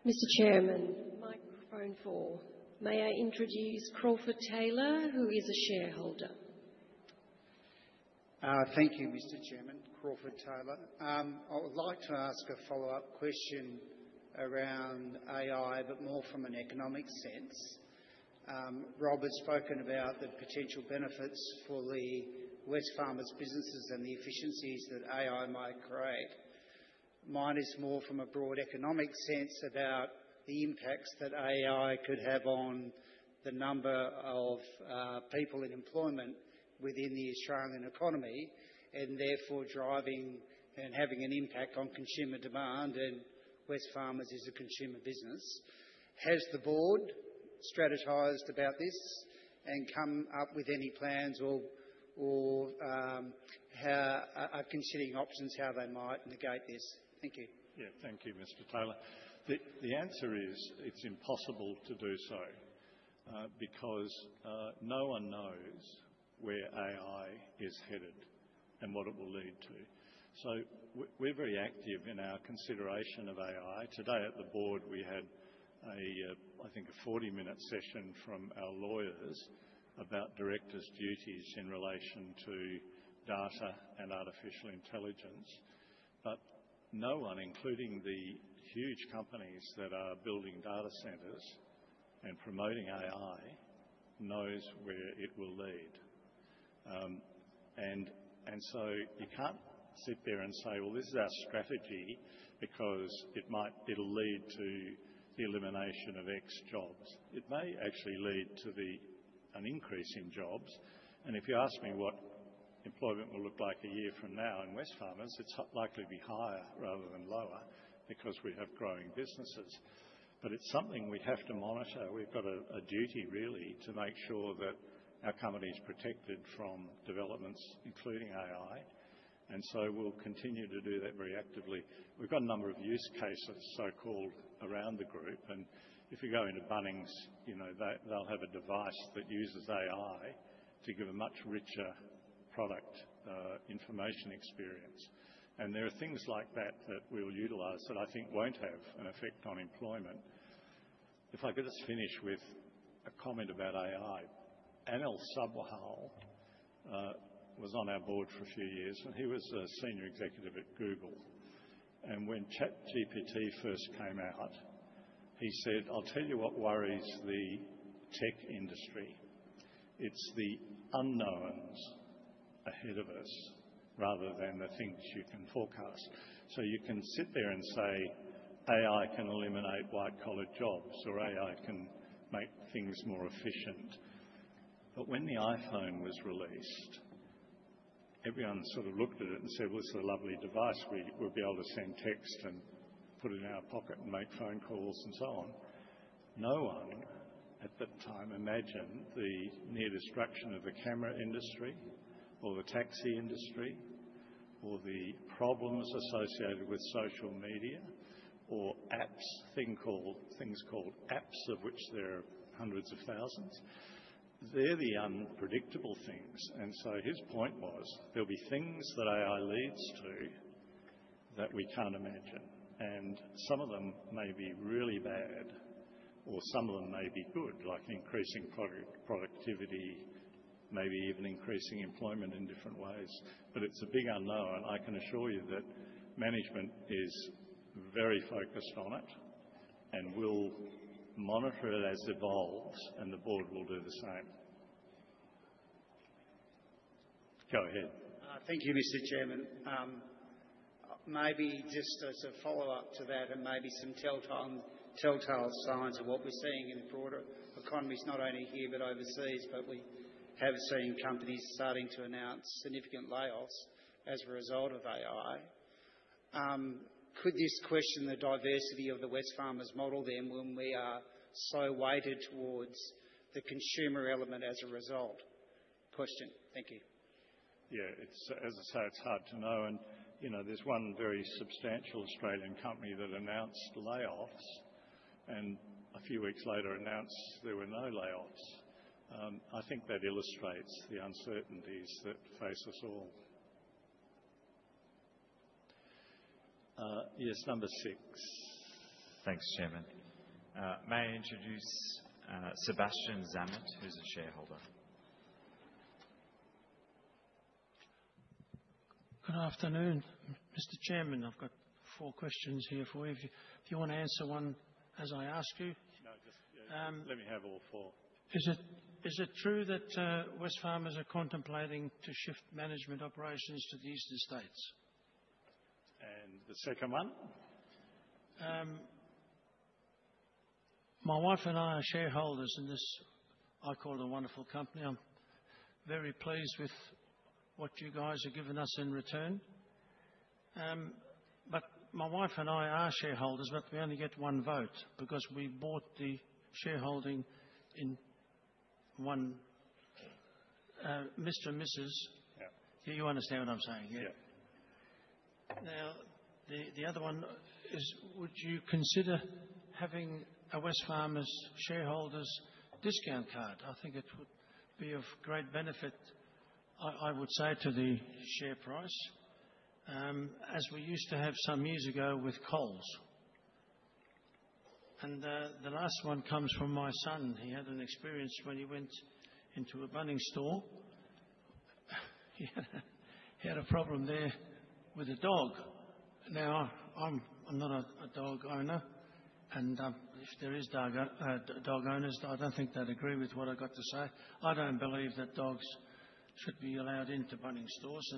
Mr. Chairman, microphone four. May I introduce Crawford Taylor, who is a shareholder?
Thank you, Mr. Chairman, Crawford Taylor. I would like to ask a follow-up question around AI, but more from an economic sense. Rob has spoken about the potential benefits for the Wesfarmers businesses and the efficiencies that AI might create. Mine is more from a broad economic sense about the impacts that AI could have on the number of people in employment within the Australian economy and therefore driving and having an impact on consumer demand. Wesfarmers is a consumer business. Has the board strategized about this and come up with any plans or considering options how they might negate this? Thank you.
Yeah, thank you, Mr. Taylor. The answer is it's impossible to do so because no one knows where AI is headed and what it will lead to. So we're very active in our consideration of AI. Today at the board, we had, I think, a 40-minute session from our lawyers about director's duties in relation to data and artificial intelligence. But no one, including the huge companies that are building data centers and promoting AI, knows where it will lead. And so you can't sit there and say, well, this is our strategy because it'll lead to the elimination of X jobs. It may actually lead to an increase in jobs. And if you ask me what employment will look like a year from now in Wesfarmers, it's likely to be higher rather than lower because we have growing businesses. But it's something we have to monitor. We've got a duty, really, to make sure that our company is protected from developments, including AI. We'll continue to do that very actively. We've got a number of use cases, so-called, around the group. If you go into Bunnings, they'll have a device that uses AI to give a much richer product information experience. There are things like that that we will utilize that I think won't have an effect on employment. If I could just finish with a comment about AI. Anil Sabharwal was on our board for a few years. He was a senior executive at Google. When ChatGPT first came out, he said, I'll tell you what worries the tech industry. It's the unknowns ahead of us rather than the things you can forecast. You can sit there and say, AI can eliminate white-collar jobs or AI can make things more efficient. But when the iPhone was released, everyone sort of looked at it and said, well, this is a lovely device. We'll be able to send text and put it in our pocket and make phone calls and so on. No one at the time imagined the near destruction of the camera industry or the taxi industry or the problems associated with social media or things called apps, of which there are hundreds of thousands. They're the unpredictable things. His point was there'll be things that AI leads to that we can't imagine. Some of them may be really bad or some of them may be good, like increasing productivity, maybe even increasing employment in different ways. But it's a big unknown. I can assure you that management is very focused on it and will monitor it as it evolves. The board will do the same. Go ahead.
Thank you, Mr. Chairman. Maybe just as a follow-up to that and maybe some telltale signs of what we're seeing in the broader economies, not only here but overseas, we have seen companies starting to announce significant layoffs as a result of AI. Could this question the diversity of the Wesfarmers model when we are so weighted towards the consumer element as a result? Question. Thank you.
Yeah, as I say, it's hard to know. There's one very substantial Australian company that announced layoffs and a few weeks later announced there were no layoffs. I think that illustrates the uncertainties that face us all. Yes, number six.
Thanks, Chairman. May I introduce Sebastian Zammit, who's a shareholder?
Good afternoon, Mr. Chairman. I've got four questions here for you. If you want to answer one as I ask you.
No, just let me have all four.
Is it true that Wesfarmers are contemplating shifting management operations to the eastern states?
And the second one?
My wife and I are shareholders in this, I call it, a wonderful company. I'm very pleased with what you guys have given us in return. But my wife and I are shareholders, but we only get one vote because we bought the shareholding in one. Mr. and Mrs.
Yeah.
Yeah, you understand what I'm saying, yeah.
Yeah.
Now, the other one is, would you consider having a Wesfarmers shareholders discount card? I think it would be of great benefit, I would say, to the share price as we used to have some years ago with Coles. The last one comes from my son. He had an experience when he went into a Bunnings store. He had a problem there with a dog. Now, I'm not a dog owner. If there are dog owners, I don't think they'd agree with what I've got to say. I don't believe that dogs should be allowed into Bunnings stores.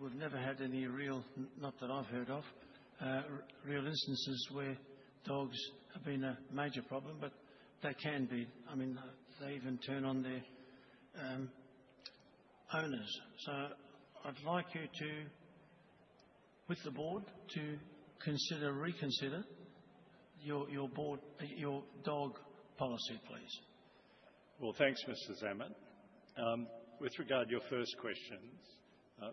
We've never had any real, not that I've heard of, real instances where dogs have been a major problem. But they can be. I mean, they even turn on their owners. So I'd like you, with the board, to reconsider your dog policy, please.
Thanks, Mr. Zammit. With regard to your first questions,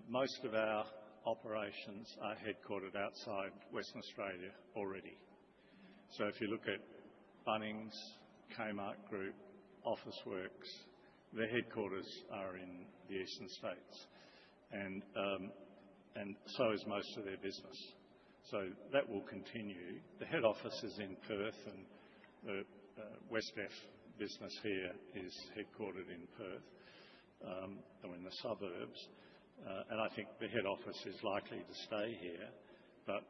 most of our operations are headquartered outside Western Australia already. So if you look at Bunnings, Kmart Group, Officeworks, their headquarters are in the eastern states. And so is most of their business. So that will continue. The head office is in Perth. And the business here is headquartered in Perth or in the suburbs. And I think the head office is likely to stay here. But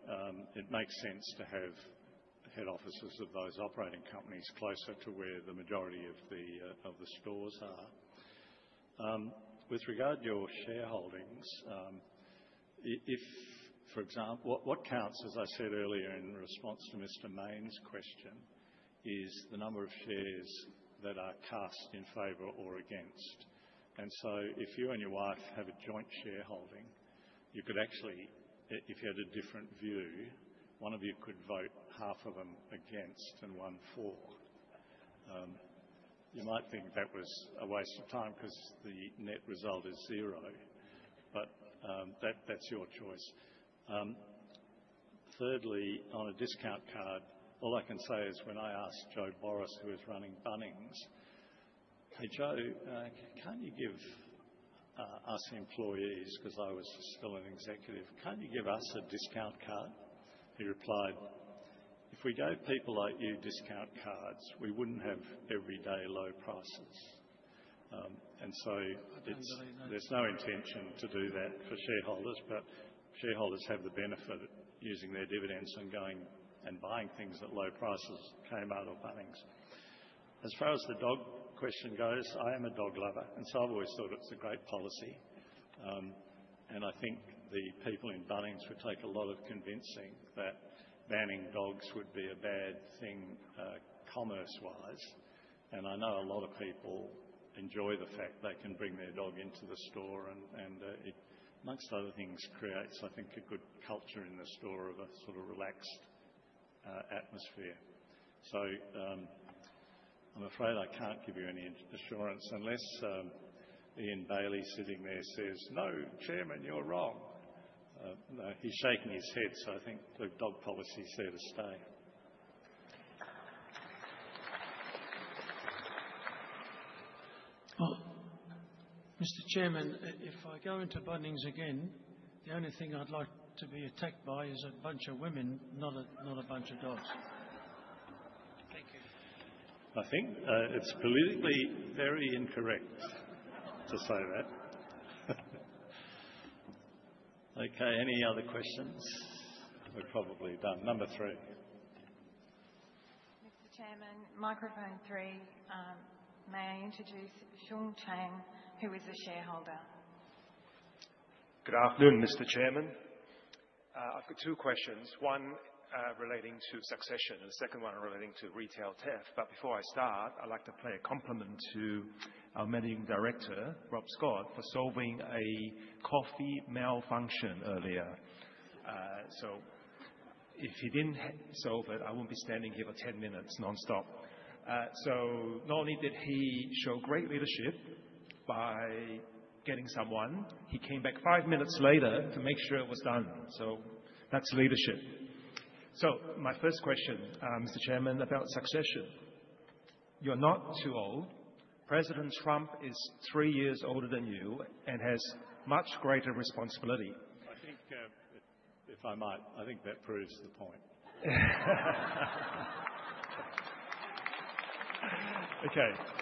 it makes sense to have head offices of those operating companies closer to where the majority of the stores are. With regard to your shareholdings, what counts, as I said earlier in response to Mr. Mayne's question, is the number of shares that are cast in favor or against. If you and your wife have a joint shareholding, you could actually, if you had a different view, one of you could vote half of them against and one for. You might think that was a waste of time because the net result is zero. But that's your choice. Thirdly, on a discount card, all I can say is when I asked Joe Boros, who was running Bunnings, "Hey, Joe, can't you give us employees?" Because I was still an executive. "Can't you give us a discount card?" He replied, "If we gave people like you discount cards, we wouldn't have everyday low prices." There's no intention to do that for shareholders. But shareholders have the benefit of using their dividends and buying things at low prices came out of Bunnings. As far as the dog question goes, I am a dog lover. I've always thought it's a great policy. I think the people in Bunnings would take a lot of convincing that banning dogs would be a bad thing commerce-wise. I know a lot of people enjoy the fact they can bring their dog into the store. Amongst other things, creates, I think, a good culture in the store of a sort of relaxed atmosphere. I'm afraid I can't give you any assurance unless Ian Bailey sitting there says, "No, Chairman, you're wrong." He's shaking his head. I think the dog policy's here to stay.
Well, Mr. Chairman, if I go into Bunnings again, the only thing I'd like to be attacked by is a bunch of women, not a bunch of dogs. Thank you.
I think it's politically very incorrect to say that. Okay, any other questions? We're probably done. Number three.
Mr. Chairman, microphone three. May I introduce Seung Chang, who is a shareholder?
Good afternoon, Mr. Chairman. I've got two questions. One relating to succession and the second one relating to retail theft. But before I start, I'd like to pay a compliment to our managing director, Rob Scott, for solving a coffee malfunction earlier. If he didn't solve it, I wouldn't be standing here for 10 minutes nonstop. Not only did he show great leadership by getting someone, he came back five minutes later to make sure it was done. That's leadership. My first question, Mr. Chairman, about succession. You're not too old. President Trump is three years older than you and has much greater responsibility.
I think, if I might, I think that proves the point.
Okay.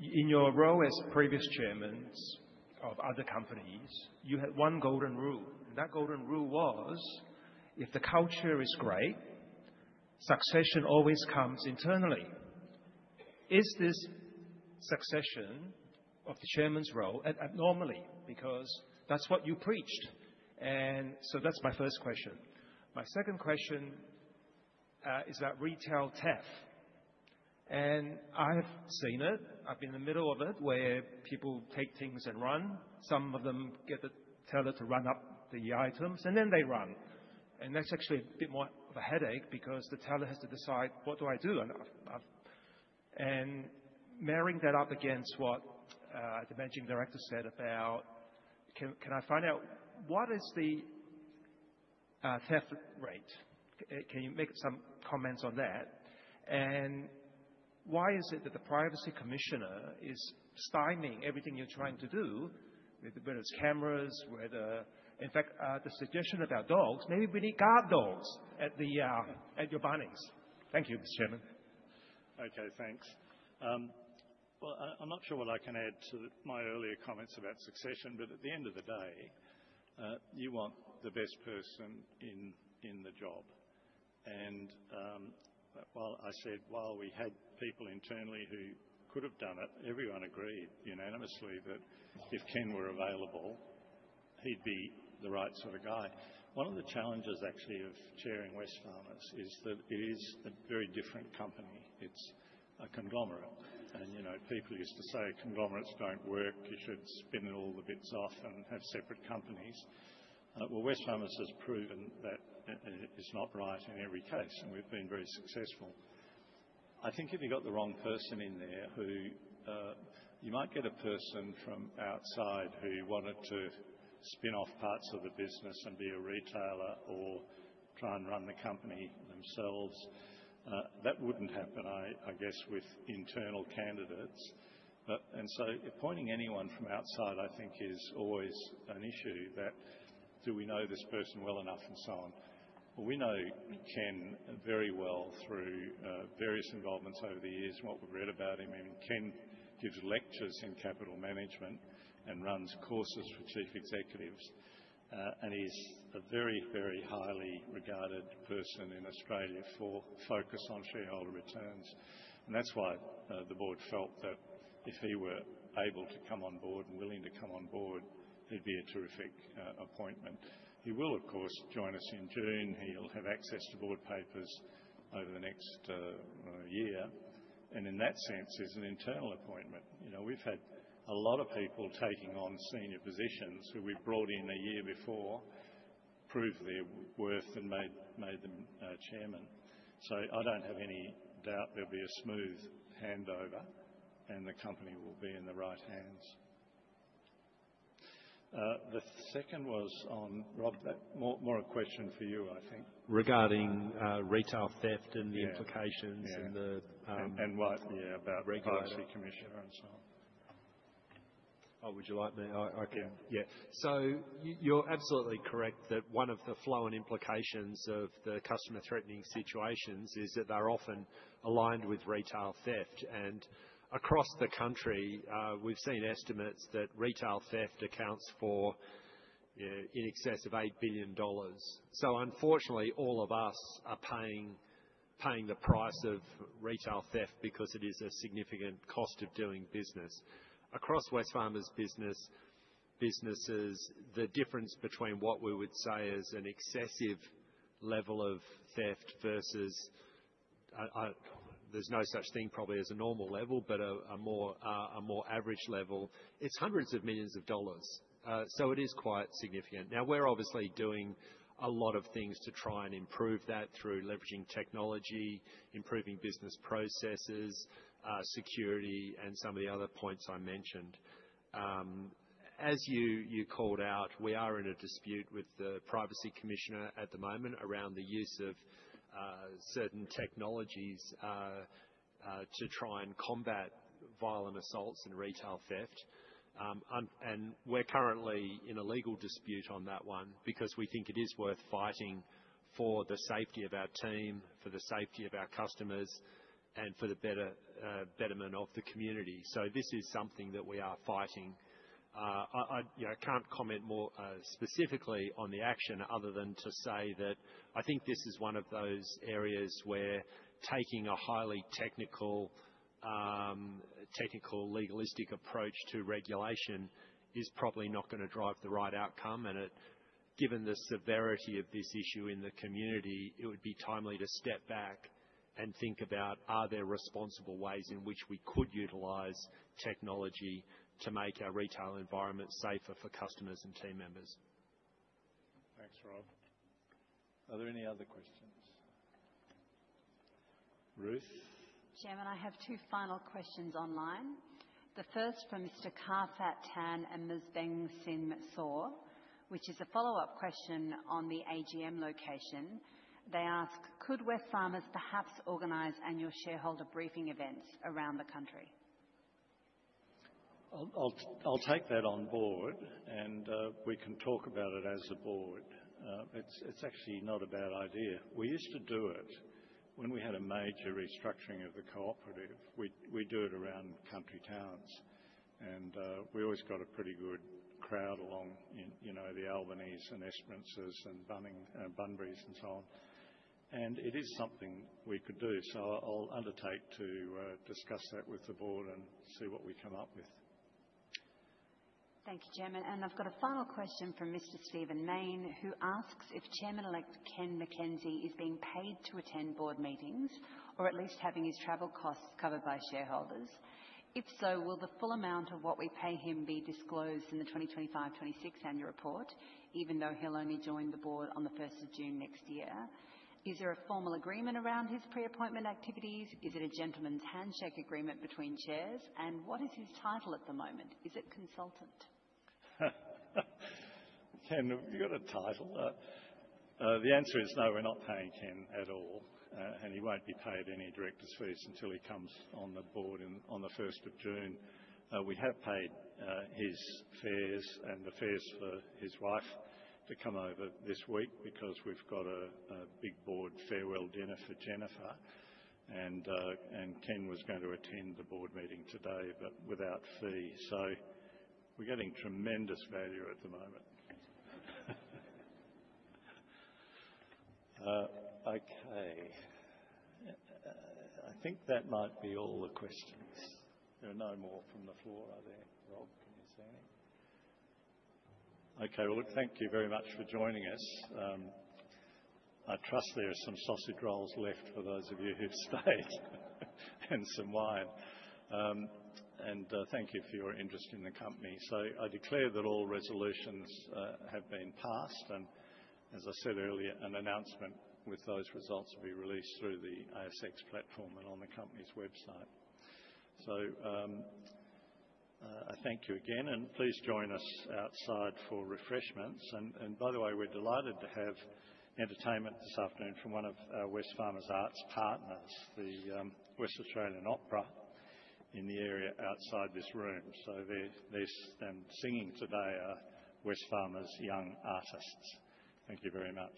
In your role as previous chairman of other companies, you had one golden rule. That golden rule was if the culture is great, succession always comes internally. Is this succession of the chairman's role abnormal? Because that's what you preached. So that's my first question. My second question is about retail theft. I have seen it. I've been in the middle of it where people take things and run. Some of them get the teller to ring up the items, and then they run. That's actually a bit more of a headache because the teller has to decide, what do I do? Marrying that up against what the managing director said about, can I find out what is the theft rate? Can you make some comments on that? Why is it that the Privacy Commissioner is stymieing everything you're trying to do, whether it's cameras, whether in fact, the suggestion about dogs, maybe we need guard dogs at your Bunnings. Thank you, Mr. Chairman.
Thanks. Well, I'm not sure what I can add to my earlier comments about succession. But at the end of the day, you want the best person in the job. While I said we had people internally who could have done it, everyone agreed unanimously that if Ken were available, he'd be the right sort of guy. One of the challenges, actually, of chairing Wesfarmers is that it is a very different company. It's a conglomerate. People used to say conglomerates don't work. You should spin all the bits off and have separate companies. Well, Wesfarmers has proven that it's not right in every case. We've been very successful. I think if you got the wrong person in there, you might get a person from outside who wanted to spin off parts of the business and be a retailer or try and run the company themselves. That wouldn't happen, I guess, with internal candidates. And so appointing anyone from outside, I think, is always an issue that do we know this person well enough and so on. Well, we know Ken very well through various involvements over the years and what we've read about him. I mean, Ken gives lectures in capital management and runs courses for Chief Executives. And he's a very, very highly regarded person in Australia for focus on shareholder returns. And that's why the board felt that if he were able to come on board and willing to come on board, he'd be a terrific appointment. He will, of course, join us in June. He'll have access to board papers over the next year. In that sense, he's an internal appointment. We've had a lot of people taking on senior positions who we brought in a year before, proved their worth, and made them Chairman. So I don't have any doubt there'll be a smooth handover, and the company will be in the right hands. The second was on Rob. More a question for you, I think.
Regarding retail theft and the implications and the.
What about the Privacy Commissioner and so on?
Oh, would you like me? I can.
Yeah.
Yeah. You're absolutely correct that one of the flow and implications of the customer-threatening situations is that they're often aligned with retail theft. Across the country, we've seen estimates that retail theft accounts for in excess of $8 billion. Unfortunately, all of us are paying the price of retail theft because it is a significant cost of doing business. Across Wesfarmers businesses, the difference between what we would say is an excessive level of theft versus there's no such thing probably as a normal level, but a more average level, it's hundreds of millions of dollars. It is quite significant. We're obviously doing a lot of things to try and improve that through leveraging technology, improving business processes, security, and some of the other points I mentioned. As you called out, we are in a dispute with the Privacy Commissioner at the moment around the use of certain technologies to try and combat violent assaults and retail theft. We're currently in a legal dispute on that one because we think it is worth fighting for the safety of our team, for the safety of our customers, and for the betterment of the community. This is something that we are fighting. I can't comment more specifically on the action other than to say that I think this is one of those areas where taking a highly technical, legalistic approach to regulation is probably not going to drive the right outcome. Given the severity of this issue in the community, it would be timely to step back and think about, are there responsible ways in which we could utilize technology to make our retail environment safer for customers and team members?
Thanks, Rob. Are there any other questions? Ruth?
Chairman, I have two final questions online. The first from Mr. Kee Fat Tan and Ms. Beng Sim Soh, which is a follow-up question on the AGM location. They ask, could Wesfarmers perhaps organize annual shareholder briefing events around the country?
I'll take that on board. We can talk about it as a board. It's actually not a bad idea. We used to do it when we had a major restructuring of the cooperative. We do it around country towns. We always got a pretty good crowd along the Albany and Esperance and Bunbury and so on. It is something we could do. So I'll undertake to discuss that with the board and see what we come up with.
Thank you, Chairman. I've got a final question from Mr. Stephen Mayne, who asks if Chairman-elect Ken MacKenzie is being paid to attend board meetings or at least having his travel costs covered by shareholders. If so, will the full amount of what we pay him be disclosed in the 2025-26 annual report, even though he'll only join the board on June 1st next year? Is there a formal agreement around his pre-appointment activities? Is it a gentleman's handshake agreement between chairs? What is his title at the moment? Is it consultant?
Ken, have you got a title? The answer is no, we're not paying Ken at all. He won't be paid any director's fees until he comes on the board on June 1st. We have paid his fares and the fares for his wife to come over this week because we've got a big board farewell dinner for Jennifer. Ken was going to attend the board meeting today, but without fee. So we're getting tremendous value at the moment. I think that might be all the questions. There are no more from the floor, are there? Rob, can you say anything?
Well, thank you very much for joining us. I trust there are some sausage rolls left for those of you who've stayed and some wine. Thank you for your interest in the company. I declare that all resolutions have been passed. As I said earlier, an announcement with those results will be released through the ASX platform and on the company's website. I thank you again. Please join us outside for refreshments. By the way, we're delighted to have entertainment this afternoon from one of Wesfarmers' arts partners, the West Australian Opera in the area outside this room. They're singing today Wesfarmers' young artists. Thank you very much.